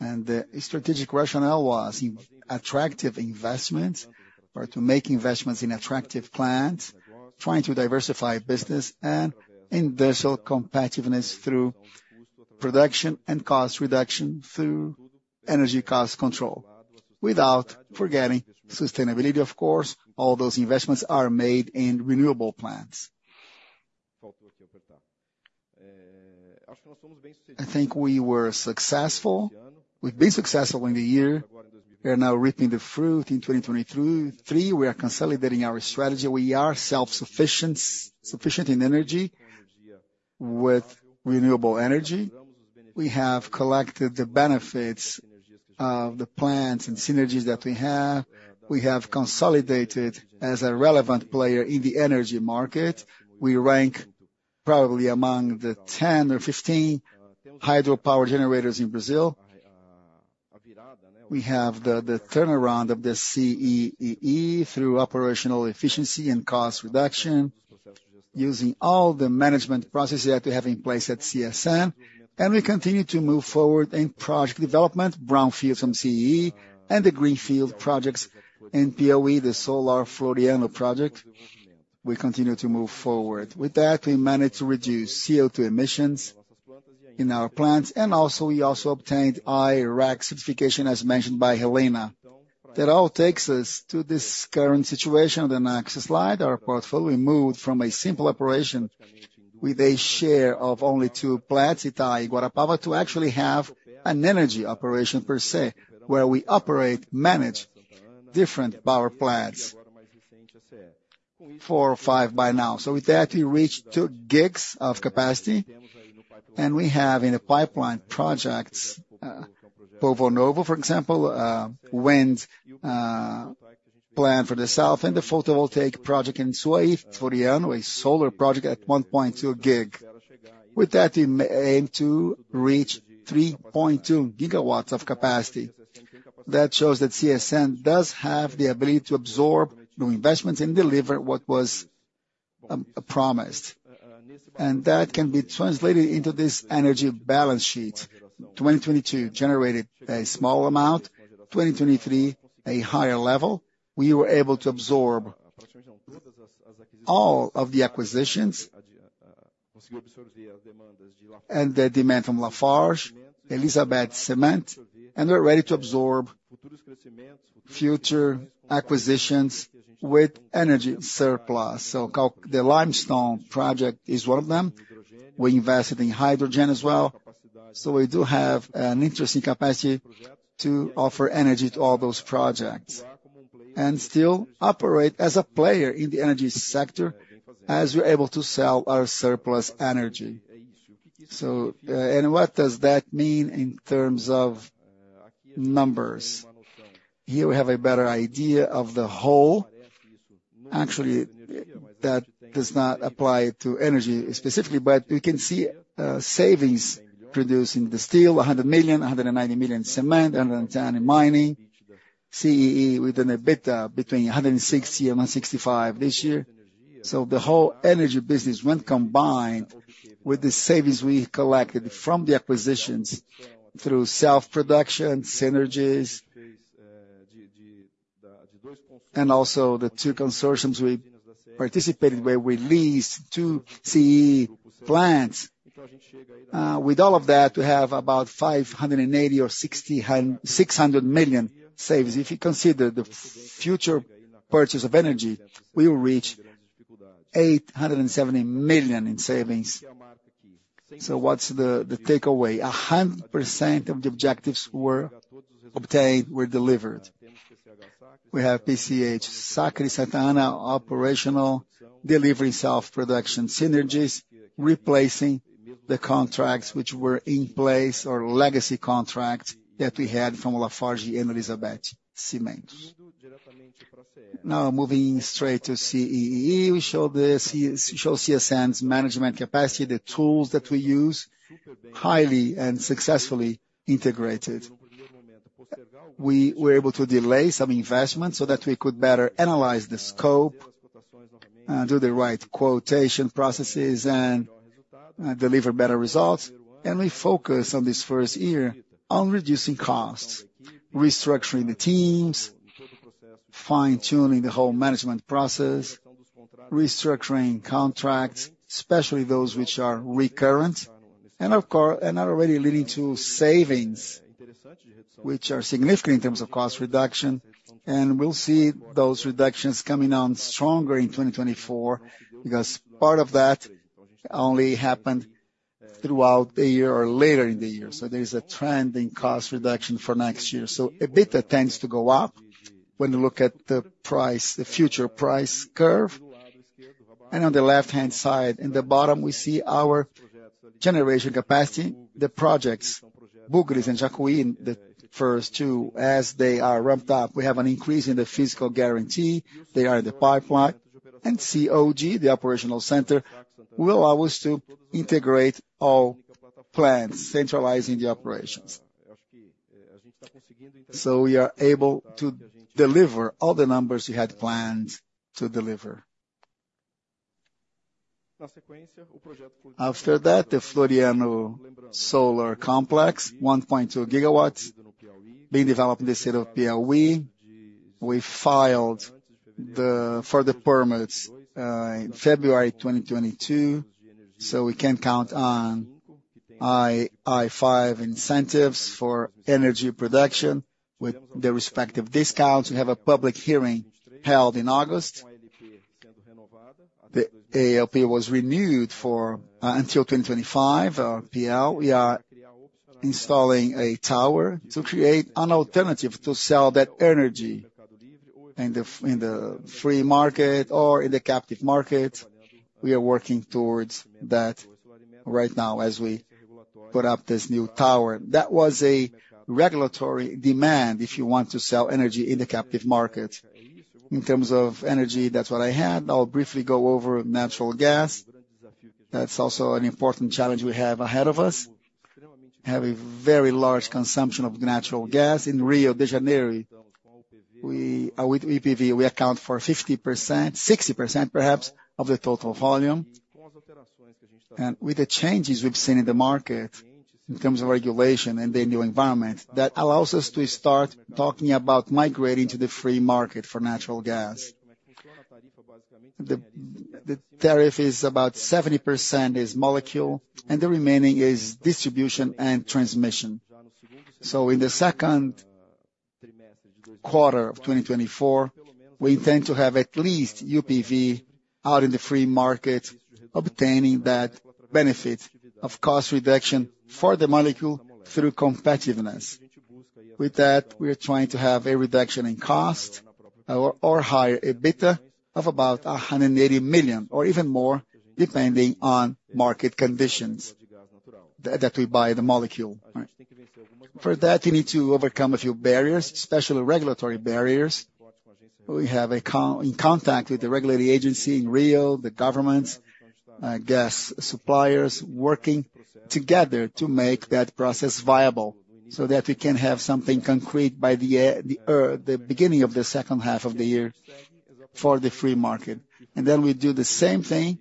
The strategic rationale was in attractive investments or to make investments in attractive plants, trying to diversify business and industrial competitiveness through production and cost reduction, through energy cost control, without forgetting sustainability, of course. All those investments are made in renewable plants. I think we were successful. We've been successful in the year. We are now reaping the fruit in 2023. We are consolidating our strategy. We are self-sufficient, sufficient in energy, with renewable energy. We have collected the benefits of the plants and synergies that we have. We have consolidated as a relevant player in the energy market. We rank probably among the 10 or 15 hydropower generators in Brazil. We have the turnaround of the CEE through operational efficiency and cost reduction, using all the management processes that we have in place at CSN, and we continue to move forward in project development, brownfields from CEE and the Greenfield projects in Piauí, the Solar Floriano project. We continue to move forward. With that, we managed to reduce CO2 emissions in our plants, and also, we also obtained I-REC certification, as mentioned by Helena. That all takes us to this current situation on the next slide. Our portfolio, we moved from a simple operation with a share of only 2 plants, Itá and Igarapava, to actually have an energy operation per se, where we operate, manage different power plants. 4 or 5 by now. So with that, we reached 2 GW of capacity, and we have in a pipeline projects, Povo Novo, for example, wind plant for the south and the photovoltaic project in Piauí/Floriano, a solar project at 1.2 GW. With that, we aim to reach 3.2 gigawatts of capacity. That shows that CSN does have the ability to absorb new investments and deliver what was promised, and that can be translated into this energy balance sheet. 2022 generated a small amount, 2023, a higher level. We were able to absorb all of the acquisitions and the demand from Lafarge, Elizabeth Cimentos, and we're ready to absorb future acquisitions with energy surplus. So, the limestone project is one of them. We invested in hydrogen as well, so we do have an interesting capacity to offer energy to all those projects, and still operate as a player in the energy sector as we're able to sell our surplus energy. So, and what does that mean in terms of numbers? Here we have a better idea of the whole. Actually, that does not apply to energy specifically, but we can see savings producing the steel, 100 million, 190 million cement, and 110 million in mining. CEE with an EBITDA between 160 and 165 this year. So the whole energy business, when combined with the savings we collected from the acquisitions through self-production, synergies, and also the two consortiums we participated, where we leased two CEE plants. With all of that, we have about 580 or 600 million savings. If you consider the future purchase of energy, we will reach 870 million in savings. So what's the takeaway? 100% of the objectives were obtained, were delivered. We have PCH Sacre, Santa Ana operational, delivering self-production synergies, replacing the contracts which were in place, or legacy contracts that we had from Lafarge and Elizabeth Cimentos. Now, moving straight to CEE, we show CSN's management capacity, the tools that we use, highly and successfully integrated. We were able to delay some investments so that we could better analyze the scope, do the right quotation processes, and deliver better results. We focus on this first year on reducing costs, restructuring the teams, fine-tuning the whole management process, restructuring contracts, especially those which are recurrent, and of course and are already leading to savings, which are significant in terms of cost reduction. We'll see those reductions coming on stronger in 2024, because part of that only happened throughout the year or later in the year. So there's a trend in cost reduction for next year. EBITDA tends to go up when you look at the price, the future price curve. On the left-hand side, in the bottom, we see our generation capacity, the projects, Bugres and Jacuí, the first two. As they are ramped up, we have an increase in the physical guarantee. They are in the pipeline. COG, the operational center, will allow us to integrate all plants, centralizing the operations. So we are able to deliver all the numbers we had planned to deliver. After that, the Floriano Solar Complex, 1.2 GW, being developed in the state of Piauí. We filed for the permits in February 2022, so we can count on I-REC incentives for energy production with the respective discounts. We have a public hearing held in August. The LP was renewed for until 2025, PL. We are installing a tower to create an alternative to sell that energy in the free market or in the captive market. We are working towards that right now as we put up this new tower. That was a regulatory demand, if you want to sell energy in the captive market. In terms of energy, that's what I had. I'll briefly go over natural gas. That's also an important challenge we have ahead of us. We have a very large consumption of natural gas in Rio de Janeiro. With UPV, we account for 50%-60% perhaps, of the total volume. With the changes we've seen in the market, in terms of regulation and the new environment, that allows us to start talking about migrating to the free market for natural gas. The tariff is about 70% molecule, and the remaining is distribution and transmission. So in the second quarter of 2024, we intend to have at least UPV out in the free market, obtaining that benefit of cost reduction for the molecule through competitiveness. With that, we are trying to have a reduction in cost, or higher EBITDA of about 180 million, or even more, depending on market conditions, that we buy the molecule. For that, you need to overcome a few barriers, especially regulatory barriers. We have contact with the regulatory agency in Rio, the government, gas suppliers, working together to make that process viable, so that we can have something concrete by the beginning of the second half of the year for the free market. And then we do the same thing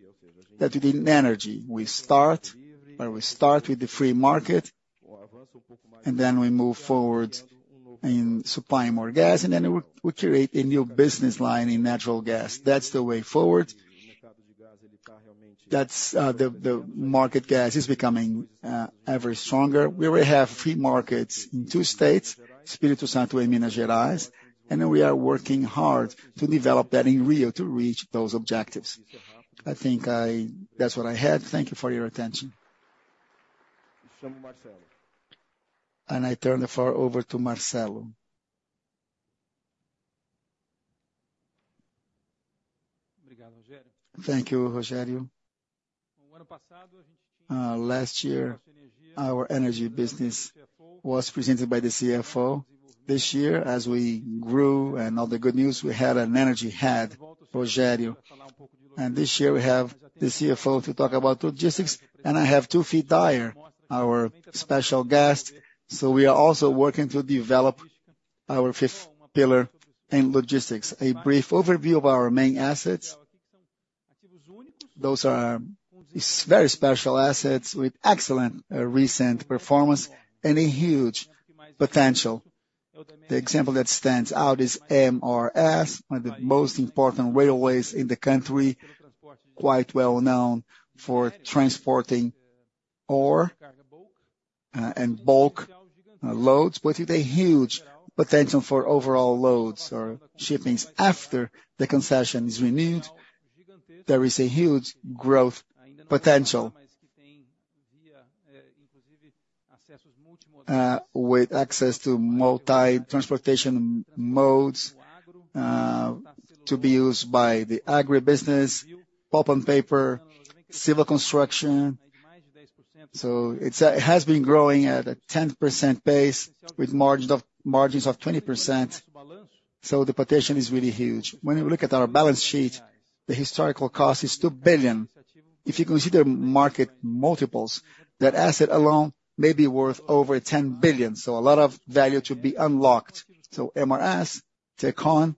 that we did in energy. We start with the free market, and then we move forward in supplying more gas, and then we create a new business line in natural gas. That's the way forward. That's the market gas is becoming ever stronger. We already have free markets in two states, Espírito Santo and Minas Gerais, and then we are working hard to develop that in Rio to reach those objectives. I think I... That's what I had. Thank you for your attention. Marcelo. I turn the floor over to Marcelo. Thank you, Rogerio. Last year, our energy business was presented by the CFO. This year, as we grew and all the good news, we had an energy head, Rogerio. And this year, we have the CFO to talk about logistics, and I have Tufi Daher, our special guest. So we are also working to develop our fifth pillar in logistics. A brief overview of our main assets. Those are very special assets with excellent, recent performance and a huge potential. The example that stands out is MRS, one of the most important railways in the country, quite well known for transporting ore and bulk loads, but with a huge potential for overall loads or shipments after the concession is renewed. There is a huge growth potential, with access to multi-transportation modes, to be used by the agribusiness, pulp and paper, civil construction. It has been growing at a 10% pace with margins of, margins of 20%, so the potential is really huge. When you look at our balance sheet, the historical cost is 2 billion. If you consider market multiples, that asset alone may be worth over 10 billion, so a lot of value to be unlocked. So MRS, Tecon.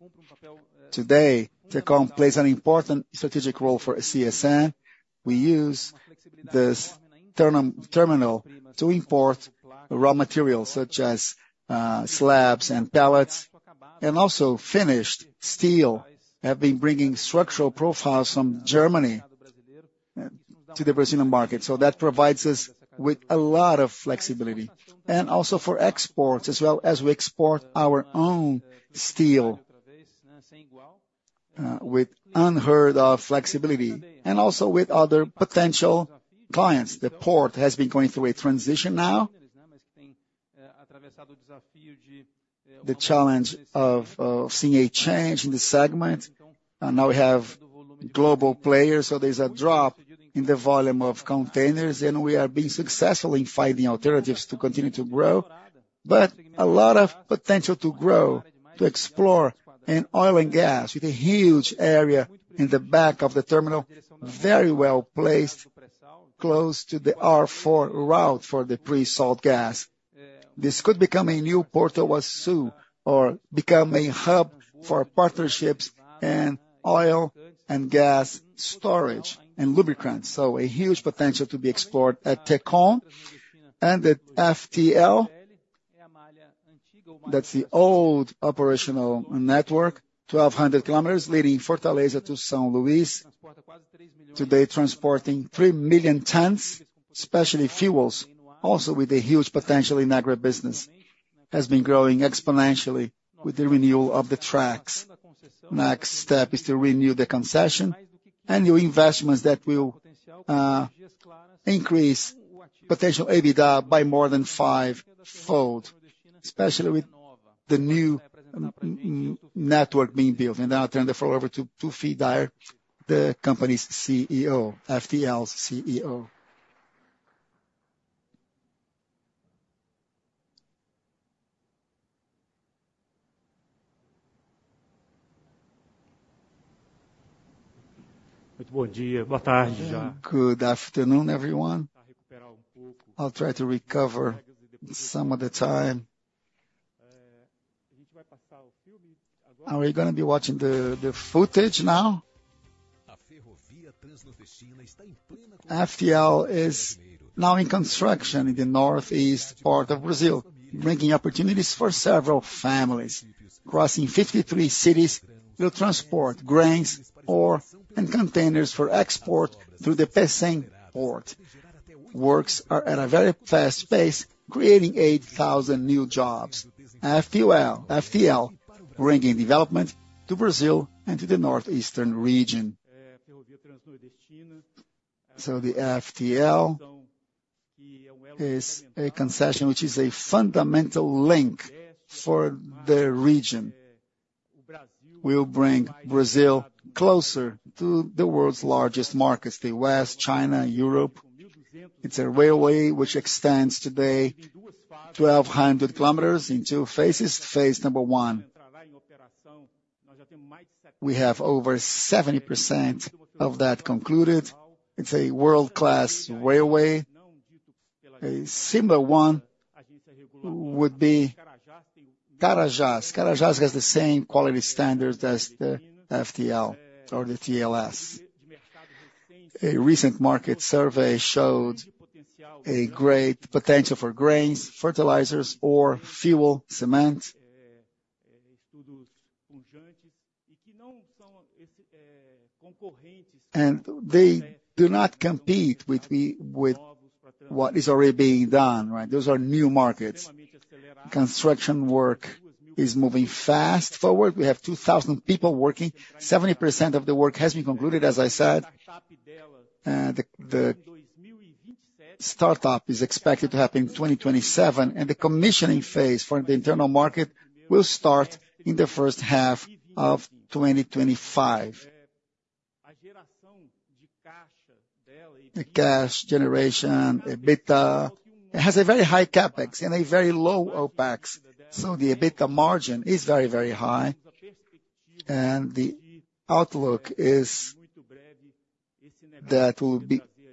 Today, Tecon plays an important strategic role for CSN. We use this terminal to import raw materials such as, slabs and pallets, and also finished steel, have been bringing structural profiles from Germany, to the Brazilian market, so that provides us with a lot of flexibility. Also for exports, as well as we export our own steel with unheard of flexibility, and also with other potential clients. The port has been going through a transition now. The challenge of seeing a change in the segment, and now we have global players, so there's a drop in the volume of containers, and we are being successful in finding alternatives to continue to grow. But a lot of potential to grow, to explore in oil and gas, with a huge area in the back of the terminal, very well placed, close to the R4 route for the pre-salt gas. This could become a new Porto do Açu, or become a hub for partnerships in oil and gas storage and lubricants, so a huge potential to be explored at TECCON. And at FTL, that's the old operational network, 1,200 kilometers leading Fortaleza to São Luís, today transporting 3 million tons, especially fuels, also with a huge potential in agribusiness, has been growing exponentially with the renewal of the tracks. Next step is to renew the concession and new investments that will increase potential EBITDA by more than five-fold, especially with the new network being built. And now I turn the floor over to Tufi Daher, the company's CEO, FTL's CEO. Good afternoon, everyone. I'll try to recover some of the time. Are we gonna be watching the, the footage now? FTL is now in construction in the northeast part of Brazil, bringing opportunities for several families. Crossing 53 cities, we'll transport grains, ore, and containers for export through the Pecém port. Works are at a very fast pace, creating 8,000 new jobs. FTL, FTL, bringing development to Brazil and to the northeastern region. So the FTL is a concession, which is a fundamental link for the region. We'll bring Brazil closer to the world's largest markets, the West, China, Europe. It's a railway which extends today 1,200 kilometers in two phases. Phase number 1, we have over 70% of that concluded. It's a world-class railway. A similar one would be Carajás. Carajás has the same quality standards as the FTL or the TLSA. Recent market survey showed a great potential for grains, fertilizers, ore, fuel, cement. And they do not compete with the, with what is already being done, right? Those are new markets. Construction work is moving fast forward. We have 2,000 people working. 70% of the work has been concluded, as I said. Startup is expected to happen in 2027, and the commissioning phase for the internal market will start in the first half of 2025. The cash generation, EBITDA, it has a very high CapEx and a very low OpEx, so the EBITDA margin is very, very high, and the outlook is that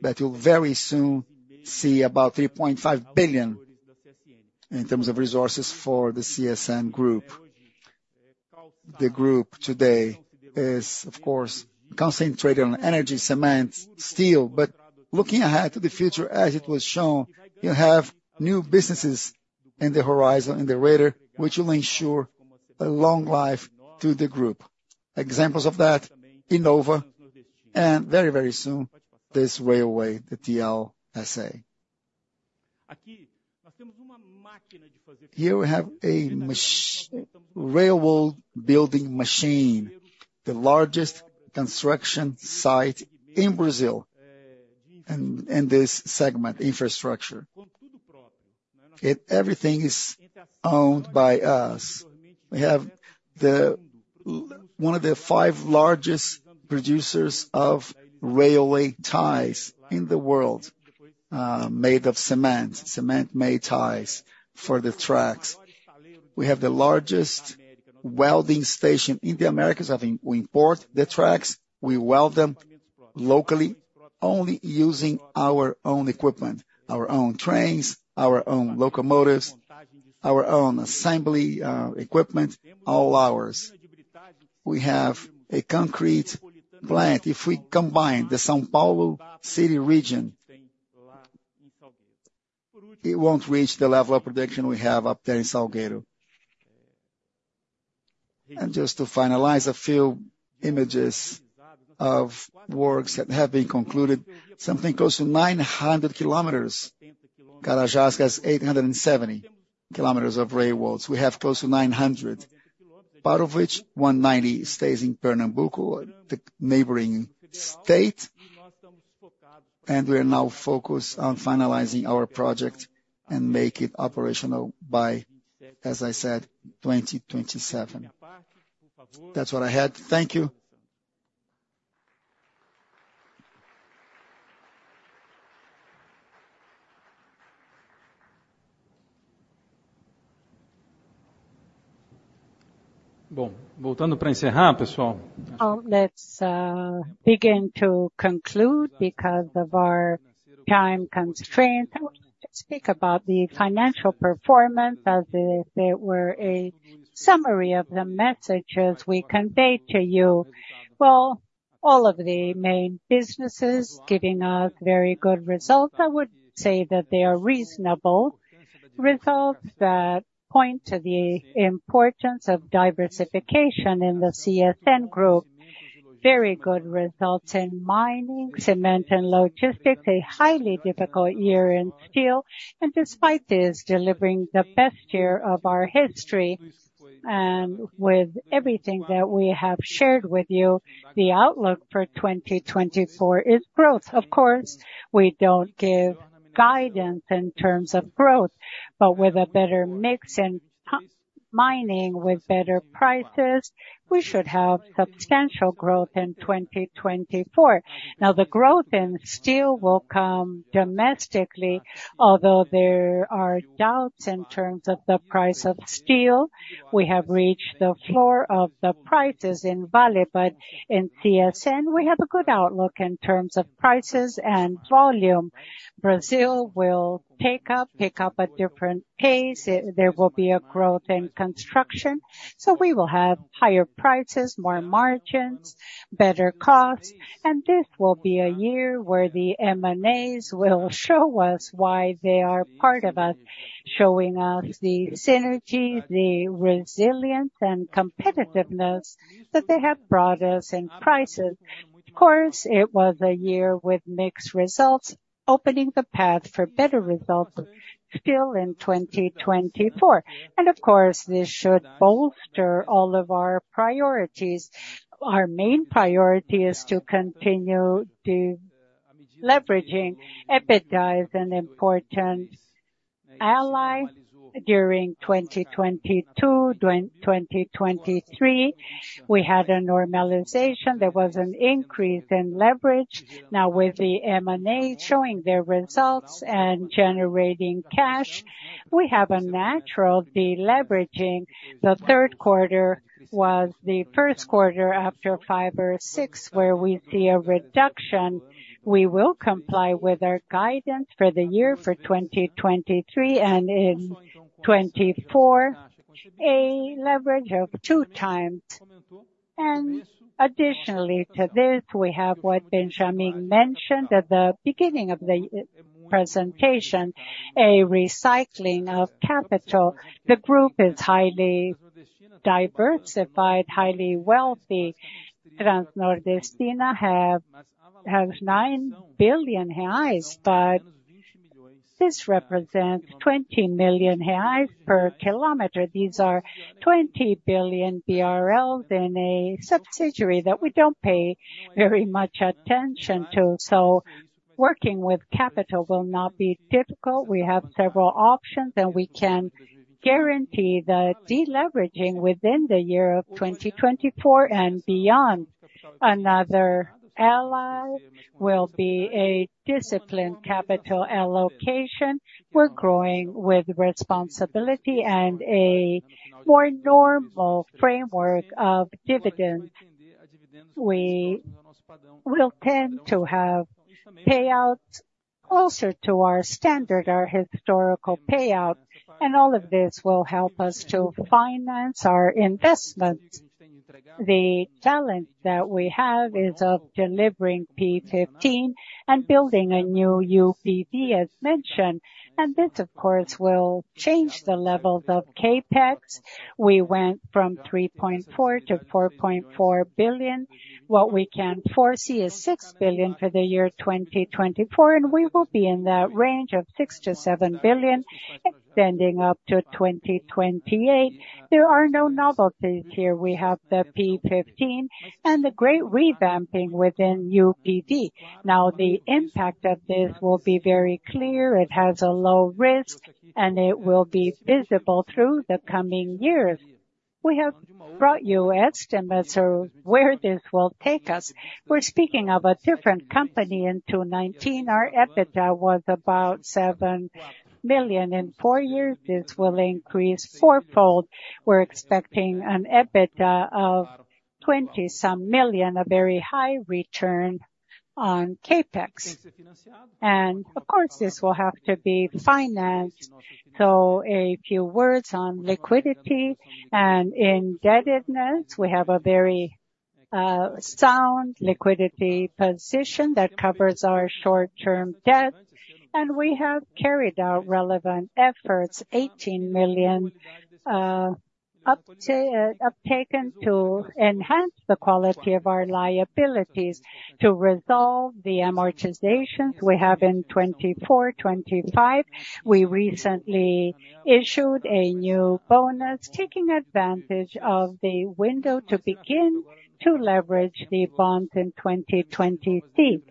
it will very soon see about 3.5 billion in terms of resources for the CSN Group. The group today is, of course, concentrated on energy, cement, steel. But looking ahead to the future, as it was shown, you have new businesses in the horizon, in the radar, which will ensure a long life to the group. Examples of that, Inova, and very, very soon, this railway, the FTL. Here we have a railroad building machine, the largest construction site in Brazil, in this segment, infrastructure. It, everything is owned by us. We have one of the five largest producers of railway ties in the world, made of cement, cement-made ties for the tracks. We have the largest welding station in the Americas. I think we import the tracks, we weld them locally, only using our own equipment, our own trains, our own locomotives, our own assembly equipment, all ours. We have a concrete plant. If we combine the São Paulo City region, it won't reach the level of production we have up there in Salgueiro. And just to finalize, a few images of works that have been concluded, something close to 900 kilometers. Carajás has 870 kilometers of railroads. We have close to 900, part of which 190 stays in Pernambuco, the neighboring state. We are now focused on finalizing our project and make it operational by, as I said, 2027. That's what I had. Thank you. Well, let's begin to conclude because of our time constraints. Speak about the financial performance as if it were a summary of the messages we conveyed to you. Well, all of the main businesses giving us very good results. I would say that they are reasonable results that point to the importance of diversification in the CSN group. Very good results in mining, cement and logistics, a highly difficult year in steel, and despite this, delivering the best year of our history. And with everything that we have shared with you, the outlook for 2024 is growth. Of course, we don't give guidance in terms of growth, but with a better mix in mining, with better prices, we should have substantial growth in 2024. Now, the growth in steel will come domestically, although there are doubts in terms of the price of steel. We have reached the floor of the prices in Vale, but in CSN, we have a good outlook in terms of prices and volume. Brazil will pick up, pick up a different pace. There will be a growth in construction, so we will have higher prices, more margins, better costs, and this will be a year where the M&As will show us why they are part of us, showing us the synergy, the resilience and competitiveness that they have brought us in prices. Of course, it was a year with mixed results, opening the path for better results still in 2024. And of course, this should bolster all of our priorities. Our main priority is to continue de-leveraging. EBITDA is an important ally. During 2022, 2023, we had a normalization. There was an increase in leverage. Now, with the M&A showing their results and generating cash, we have a natural deleveraging. The third quarter was the first quarter after 5 or 6, where we see a reduction. We will comply with our guidance for the year for 2023 and in 2024, a leverage of 2x. And additionally to this, we have what Benjamin mentioned at the beginning of the presentation, a recycling of capital. The group is highly diversified, highly wealthy. Transnordestina has 9 billion reais, but this represents 20 million reais per kilometer. These are 20 billion BRL in a subsidiary that we don't pay very much attention to. So, working with capital will not be difficult. We have several options, and we can guarantee the deleveraging within the year of 2024 and beyond. Another ally will be a disciplined capital allocation. We're growing with responsibility and a more normal framework of dividend. We will tend to have payouts closer to our standard, our historical payout, and all of this will help us to finance our investments. The talent that we have is of delivering P-15 and building a new UPV, as mentioned, and this, of course, will change the levels of CapEx. We went from 3.4 billion to 4.4 billion. What we can foresee is 6 billion for the year 2024, and we will be in that range of 6 billion-7 billion, extending up to 2028. There are no novelties here. We have the P-15 and the great revamping within UPV. Now, the impact of this will be very clear. It has a low risk, and it will be visible through the coming years. We have brought you estimates of where this will take us. We're speaking of a different company. In 2019, our EBITDA was about 7 million. In four years, this will increase fourfold. We're expecting an EBITDA of 20-some million, a very high return on CapEx, and of course, this will have to be financed. So a few words on liquidity and indebtedness. We have a very sound liquidity position that covers our short-term debt, and we have carried out relevant efforts, 18 million, up to uptake to enhance the quality of our liabilities to resolve the amortizations we have in 2024, 2025. We recently issued a new bond, taking advantage of the window to begin to lengthen the bonds in 2023.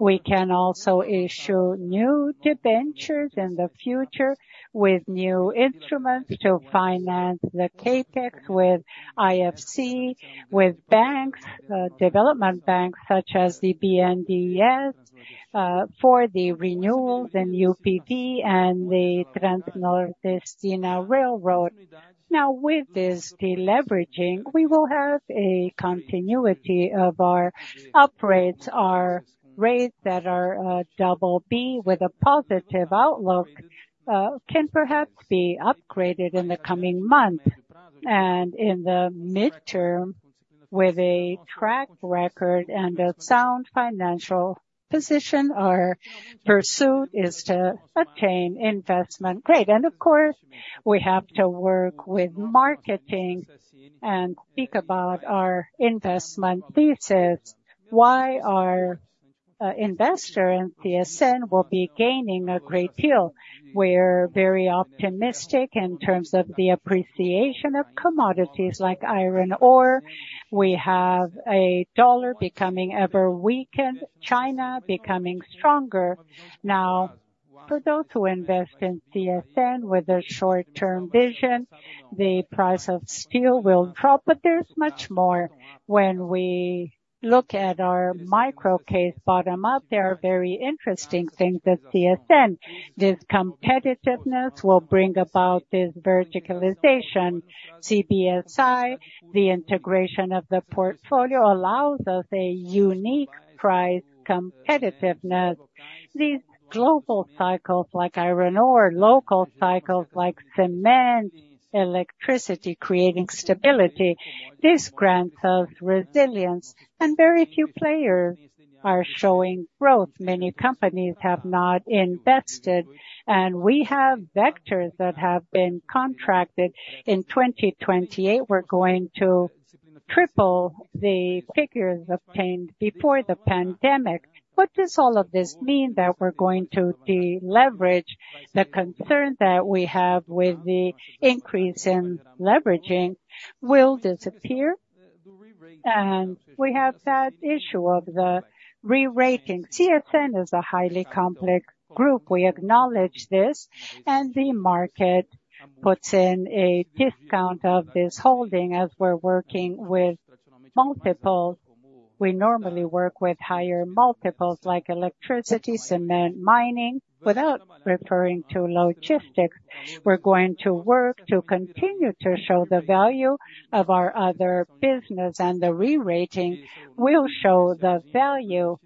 We can also issue new debentures in the future with new instruments to finance the CapEx with IFC, with banks, development banks, such as the BNDES, for the renewals and UPV and the Transnordestina Railroad. Now, with this deleveraging, we will have a continuity of our upgrades. Our rates that are double B with a positive outlook can perhaps be upgraded in the coming month. And in the midterm, with a track record and a sound financial position, our pursuit is to obtain investment grade. And of course, we have to work with marketing and think about our investment thesis, why our investor in CSN will be gaining a great deal. We're very optimistic in terms of the appreciation of commodities like iron ore. We have a dollar becoming ever weakened, China becoming stronger. Now, for those who invest in CSN with a short-term vision, the price of steel will drop. But there's much more. When we look at our micro case, bottom up, there are very interesting things at CSN. This competitiveness will bring about this verticalization. CBSI, the integration of the portfolio allows us a unique price competitiveness. These global cycles, like iron ore, local cycles, like cement, electricity, creating stability, this grants us resilience, and very few players are showing growth. Many companies have not invested, and we have vectors that have been contracted. In 2028, we're going to triple the figures obtained before the pandemic. What does all of this mean? That we're going to deleverage. The concern that we have with the increase in leveraging will disappear, and we have that issue of the re-rating. CSN is a highly complex group. We acknowledge this, and the market puts in a discount of this holding as we're working with multiples. We normally work with higher multiples, like electricity, cement, mining, without referring to logistics. We're going to work to continue to show the value of our other business, and the re-rating will show the value.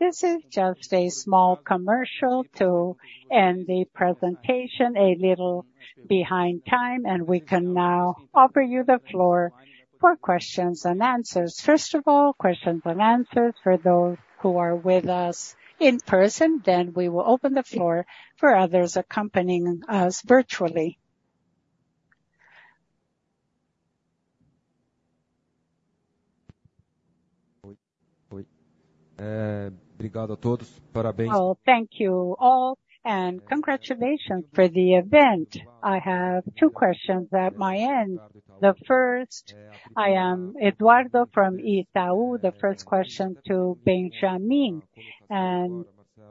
This is just a small commercial to end the presentation, a little behind time, and we can now offer you the floor for questions and answers. First of all, questions and answers for those who are with us in person, then we will open the floor for others accompanying us virtually. Thank you all, and congratulations for the event. I have two questions at my end. The first, I am Edgard from Itaú. The first question to Benjamin,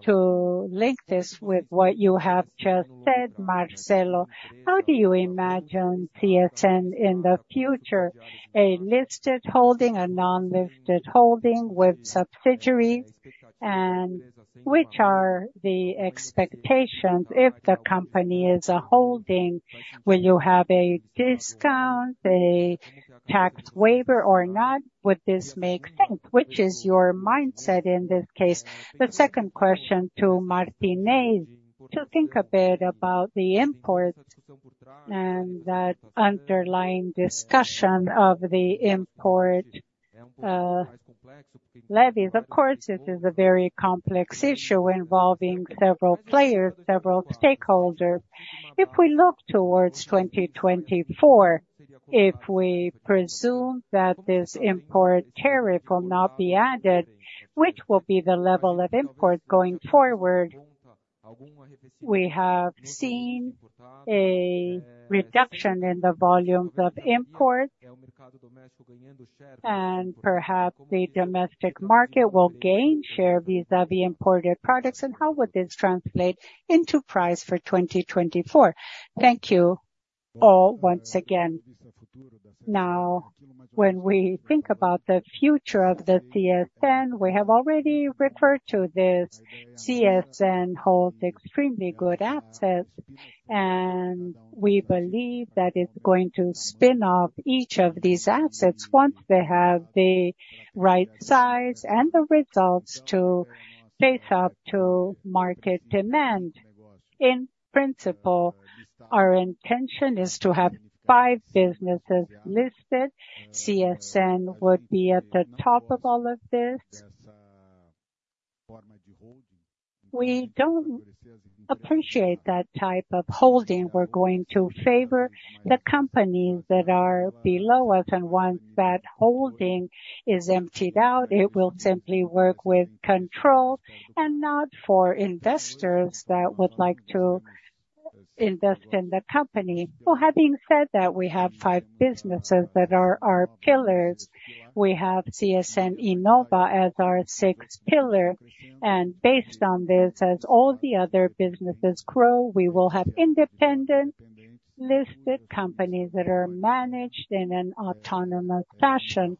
to link this with what you have just said, Marcelo, how do you imagine CSN in the future? A listed holding, a non-listed holding with subsidiaries, and which are the expectations if the company is a holding, will you have a discount, a tax waiver or not? Would this make sense? Which is your mindset in this case? The second question to Martinez, to think a bit about the import and that underlying discussion of the import, levies. Of course, this is a very complex issue involving several players, several stakeholders. If we look towards 2024, if we presume that this import tariff will not be added, which will be the level of import going forward? We have seen a reduction in the volumes of import, and perhaps the domestic market will gain share vis-à-vis imported products, and how would this translate into price for 2024? Thank you all once again. Now, when we think about the future of the CSN, we have already referred to this. CSN holds extremely good assets, and we believe that it's going to spin off each of these assets once they have the right size and the results to face up to market demand. In principle, our intention is to have five businesses listed. CSN would be at the top of all of this. We don't appreciate that type of holding. We're going to favor the companies that are below us, and once that holding is emptied out, it will simply work with control and not for investors that would like to invest in the company. So having said that, we have five businesses that are our pillars. We have CSN Inova as our sixth pillar, and based on this, as all the other businesses grow, we will have independent, listed companies that are managed in an autonomous fashion,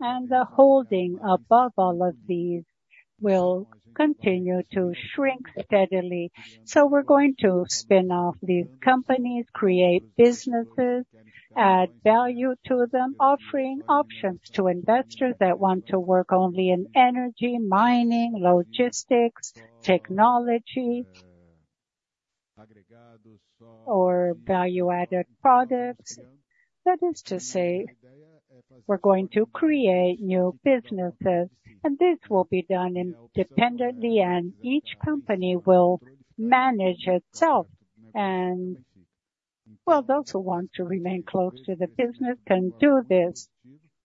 and the holding above all of these will continue to shrink steadily. So we're going to spin off these companies, create businesses, add value to them, offering options to investors that want to work only in energy, mining, logistics, technology, or value-added products. That is to say, we're going to create new businesses, and this will be done independently, and each company will manage itself. And well, those who want to remain close to the business can do this.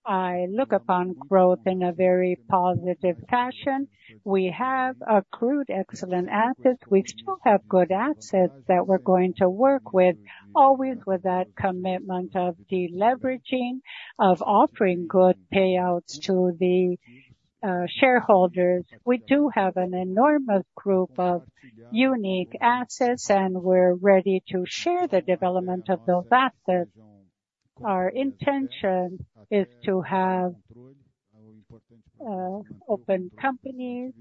I look upon growth in a very positive fashion. We have accrued excellent assets. We still have good assets that we're going to work with, always with that commitment of deleveraging, of offering good payouts to the shareholders. We do have an enormous group of unique assets, and we're ready to share the development of those assets. Our intention is to have open companies.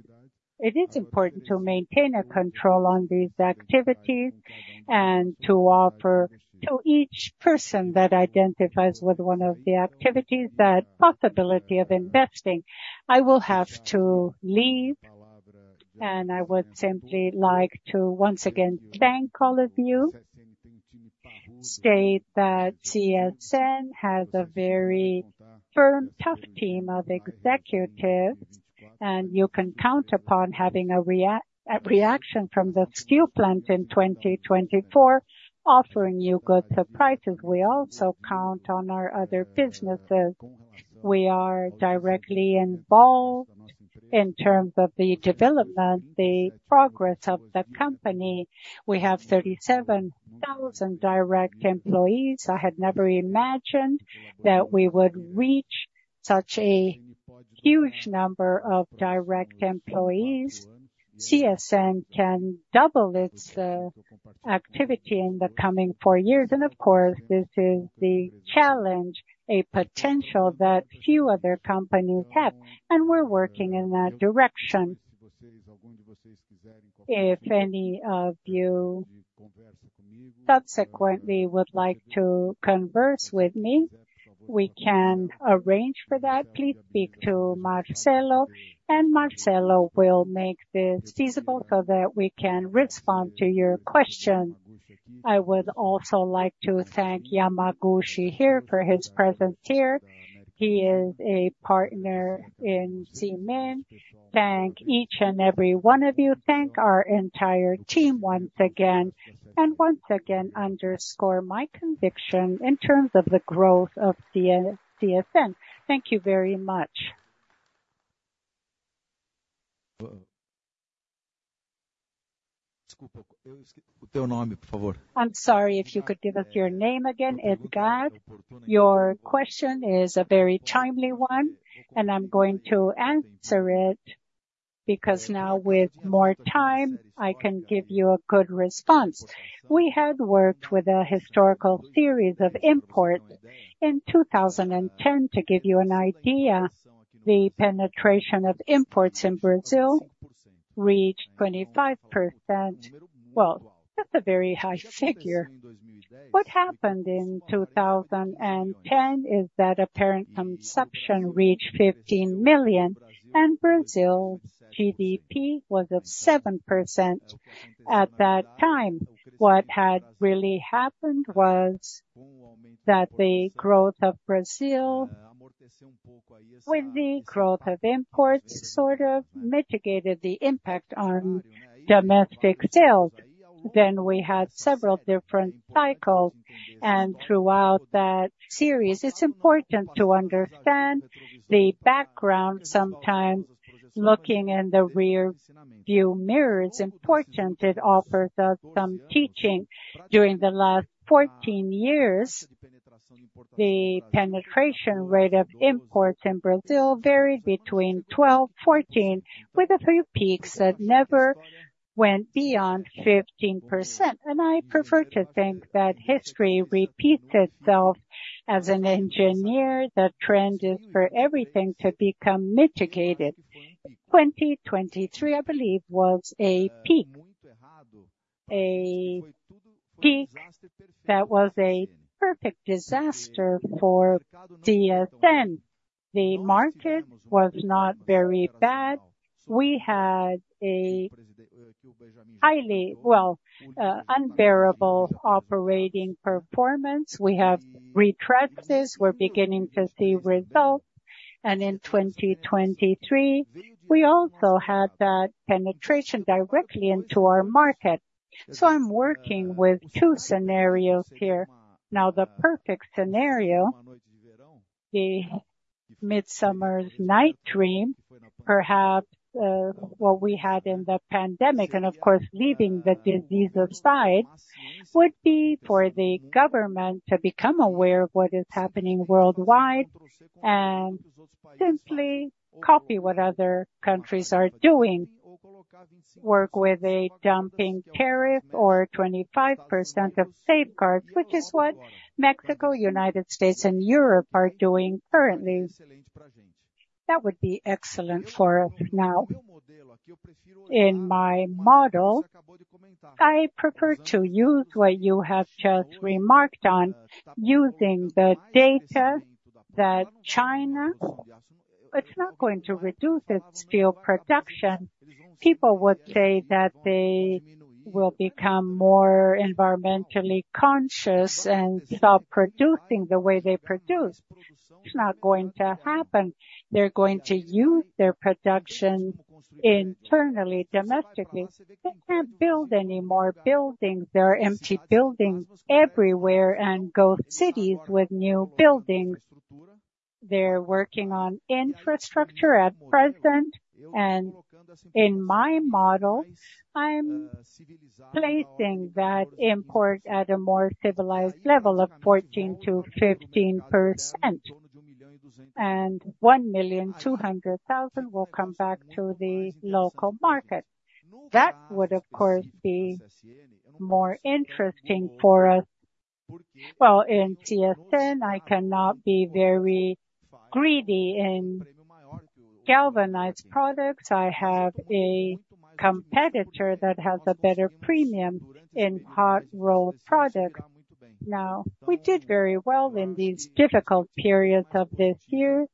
It is important to maintain a control on these activities and to offer to each person that identifies with one of the activities, that possibility of investing. I will have to leave, and I would simply like to once again thank all of you. State that CSN has a very firm, tough team of executives, and you can count upon having a reaction from the steel plant in 2024, offering you good surprises. We also count on our other businesses. We are directly involved in terms of the development, the progress of the company. We have 37,000 direct employees. I had never imagined that we would reach such a huge number of direct employees. CSN can double its activity in the coming four years, and of course, this is the challenge, a potential that few other companies have, and we're working in that direction. If any of you subsequently would like to converse with me, we can arrange for that. Please speak to Marcelo, and Marcelo will make this feasible so that we can respond to your questions. I would also like to thank Yamaguchi here for his presence here. He is a partner in CSN Mineração. Thank each and every one of you. Thank our entire team once again, and once again, underscore my conviction in terms of the growth of CSN. Thank you very much. I'm sorry, if you could give us your name again, Edgar. Your question is a very timely one, and I'm going to answer it, because now with more time, I can give you a good response. We had worked with the historical theories of import in 2010, to give you an idea, the penetration of imports in Brazil reached 25%. Well, that's a very high figure. What happened in 2010 is that apparent consumption reached 15 million, and Brazil's GDP was 7%. At that time, what had really happened was that the growth of Brazil with the growth of imports sort of mitigated the impact on domestic sales. Then we had several different cycles, and throughout that series, it's important to understand the background, sometimes looking in the rearview mirror is important. It offers us some teaching. During the last 14 years, the penetration rate of imports in Brazil varied between 12%-14%, with a few peaks that never went beyond 15%. I prefer to think that history repeats itself. As an engineer, the trend is for everything to become mitigated. 2023, I believe, was a peak. A peak that was a perfect disaster for CSN. The market was not very bad. We had a highly, well, unbearable operating performance. We have addressed this, we're beginning to see results, and in 2023, we also had that penetration directly into our market. So I'm working with two scenarios here. Now, the perfect scenario, the Midsummer's Night Dream, perhaps, what we had in the pandemic, and of course, leaving the disease aside, would be for the government to become aware of what is happening worldwide and simply copy what other countries are doing. Work with a dumping tariff or 25% of safeguards, which is what Mexico, United States, and Europe are doing currently. That would be excellent for us now. In my model, I prefer to use what you have just remarked on, using the data that China, it's not going to reduce its steel production. People would say that they will become more environmentally conscious and stop producing the way they produce. It's not going to happen. They're going to use their production internally, domestically. They can't build any more buildings. There are empty buildings everywhere and ghost cities with new buildings. They're working on infrastructure at present, and in my model, I'm placing that import at a more civilized level of 14%-15%, and 1,200,000 will come back to the local market. That would, of course, be more interesting for us. Well, in CSN, I cannot be very greedy in galvanized products. I have a competitor that has a better premium in hot roll products. Now, we did very well in these difficult periods of this year,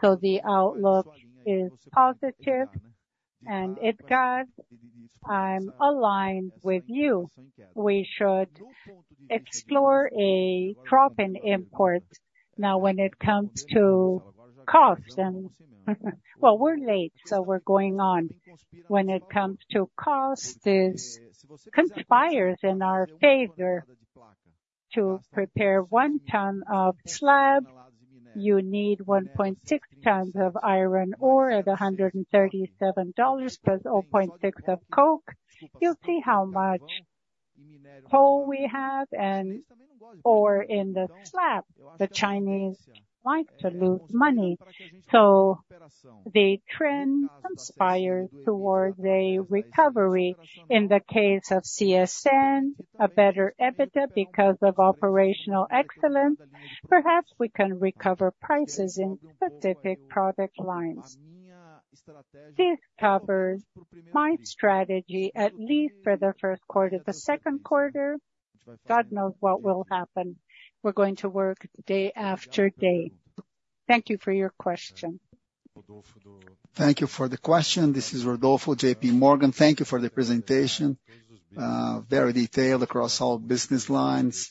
so the outlook is positive, and Edgard, I'm aligned with you. We should explore a drop in import. Now, when it comes to cost and, well, we're late, so we're going on. When it comes to cost, this conspires in our favor. To prepare 1 ton of slab, you need 1.6 tons of iron ore at $137, plus 0.6 of coke. You'll see how much coal we have and or in the slab. The Chinese like to lose money, so the trend conspires towards a recovery. In the case of CSN, a better EBITDA because of operational excellence, perhaps we can recover prices in specific product lines. This covers my strategy, at least for the first quarter. The second quarter, God knows what will happen. We're going to work day after day. Thank you for your question. Thank you for the question. This is Rodolfo, J.P. Morgan. Thank you for the presentation, very detailed across all business lines.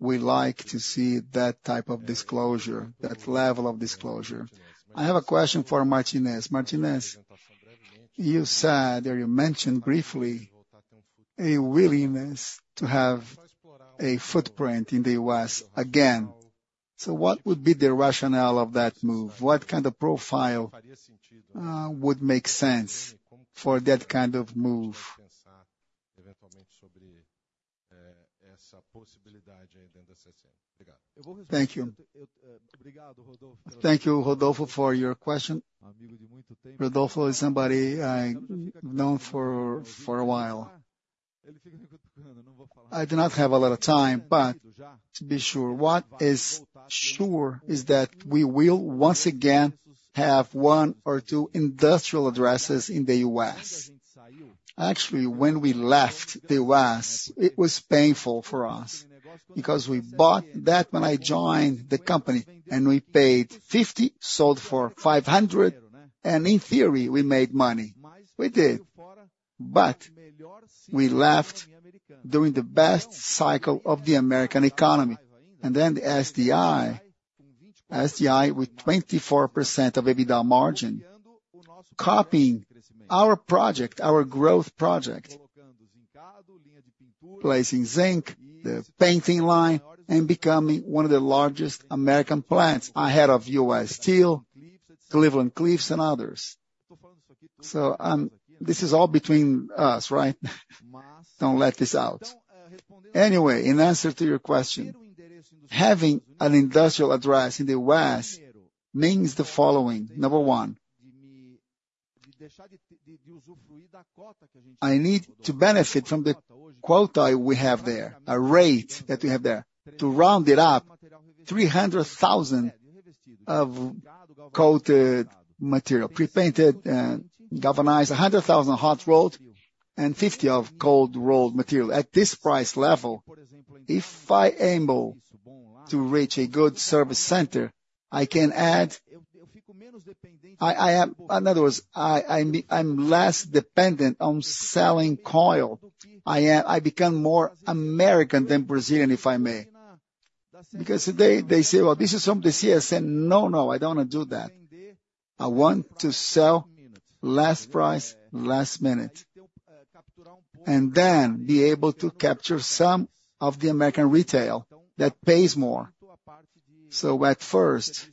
We like to see that type of disclosure, that level of disclosure. I have a question for Martinez. Martinez, you said, or you mentioned briefly, a willingness to have a footprint in the U.S. again. So what would be the rationale of that move? What kind of profile, would make sense for that kind of move? Thank you. Thank you, Rodolfo, for your question. Rodolfo is somebody I've known for, for a while. I do not have a lot of time, but to be sure, what is sure is that we will once again have one or two industrial addresses in the U.S. Actually, when we left the U.S., it was painful for us because we bought that when I joined the company, and we paid $50, sold for $500, and in theory, we made money. We did, but we left during the best cycle of the American economy. Then the SDI, SDI, with 24% EBITDA margin, copying our project, our growth project, placing zinc, the painting line, and becoming one of the largest American plants ahead of U.S. Steel, Cleveland-Cliffs, and others. So, this is all between us, right? Don't let this out. Anyway, in answer to your question, having an industrial address in the U.S. means the following: number one, I need to benefit from the quota we have there, a rate that we have there. To round it up, 300,000 of coated material, pre-painted and galvanized, 100,000 hot rolled, and 50 of cold-rolled material. At this price level, if I able to reach a good service center, I can add, I, I am, in other words, I, I'm, I'm less dependent on selling coil. I am, I become more American than Brazilian, if I may. Because they, they say, "Well, this is from the CSN." "No, no, I don't wanna do that. I want to sell last price, last minute, and then be able to capture some of the American retail that pays more." So at first,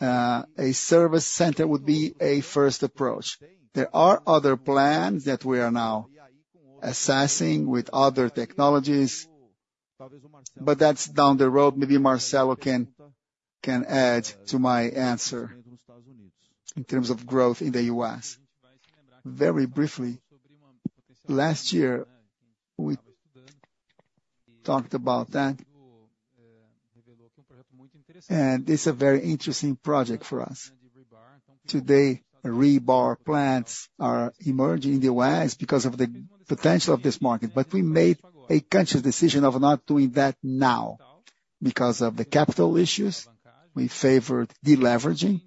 a service center would be a first approach. There are other plans that we are now assessing with other technologies, but that's down the road. Maybe Marcelo can, can add to my answer in terms of growth in the U.S. Very briefly. Last year, we talked about that, and it's a very interesting project for us. Today, rebar plants are emerging in the U.S. because of the potential of this market, but we made a conscious decision of not doing that now. Because of the capital issues, we favored deleveraging,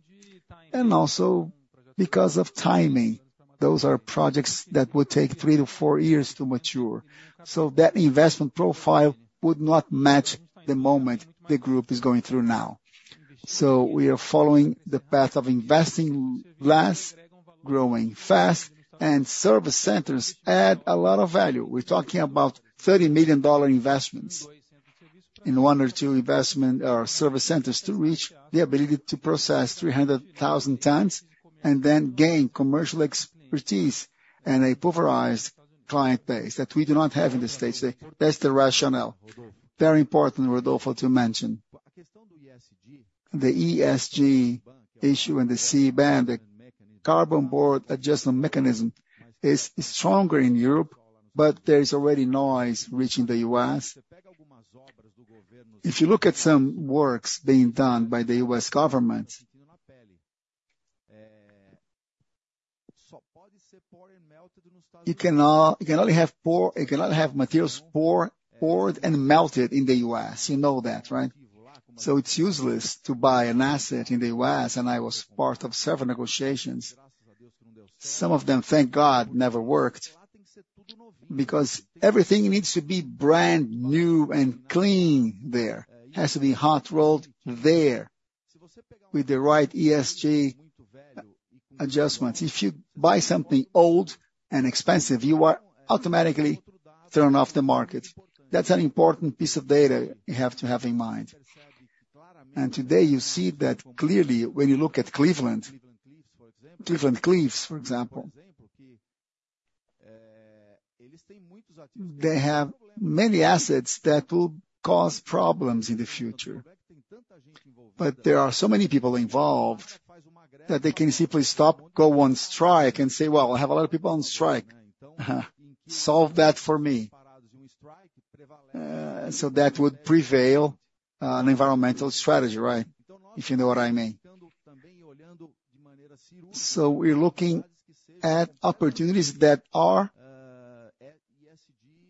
and also because of timing. Those are projects that would take 3-4 years to mature, so that investment profile would not match the moment the group is going through now. So we are following the path of investing less, growing fast, and service centers add a lot of value. We're talking about $30 million investments in one or two investment or service centers to reach the ability to process 300,000 tons, and then gain commercial expertise and a pulverized client base that we do not have in the States today. That's the rationale. Very important, Rodolfo, to mention. The ESG issue and the CBAM, the Carbon Border Adjustment Mechanism, is stronger in Europe, but there is already noise reaching the U.S. If you look at some works being done by the U.S. government, you cannot, you can only have poor, you cannot have materials poor, poured and melted in the U.S. You know that, right? So it's useless to buy an asset in the U.S., and I was part of several negotiations. Some of them, thank God, never worked, because everything needs to be brand new and clean there, it has to be hot rolled there with the right ESG adjustments. If you buy something old and expensive, you are automatically thrown off the market. That's an important piece of data you have to have in mind. Today, you see that clearly when you look at Cleveland-Cliffs, for example. They have many assets that will cause problems in the future. But there are so many people involved that they can simply stop, go on strike, and say, "Well, I have a lot of people on strike. Solve that for me." So that would prevail an environmental strategy, right? If you know what I mean. So we're looking at opportunities that are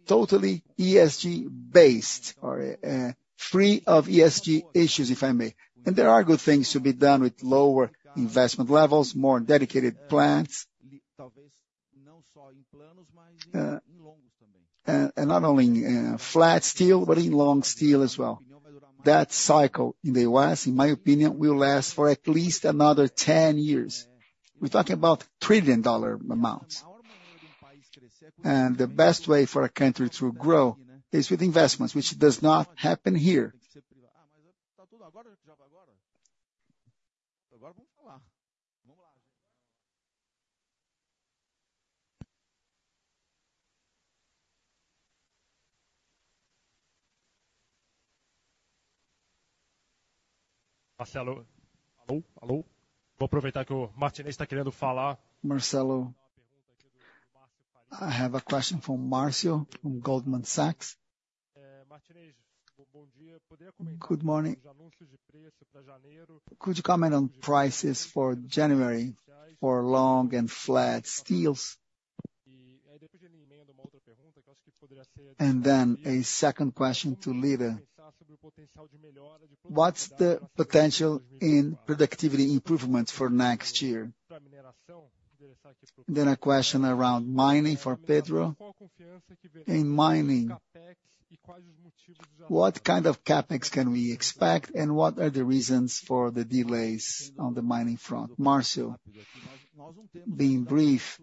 totally ESG-based or free of ESG issues, if I may. And there are good things to be done with lower investment levels, more dedicated plants, and not only in flat steel, but in long steel as well. That cycle in the U.S., in my opinion, will last for at least another 10 years. We're talking about trillion-dollar amounts. And the best way for a country to grow is with investments, which does not happen here. Marcelo, hello, hello. Marcelo, I have a question from Marcio from Goldman Sachs. Good morning. Good morning. Could you comment on prices for January, for long and flat steels? And then a second question to Luiz: What's the potential in productivity improvements for next year? Then a question around mining for Pedro. In mining, what kind of CapEx can we expect, and what are the reasons for the delays on the mining front? Marcio, being brief,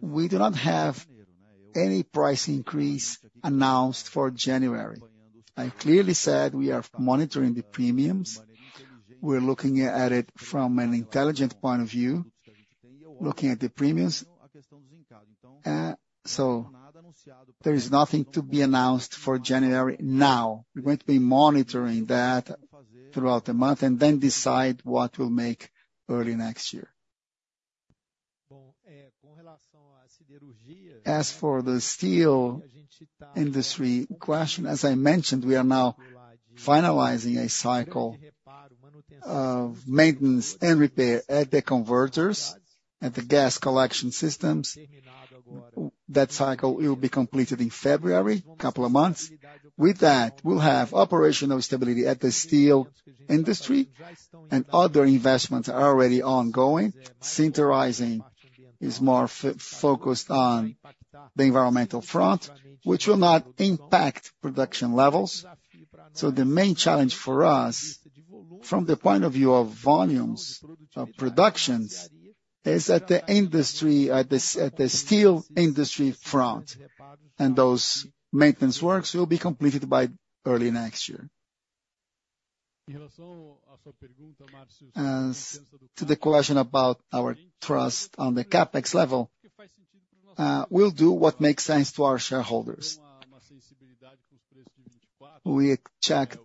we do not have any price increase announced for January. I clearly said we are monitoring the premiums. We're looking at it from an intelligent point of view, looking at the premiums. So there is nothing to be announced for January now. We're going to be monitoring that throughout the month and then decide what we'll make early next year. As for the steel industry question, as I mentioned, we are now finalizing a cycle of maintenance and repair at the converters, at the gas collection systems. That cycle will be completed in February, a couple of months. With that, we'll have operational stability at the steel industry, and other investments are already ongoing. Sintering is more focused on the environmental front, which will not impact production levels. So the main challenge for us, from the point of view of volumes of productions, is at the industry, at the steel industry front, and those maintenance works will be completed by early next year. As to the question about our trust on the CapEx level, we'll do what makes sense to our shareholders. We checked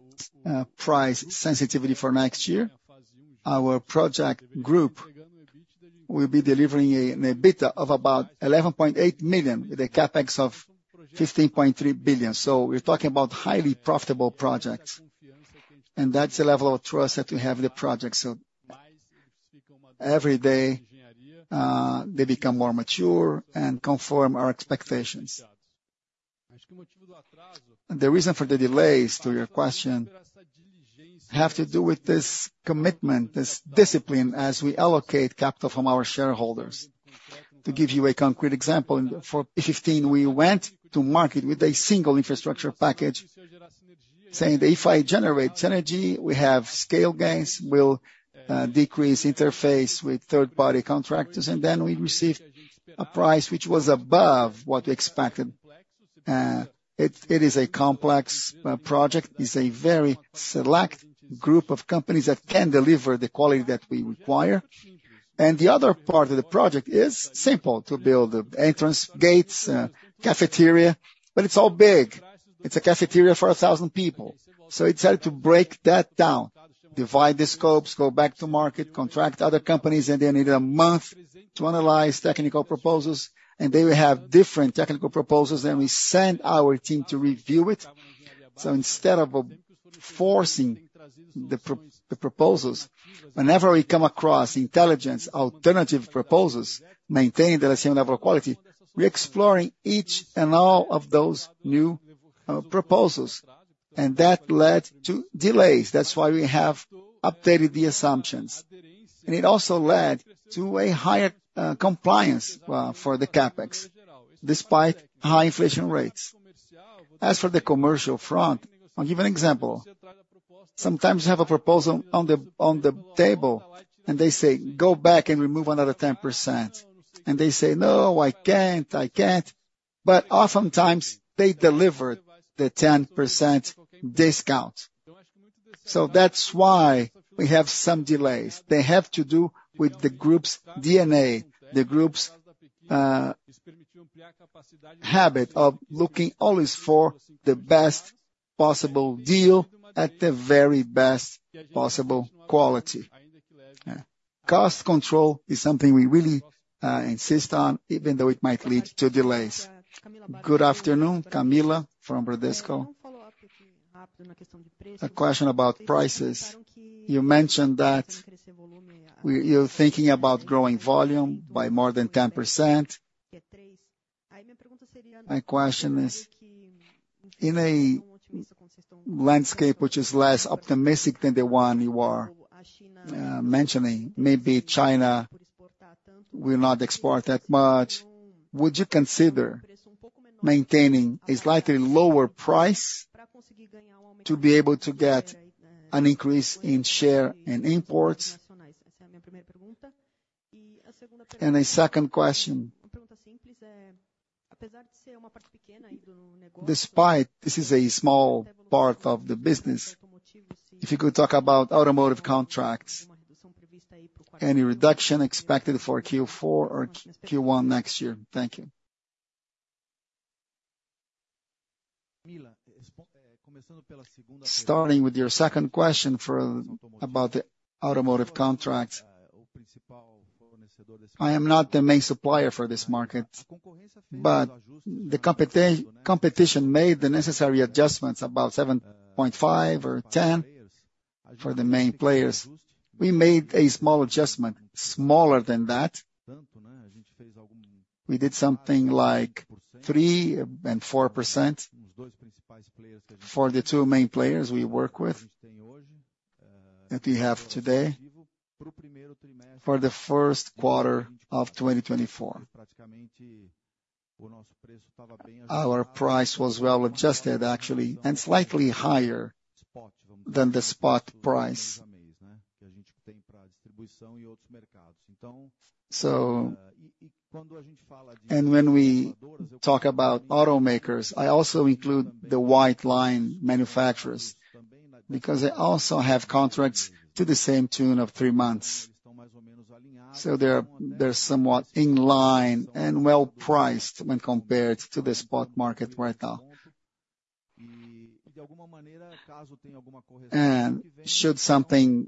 price sensitivity for next year. Our project group will be delivering an EBITDA of about 11.8 billion, with a CapEx of 15.3 billion. So we're talking about highly profitable projects, and that's the level of trust that we have in the project. So every day, they become more mature and confirm our expectations. The reason for the delays, to your question, have to do with this commitment, this discipline, as we allocate capital from our shareholders. To give you a concrete example, for 15, we went to market with a single infrastructure package, saying that if I generate synergy, we have scale gains, we'll decrease interface with third-party contractors, and then we received a price which was above what we expected. It is a complex project. It's a very select group of companies that can deliver the quality that we require. The other part of the project is simple, to build the entrance gates, cafeteria, but it's all big. It's a cafeteria for 1,000 people. We decided to break that down, divide the scopes, go back to market, contract other companies, and they needed a month to analyze technical proposals, and they will have different technical proposals, and we send our team to review it. Instead of forcing the proposals, whenever we come across intelligent alternative proposals, maintaining the same level of quality, we're exploring each and all of those new proposals, and that led to delays. That's why we have updated the assumptions. It also led to a higher compliance for the CapEx, despite high inflation rates. As for the commercial front, I'll give an example. Sometimes you have a proposal on the table, and they say, "Go back and remove another 10%." And they say, "No, I can't, I can't." But oftentimes, they delivered the 10% discount. So that's why we have some delays. They have to do with the group's DNA, the group's habit of looking always for the best possible deal at the very best possible quality. Cost control is something we really insist on, even though it might lead to delays. Good afternoon, Camila from Bradesco. A question about prices. You mentioned that we're thinking about growing volume by more than 10%. My question is, in a landscape which is less optimistic than the one you are mentioning, maybe China will not export that much, would you consider maintaining a slightly lower price to be able to get an increase in share and imports. A second question. Despite this is a small part of the business, if you could talk about automotive contracts, any reduction expected for Q4 or Q1 next year? Thank you. Starting with your second question about the automotive contracts. I am not the main supplier for this market, but the competition made the necessary adjustments, about 7.5% or 10% for the main players. We made a small adjustment, smaller than that. We did something like 3%-4% for the two main players we work with, that we have today, for the first quarter of 2024. Our price was well adjusted, actually, and slightly higher than the spot price. So, and when we talk about automakers, I also include the white line manufacturers, because they also have contracts to the same tune of three months. So they're somewhat in line and well-priced when compared to the spot market right now. And should something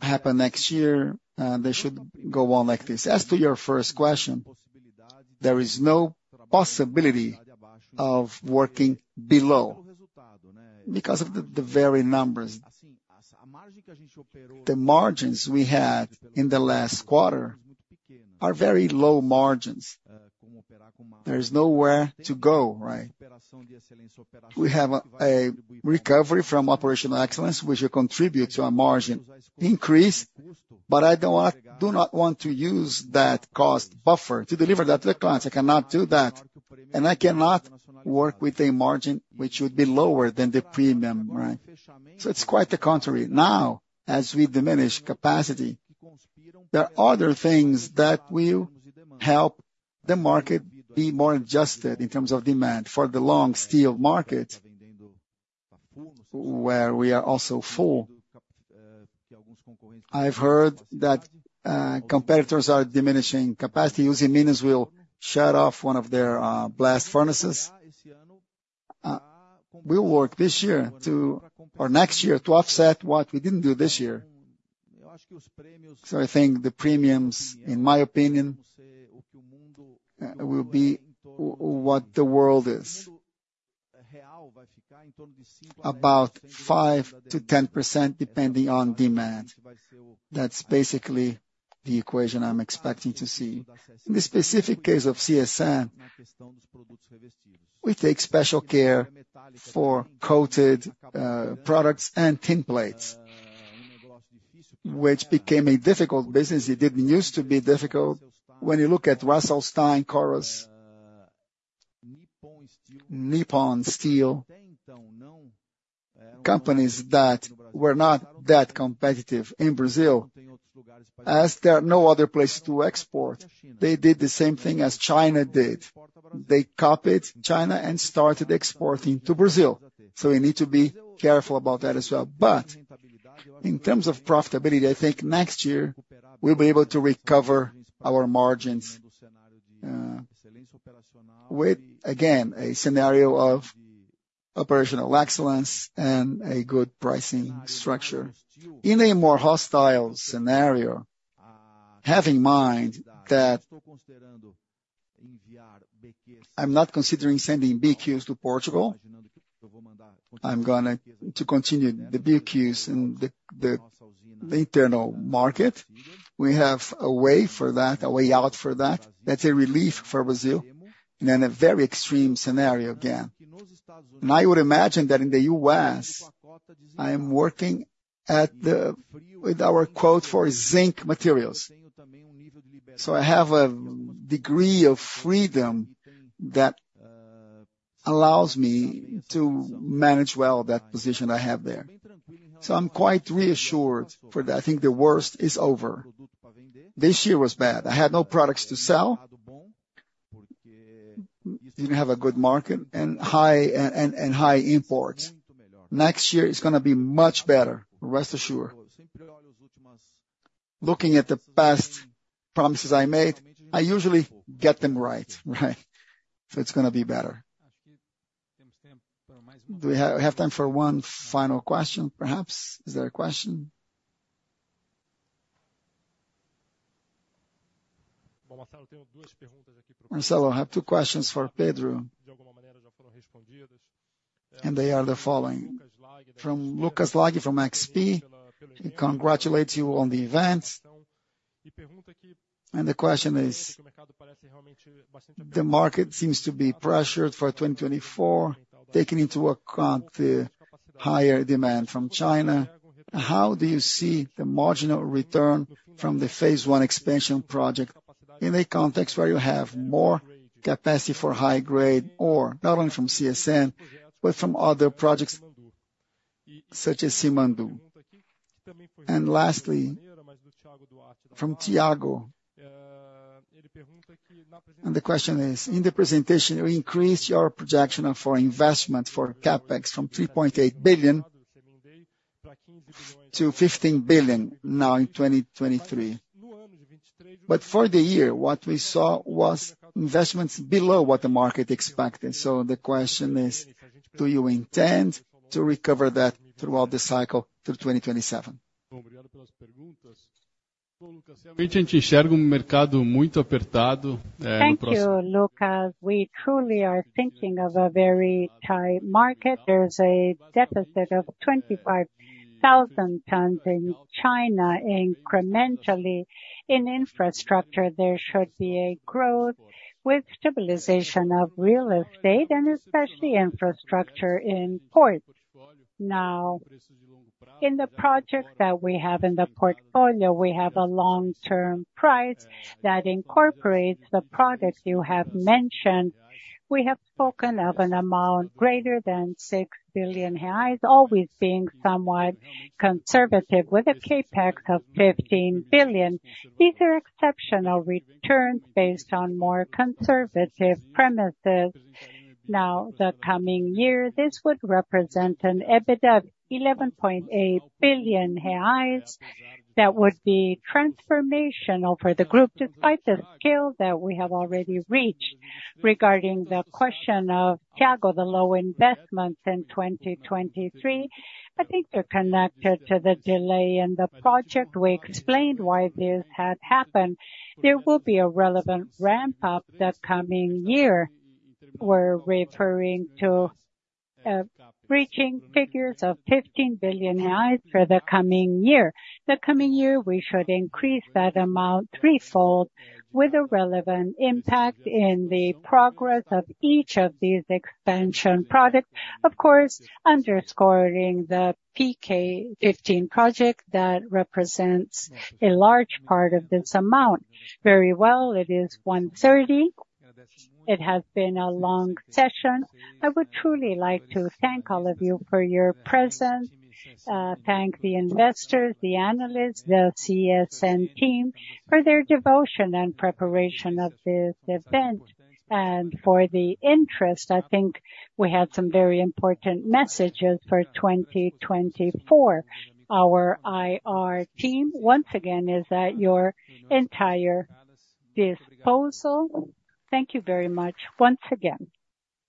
happen next year, they should go on like this. As to your first question, there is no possibility of working below, because of the very numbers. The margins we had in the last quarter are very low margins. There is nowhere to go, right? We have a recovery from operational excellence, which will contribute to a margin increase, but I do not want to use that cost buffer to deliver that to the clients. I cannot do that, and I cannot work with a margin which would be lower than the premium, right? So it's quite the contrary. Now, as we diminish capacity, there are other things that will help the market be more adjusted in terms of demand. For the long steel market, where we are also full, I've heard that, competitors are diminishing capacity, Usiminas will shut off one of their, blast furnaces. We'll work this year or next year to offset what we didn't do this year. So I think the premiums, in my opinion, will be what the world is. About 5%-10%, depending on demand. That's basically the equation I'm expecting to see. In the specific case of CSN, we take special care for coated products and tinplate, which became a difficult business. It didn't use to be difficult. When you look at Rasselstein, Corus, Nippon Steel, companies that were not that competitive in Brazil, as there are no other places to export, they did the same thing as China did. They copied China and started exporting to Brazil, so we need to be careful about that as well. But in terms of profitability, I think next year we'll be able to recover our margins with, again, a scenario of operational excellence and a good pricing structure. In a more hostile scenario, have in mind that I'm not considering sending BQs to Portugal. I'm gonna continue the BQs in the internal market. We have a way for that, a way out for that. That's a relief for Brazil, and in a very extreme scenario again. And I would imagine that in the US, I am working with our quota for zinc materials. So I have a degree of freedom that allows me to manage well that position I have there. So I'm quite reassured, for I think the worst is over. This year was bad. I had no products to sell, didn't have a good market, and high imports. Next year is gonna be much better, rest assured. Looking at the past promises I made, I usually get them right, right? So it's gonna be better. Do we have time for one final question, perhaps? Is there a question? Marcelo, I have two questions for Pedro, and they are the following: From Lucas Laghi, from XP, he congratulates you on the event, and the question is: The market seems to be pressured for 2024, taking into account the higher demand from China. How do you see the marginal return from the phase one expansion project in a context where you have more capacity for high grade, or not only from CSN, but from other projects?... such as Simandou. And lastly, from Thiago, and the question is: In the presentation, you increased your projection for investment for CapEx from 3.8 billion to 15 billion now in 2023. But for the year, what we saw was investments below what the market expected. So the question is, do you intend to recover that throughout the cycle through 2027? Thank you, Lucas. We truly are thinking of a very tight market. There's a deficit of 25,000 tons in China. Incrementally, in infrastructure, there should be a growth with stabilization of real estate and especially infrastructure in ports. Now, in the project that we have in the portfolio, we have a long-term price that incorporates the products you have mentioned. We have spoken of an amount greater than 6 billion reais, always being somewhat conservative, with a CapEx of 15 billion. These are exceptional returns based on more conservative premises. Now, the coming year, this would represent an EBITDA of 11.8 billion reais. That would be transformational for the group, despite the scale that we have already reached. Regarding the question of Thiago, the low investments in 2023, I think they're connected to the delay in the project. We explained why this had happened. There will be a relevant ramp up the coming year. We're referring to reaching figures of 15 billion reais for the coming year. The coming year, we should increase that amount threefold, with a relevant impact in the progress of each of these expansion products. Of course, underscoring the P-15 project, that represents a large part of this amount. Very well. It is 1:30. It has been a long session. I would truly like to thank all of you for your presence, thank the investors, the analysts, the CSN team, for their devotion and preparation of this event and for the interest. I think we had some very important messages for 2024. Our IR team, once again, is at your entire disposal. Thank you very much once again.